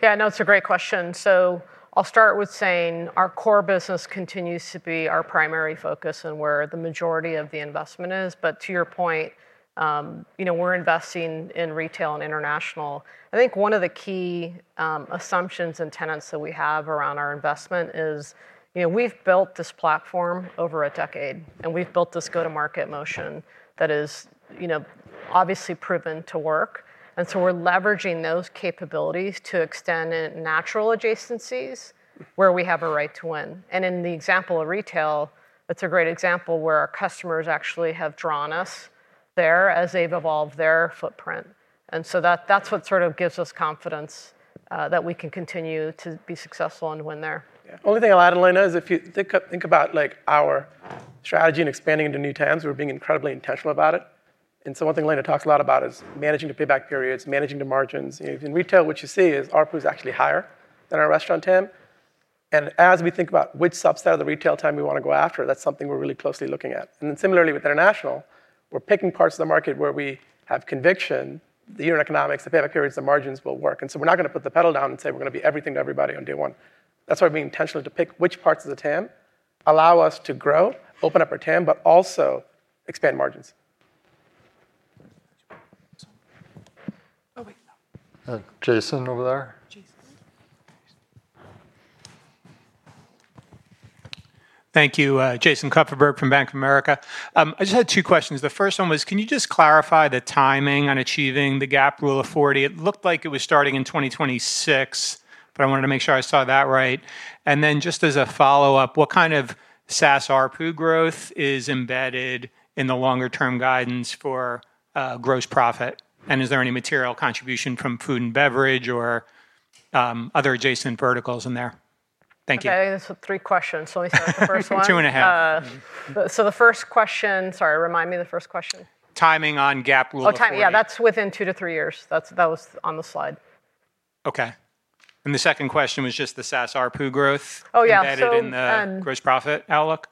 Yeah, no, it's a great question. So I'll start with saying our core business continues to be our primary focus and where the majority of the investment is. But to your point, you know, we're investing in retail and international. I think one of the key assumptions and tenets that we have around our investment is, you know, we've built this platform over a decade, and we've built this go-to-market motion that is, you know, obviously proven to work, and so we're leveraging those capabilities to extend in natural adjacencies where we have a right to win. And in the example of retail, that's a great example where our customers actually have drawn us there as they've evolved their footprint, and so that, that's what sort of gives us confidence, that we can continue to be successful and to win there. Yeah. Only thing I'll add, Elena, is if you think—think about, like, our strategy and expanding into new TAMs, we're being incredibly intentional about it, and so one thing Elena talks a lot about is managing the payback periods, managing the margins. In retail, what you see is ARPU is actually higher than our restaurant TAM, and as we think about which subset of the retail TAM we wanna go after, that's something we're really closely looking at. And then similarly with international, we're picking parts of the market where we have conviction, the unit economics, the payback periods, the margins will work. And so we're not gonna put the pedal down and say we're gonna be everything to everybody on day one. That's why we're being intentional to pick which parts of the TAM allow us to grow, open up our TAM, but also expand margins. Oh, wait. Jason, over there. Jason. Thank you. Jason Kupferberg from Bank of America. I just had two questions. The first one was, can you just clarify the timing on achieving the GAAP rule of forty? It looked like it was starting in 2026, but I wanted to make sure I saw that right. And then just as a follow-up, what kind of SaaS ARPU growth is embedded in the longer-term guidance for gross profit? And is there any material contribution from food and beverage or other adjacent verticals in there? Thank you. Okay, that's three questions. Let me start with the first one. 2.5. So the first question... Sorry, remind me of the first question. Timing on GAAP Rule of 40. Oh, timing. Yeah, that's within two to three years. That's, that was on the slide. Okay. And the second question was just the SaaS ARPU growth- Oh, yeah, so -embedded in the gross profit outlook.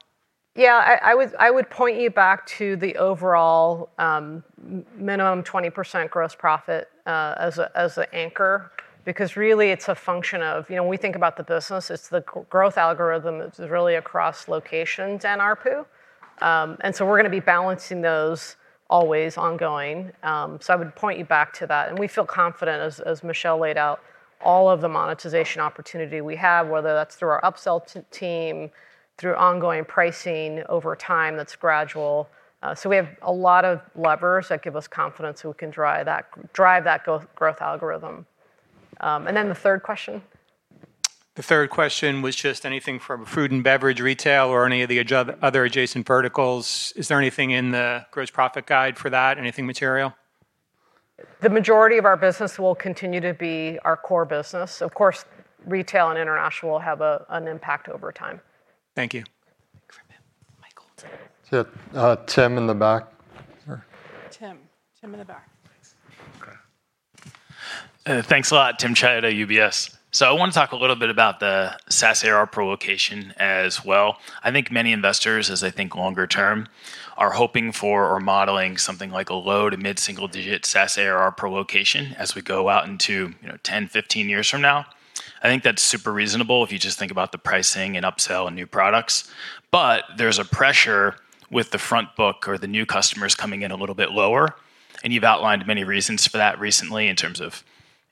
Yeah, I would point you back to the overall minimum 20% gross profit as an anchor, because really, it's a function of, you know, when we think about the business, it's the growth algorithm that's really across locations and ARPU. And so we're gonna be balancing those always ongoing. So I would point you back to that, and we feel confident, as Michel laid out, all of the monetization opportunity we have, whether that's through our upsell team, through ongoing pricing over time, that's gradual. So we have a lot of levers that give us confidence we can drive that growth algorithm. And then the third question?... The third question was just anything from food and beverage, retail, or any of the other adjacent verticals. Is there anything in the gross profit guide for that, anything material? The majority of our business will continue to be our core business. Of course, retail and international will have an impact over time. Thank you. Michael. Yeah, Tim, in the back. Tim. Tim, in the back. Thanks. Okay. Thanks a lot. Tim Chiodo at UBS. So I want to talk a little bit about the SaaS ARR per location as well. I think many investors, as they think longer term, are hoping for or modeling something like a low to mid-single-digit SaaS ARR per location, as we go out into, you know, 10, 15 years from now. I think that's super reasonable if you just think about the pricing and upsell and new products, but there's a pressure with the front book or the new customers coming in a little bit lower, and you've outlined many reasons for that recently in terms of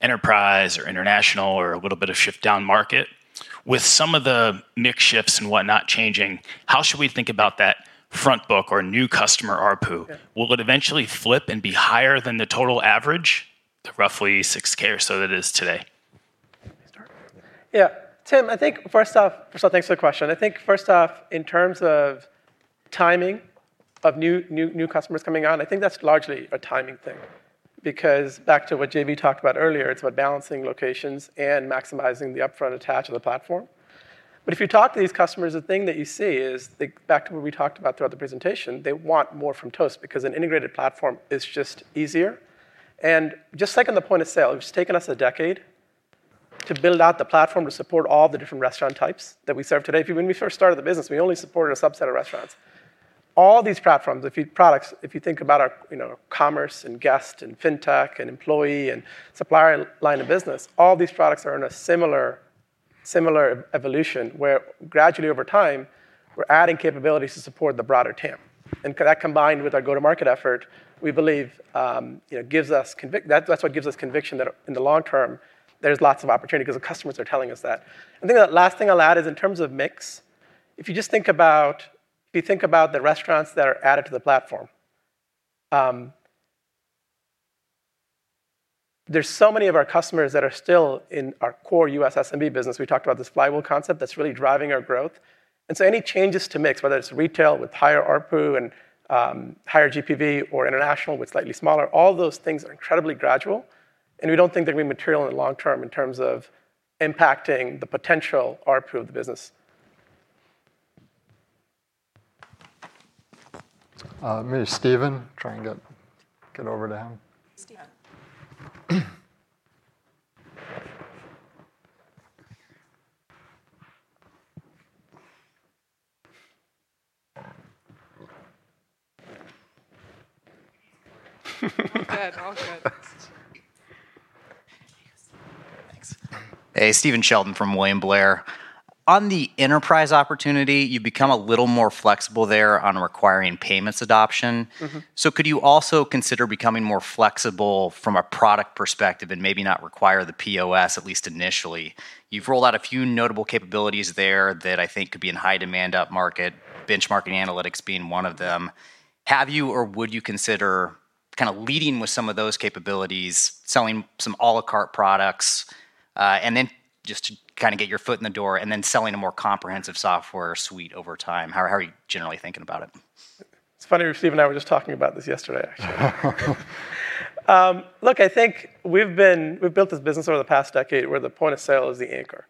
enterprise or international or a little bit of shift down market. With some of the mix shifts and whatnot changing, how should we think about that front book or new customer ARPU? Yeah. Will it eventually flip and be higher than the total average, to roughly 6k or so that it is today? Yeah. Tim, I think first off, first of all, thanks for the question. I think first off, in terms of timing of new customers coming on, I think that's largely a timing thing, because back to what JV talked about earlier, it's about balancing locations and maximizing the upfront attach of the platform. But if you talk to these customers, the thing that you see is, back to what we talked about throughout the presentation, they want more from Toast, because an integrated platform is just easier. And just like on the point of sale, it's taken us a decade to build out the platform to support all the different restaurant types that we serve today. When we first started the business, we only supported a subset of restaurants. All these platforms, our products, if you think about our, you know, Commerce and Guest, and FinTech, and employee, and supplier line of business, all these products are in a similar evolution, where gradually, over time, we're adding capabilities to support the broader TAM. And that, combined with our go-to-market effort, we believe, you know, gives us convic-- That's, that's what gives us conviction that in the long term, there's lots of opportunity, 'cause the customers are telling us that. I think that last thing I'll add is in terms of mix, if you just think about-- if you think about the restaurants that are added to the platform, there's so many of our customers that are still in our core U.S. SMB business. We talked about this flywheel concept that's really driving our growth. And so any changes to mix, whether it's retail with higher ARPU and higher GPV, or international with slightly smaller, all those things are incredibly gradual, and we don't think they're gonna be material in the long term in terms of impacting the potential ARPU of the business. Maybe Stephen, try and get over to him. Stephen. Good. All good. Thanks. Hey, Stephen Sheldon from William Blair. On the enterprise opportunity, you've become a little more flexible there on requiring payments adoption. Mm-hmm. So could you also consider becoming more flexible from a product perspective and maybe not require the POS, at least initially? You've rolled out a few notable capabilities there that I think could be in high demand up market, benchmarking analytics being one of them. Have you or would you consider kinda leading with some of those capabilities, selling some à la carte products, and then just to kinda get your foot in the door, and then selling a more comprehensive software suite over time? How, how are you generally thinking about it? It's funny, Steve and I were just talking about this yesterday, actually. Look, I think we've built this business over the past decade, where the point of sale is the anchor,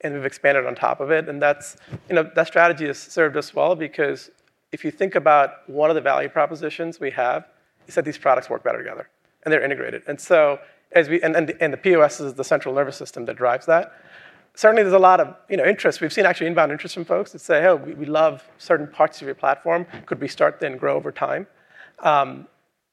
and we've expanded on top of it, and that's, you know, that strategy has served us well because if you think about what are the value propositions we have, is that these products work better together, and they're integrated. And so as we and the POS is the central nervous system that drives that. Certainly, there's a lot of, you know, interest. We've seen actually inbound interest from folks that say: "Hey, we love certain parts of your platform. Could we start, then grow over time?"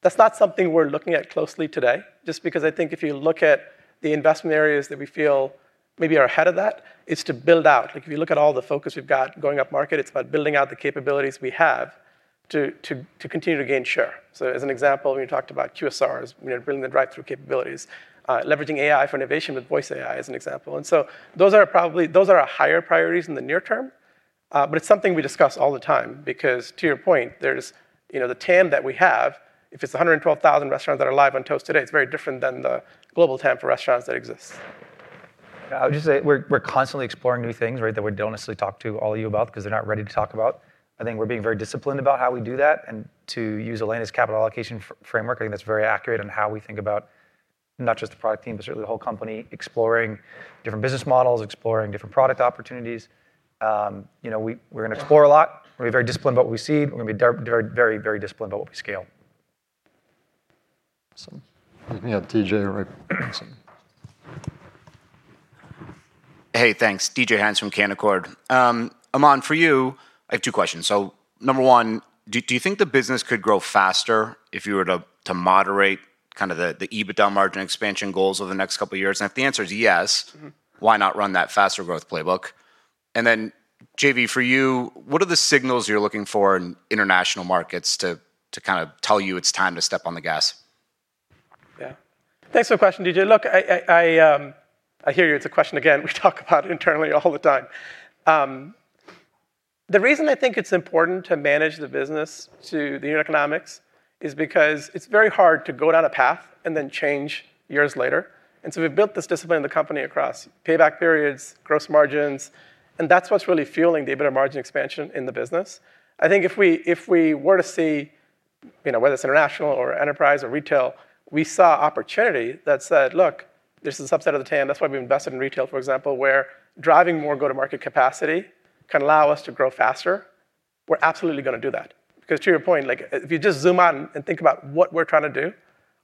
That's not something we're looking at closely today, just because I think if you look at the investment areas that we feel maybe are ahead of that, it's to build out. Like, if you look at all the focus we've got going up market, it's about building out the capabilities we have to, to, to continue to gain share. So as an example, when you talked about QSRs, you know, building the drive-thru capabilities, leveraging AI for innovation with voice AI as an example. And so those are probably those are our higher priorities in the near term, but it's something we discuss all the time, because to your point, there's, you know, the TAM that we have, if it's 112,000 restaurants that are live on Toast today, it's very different than the global TAM for restaurants that exist. I would just say we're constantly exploring new things, right, that we don't necessarily talk to all of you about because they're not ready to talk about. I think we're being very disciplined about how we do that, and to use Elena's capital allocation framework, I think that's very accurate on how we think about not just the product team, but certainly the whole company, exploring different business models, exploring different product opportunities. You know, we're gonna explore a lot. We're gonna be very disciplined about what we see. We're gonna be very, very disciplined about what we scale. We have DJ right... Hey, thanks. David Hynes from Canaccord. Aman, for you, I have two questions. Number one, do you think the business could grow faster if you were to moderate kind of the EBITDA margin expansion goals over the next couple of years? And if the answer is yes- Mm-hmm... why not run that faster growth playbook? And then, JV, for you, what are the signals you're looking for in international markets to kind of tell you it's time to step on the gas? Yeah. Thanks for the question, David. Look, I hear you. It's a question, again, we talk about internally all the time. The reason I think it's important to manage the business to the unit economics, is because it's very hard to go down a path and then change years later. And so we've built this discipline in the company across payback periods, gross margins, and that's what's really fueling the EBITDA margin expansion in the business. I think if we were to see, you know, whether it's international or enterprise or retail, we saw opportunity that said, "Look, this is a subset of the TAM." That's why we invested in retail, for example, where driving more go-to-market capacity can allow us to grow faster. We're absolutely gonna do that, because to your point, like, if you just zoom out and think about what we're trying to do,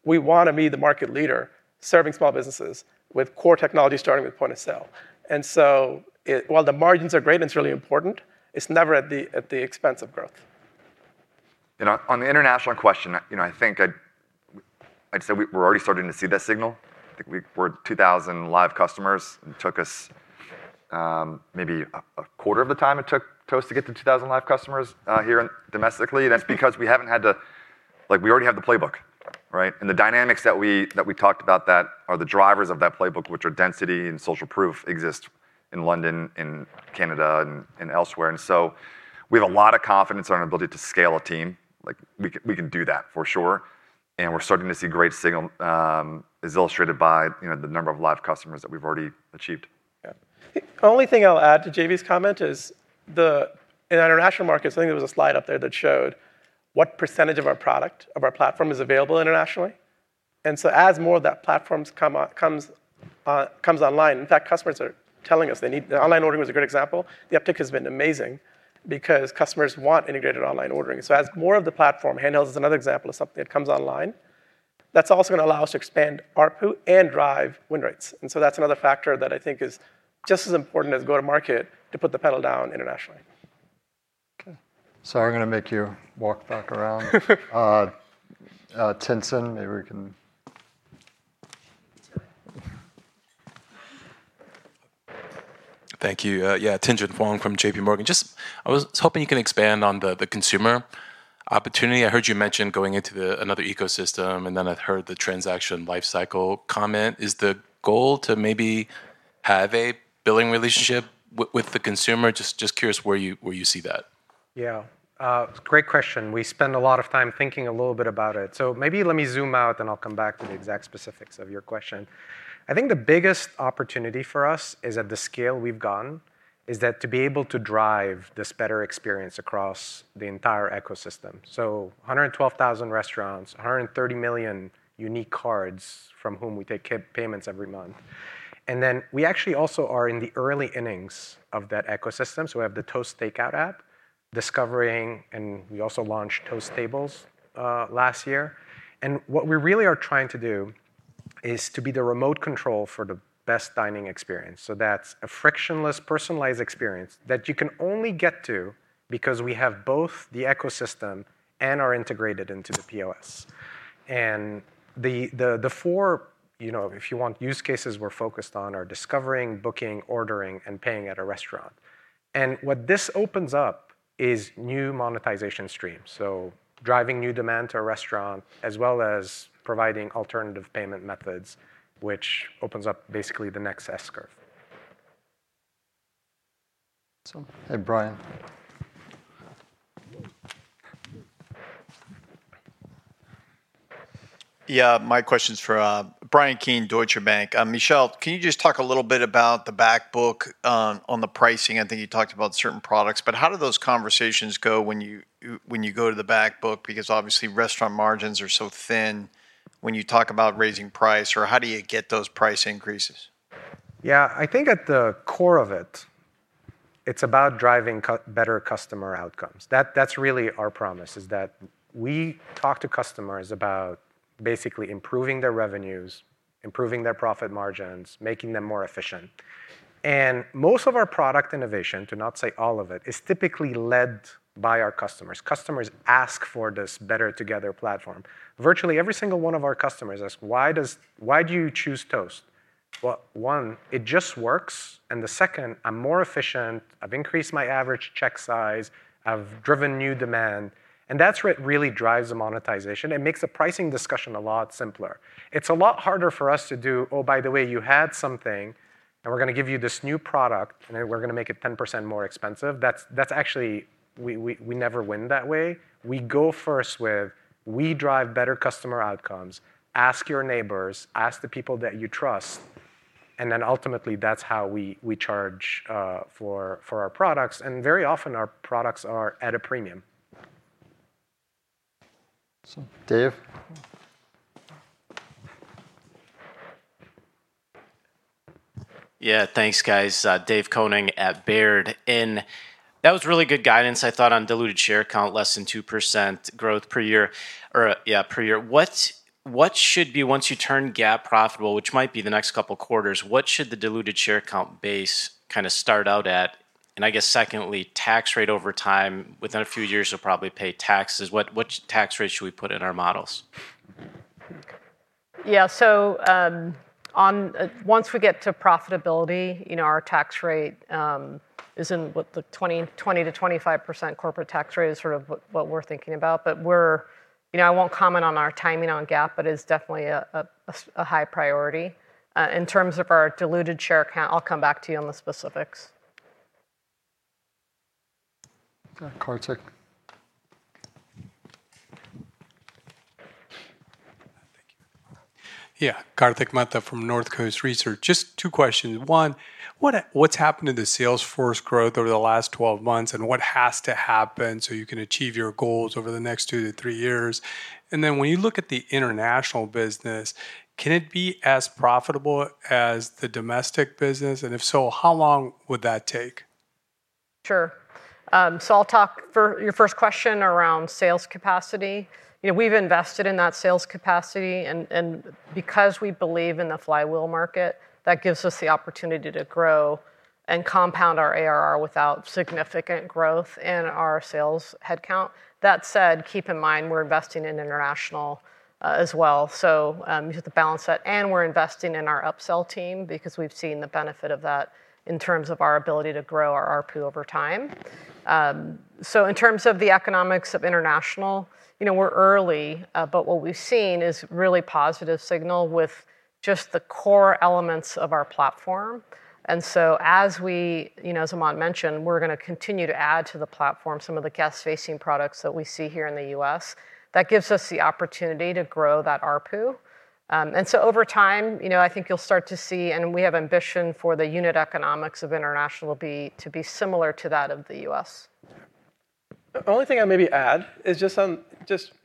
we want to be the market leader, serving small businesses with core technology, starting with point of sale. And so it—while the margins are great, and it's really important, it's never at the expense of growth. On the international question, you know, I think I'd say we're already starting to see that signal. I think we're 2,000 live customers. It took us maybe a quarter of the time it took Toast to get to 2,000 live customers here domestically. That's because we haven't had to—like, we already have the playbook, right? And the dynamics that we talked about that are the drivers of that playbook, which are density and social proof, exist in London, in Canada, and elsewhere. And so we have a lot of confidence in our ability to scale a team. Like, we can do that for sure, and we're starting to see great signal as illustrated by, you know, the number of live customers that we've already achieved. Yeah. The only thing I'll add to JV's comment is the, in international markets, I think there was a slide up there that showed what % of our product, of our platform is available internationally. And so as more of that platform comes online, in fact, customers are telling us they need... The online ordering was a good example. The uptick has been amazing because customers want integrated online ordering. So as more of the platform, Handheld is another example of something that comes online, that's also going to allow us to expand ARPU and drive win rates. And so that's another factor that I think is just as important as go-to-market to put the pedal down internationally. Okay. So I'm going to make you walk back around. Tien-Tsin Huang, maybe we can... Thank you. Yeah, Tien-Tsin Huang from JPMorgan. Just, I was hoping you can expand on the consumer opportunity. I heard you mention going into another ecosystem, and then I've heard the transaction life cycle comment. Is the goal to maybe have a billing relationship with the consumer? Just curious where you see that. Yeah. Great question. We spend a lot of time thinking a little bit about it. So maybe let me zoom out, and I'll come back to the exact specifics of your question. I think the biggest opportunity for us is at the scale we've gone, is that to be able to drive this better experience across the entire ecosystem. So 112,000 restaurants, 130 million unique cards from whom we take card payments every month. And then we actually also are in the early innings of that ecosystem, so we have the Toast Takeout app, discovering, and we also launched Toast Tables last year. And what we really are trying to do is to be the remote control for the best dining experience. So that's a frictionless, personalized experience that you can only get to because we have both the ecosystem and are integrated into the POS. And the four, you know, if you want, use cases we're focused on are discovering, booking, ordering, and paying at a restaurant. And what this opens up is new monetization streams. So driving new demand to a restaurant, as well as providing alternative payment methods, which opens up basically the next S-curve. Hey, Bryan. Yeah, my question's for Bryan Keane, Deutsche Bank. Michel, can you just talk a little bit about the back book on the pricing? I think you talked about certain products, but how do those conversations go when you, when you go to the back book? Because obviously, restaurant margins are so thin when you talk about raising price or how do you get those price increases? Yeah, I think at the core of it, it's about driving better customer outcomes. That, that's really our promise, is that we talk to customers about basically improving their revenues, improving their profit margins, making them more efficient. And most of our product innovation, to not say all of it, is typically led by our customers. Customers ask for this better together platform. Virtually, every single one of our customers ask: Why do you choose Toast? Well, one, it just works, and the second, I'm more efficient, I've increased my average check size, I've driven new demand, and that's what really drives the monetization. It makes the pricing discussion a lot simpler. It's a lot harder for us to do, "Oh, by the way, you had something, and we're gonna give you this new product, and we're gonna make it 10% more expensive." That's actually, we never win that way. We go first with: We drive better customer outcomes, ask your neighbors, ask the people that you trust, and then ultimately, that's how we charge for our products, and very often our products are at a premium. So, Dave? Yeah, thanks, guys. Dave Koning at Baird. And that was really good guidance, I thought, on diluted share count, less than 2% growth per year or, yeah, per year. What should be, once you turn GAAP profitable, which might be the next couple of quarters, what should the diluted share count base kind of start out at? And I guess secondly, tax rate over time, within a few years, you'll probably pay taxes. Which tax rate should we put in our models? Yeah. So, once we get to profitability, you know, our tax rate is in, what, the 20%-25% corporate tax rate is sort of what we're thinking about. But we're—you know, I won't comment on our timing on GAAP, but it's definitely a high priority. In terms of our diluted share count, I'll come back to you on the specifics. Kartik?... Thank you. Yeah, Kartik Mehta from Northcoast Research. Just two questions. One, what, what's happened to the sales force growth over the last 12 months, and what has to happen so you can achieve your goals over the next two to three years? And then when you look at the international business, can it be as profitable as the domestic business? And if so, how long would that take? Sure. So I'll talk for your first question around sales capacity. You know, we've invested in that sales capacity and, and because we believe in the flywheel market, that gives us the opportunity to grow and compound our ARR without significant growth in our sales headcount. That said, keep in mind, we're investing in international, as well, so, you have to balance that, and we're investing in our upsell team because we've seen the benefit of that in terms of our ability to grow our ARPU over time. So in terms of the economics of international, you know, we're early, but what we've seen is really positive signal with just the core elements of our platform, and so as we, you know, as Aman mentioned, we're gonna continue to add to the platform some of the guest-facing products that we see here in the U.S.. That gives us the opportunity to grow that ARPU. And so over time, you know, I think you'll start to see, and we have ambition for the unit economics of international to be similar to that of the U.S.. The only thing I'd maybe add is just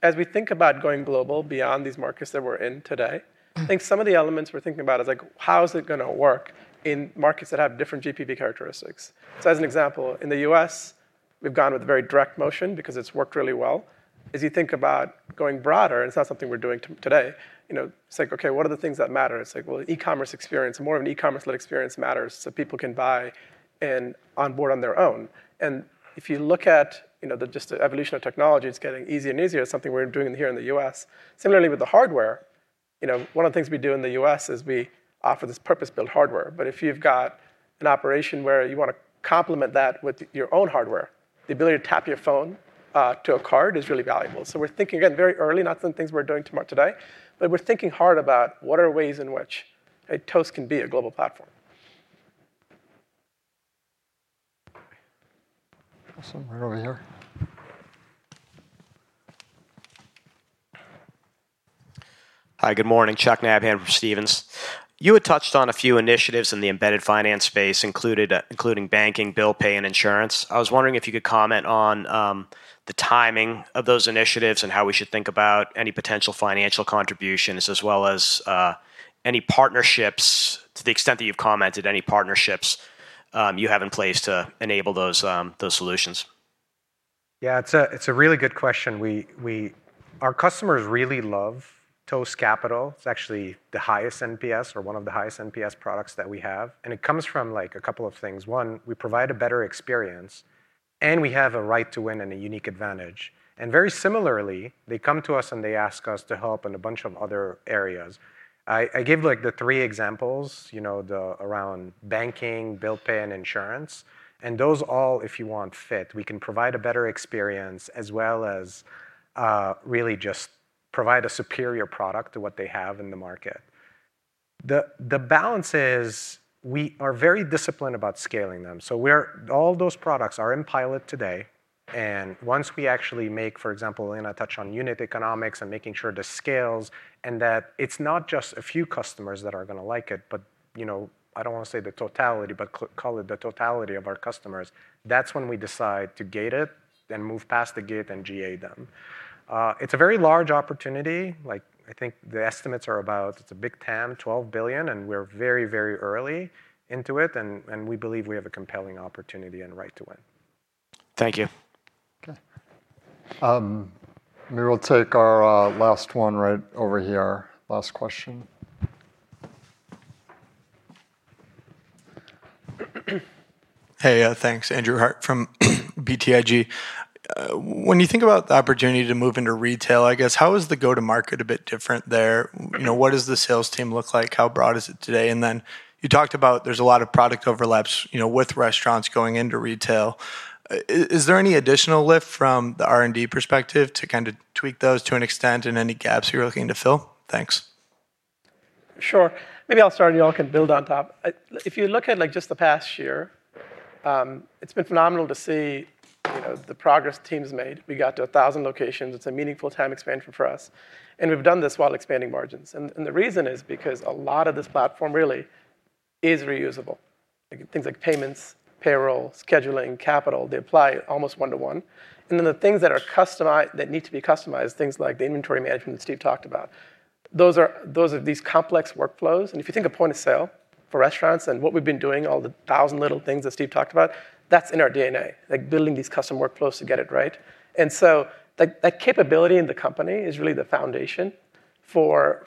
as we think about going global beyond these markets that we're in today, I think some of the elements we're thinking about is like, how is it gonna work in markets that have different GPV characteristics? So as an example, in the U.S., we've gone with a very direct motion because it's worked really well. As you think about going broader, and it's not something we're doing today, you know, it's like, okay, what are the things that matter? It's like, well, e-commerce experience, more of an e-commerce led experience matters, so people can buy and onboard on their own. And if you look at, you know, just the evolution of technology, it's getting easier and easier. It's something we're doing here in the U.S.. Similarly, with the hardware, you know, one of the things we do in the U.S. is we offer this purpose-built hardware, but if you've got an operation where you wanna complement that with your own hardware, the ability to tap your phone to a card is really valuable. So we're thinking, again, very early, not some things we're doing tomorrow, today, but we're thinking hard about what are ways in which Toast can be a global platform. Awesome. Right over here. Hi, good morning, Charles Nabhan from Stephens. You had touched on a few initiatives in the embedded finance space, including banking, bill pay, and insurance. I was wondering if you could comment on the timing of those initiatives and how we should think about any potential financial contributions, as well as any partnerships, to the extent that you've commented, you have in place to enable those solutions. Yeah, it's a really good question. Our customers really love Toast Capital. It's actually the highest NPS or one of the highest NPS products that we have, and it comes from like a couple of things. One, we provide a better experience, and we have a right to win and a unique advantage. And very similarly, they come to us, and they ask us to help in a bunch of other areas. I gave, like, the three examples, you know, the around banking, bill pay, and insurance, and those all, if you want, fit. We can provide a better experience as well as really just provide a superior product to what they have in the market. The balance is we are very disciplined about scaling them. So, all those products are in pilot today, and once we actually make, for example, Elena touched on unit economics and making sure the scales and that it's not just a few customers that are gonna like it, but you know, I don't wanna say the totality, but call it the totality of our customers, that's when we decide to gate it, then move past the gate and GA them. It's a very large opportunity. Like, I think the estimates are about, it's a big TAM, $12 billion, and we're very, very early into it, and we believe we have a compelling opportunity and right to win. Thank you. Okay. Maybe we'll take our last one right over here. Last question. Hey, thanks. Andrew Harte from BTIG. When you think about the opportunity to move into retail, I guess, how is the go-to-market a bit different there? You know, what does the sales team look like? How broad is it today? And then you talked about there's a lot of product overlaps, you know, with restaurants going into retail. Is there any additional lift from the R&D perspective to kind of tweak those to an extent and any gaps you're looking to fill? Thanks. Sure. Maybe I'll start, and you all can build on top. If you look at, like, just the past year, it's been phenomenal to see, you know, the progress teams made. We got to 1,000 locations. It's a meaningful TAM expansion for us, and we've done this while expanding margins, and the reason is because a lot of this platform really is reusable. Things like payments, payroll, scheduling, capital, they apply almost 1-to-1, and then the things that are customized, that need to be customized, things like the inventory management that Steve talked about, those are these complex workflows, and if you think of point-of-sale for restaurants and what we've been doing, all the 1,000 little things that Steve talked about, that's in our D&A, like, building these custom workflows to get it right. And so that capability in the company is really the foundation for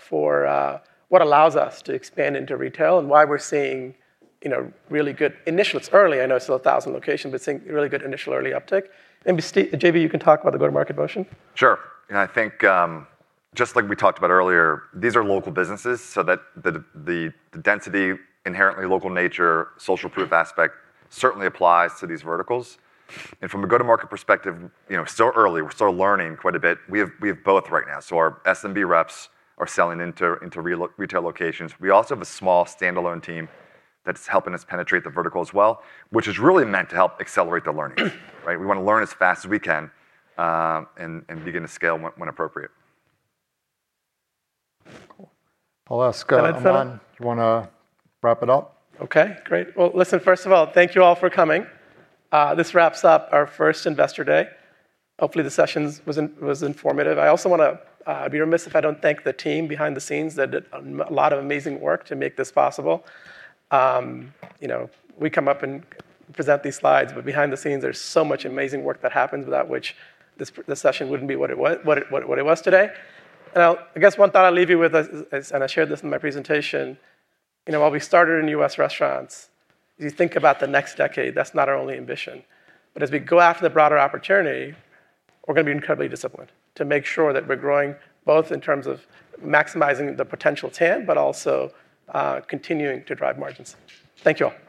what allows us to expand into retail and why we're seeing, you know, really good initial. It's early, I know it's still 1,000 locations, but seeing really good initial early uptick. And Steve- JV you can talk about the go-to-market motion. Sure. You know, I think, just like we talked about earlier, these are local businesses, so that the density, inherently local nature, social proof aspect certainly applies to these verticals. And from a go-to-market perspective, you know, still early, we're still learning quite a bit. We have, we have both right now, so our SMB reps are selling into retail locations. We also have a small standalone team that's helping us penetrate the vertical as well, which is really meant to help accelerate the learning. Right? We want to learn as fast as we can, and begin to scale when appropriate. Cool. I'll ask- Can I set up- Aman, you wanna wrap it up? Okay, great. Well, listen, first of all, thank you all for coming. This wraps up our first Investor Day. Hopefully, the session was informative. I also want to be remiss if I don't thank the team behind the scenes that did a lot of amazing work to make this possible. You know, we come up and present these slides, but behind the scenes, there's so much amazing work that happens without which this session wouldn't be what it was today. And I'll, I guess one thought I'll leave you with is, and I shared this in my presentation, you know, while we started in U.S. restaurants, as you think about the next decade, that's not our only ambition. But as we go after the broader opportunity, we're going to be incredibly disciplined to make sure that we're growing both in terms of maximizing the potential TAM, but also, continuing to drive margins. Thank you all!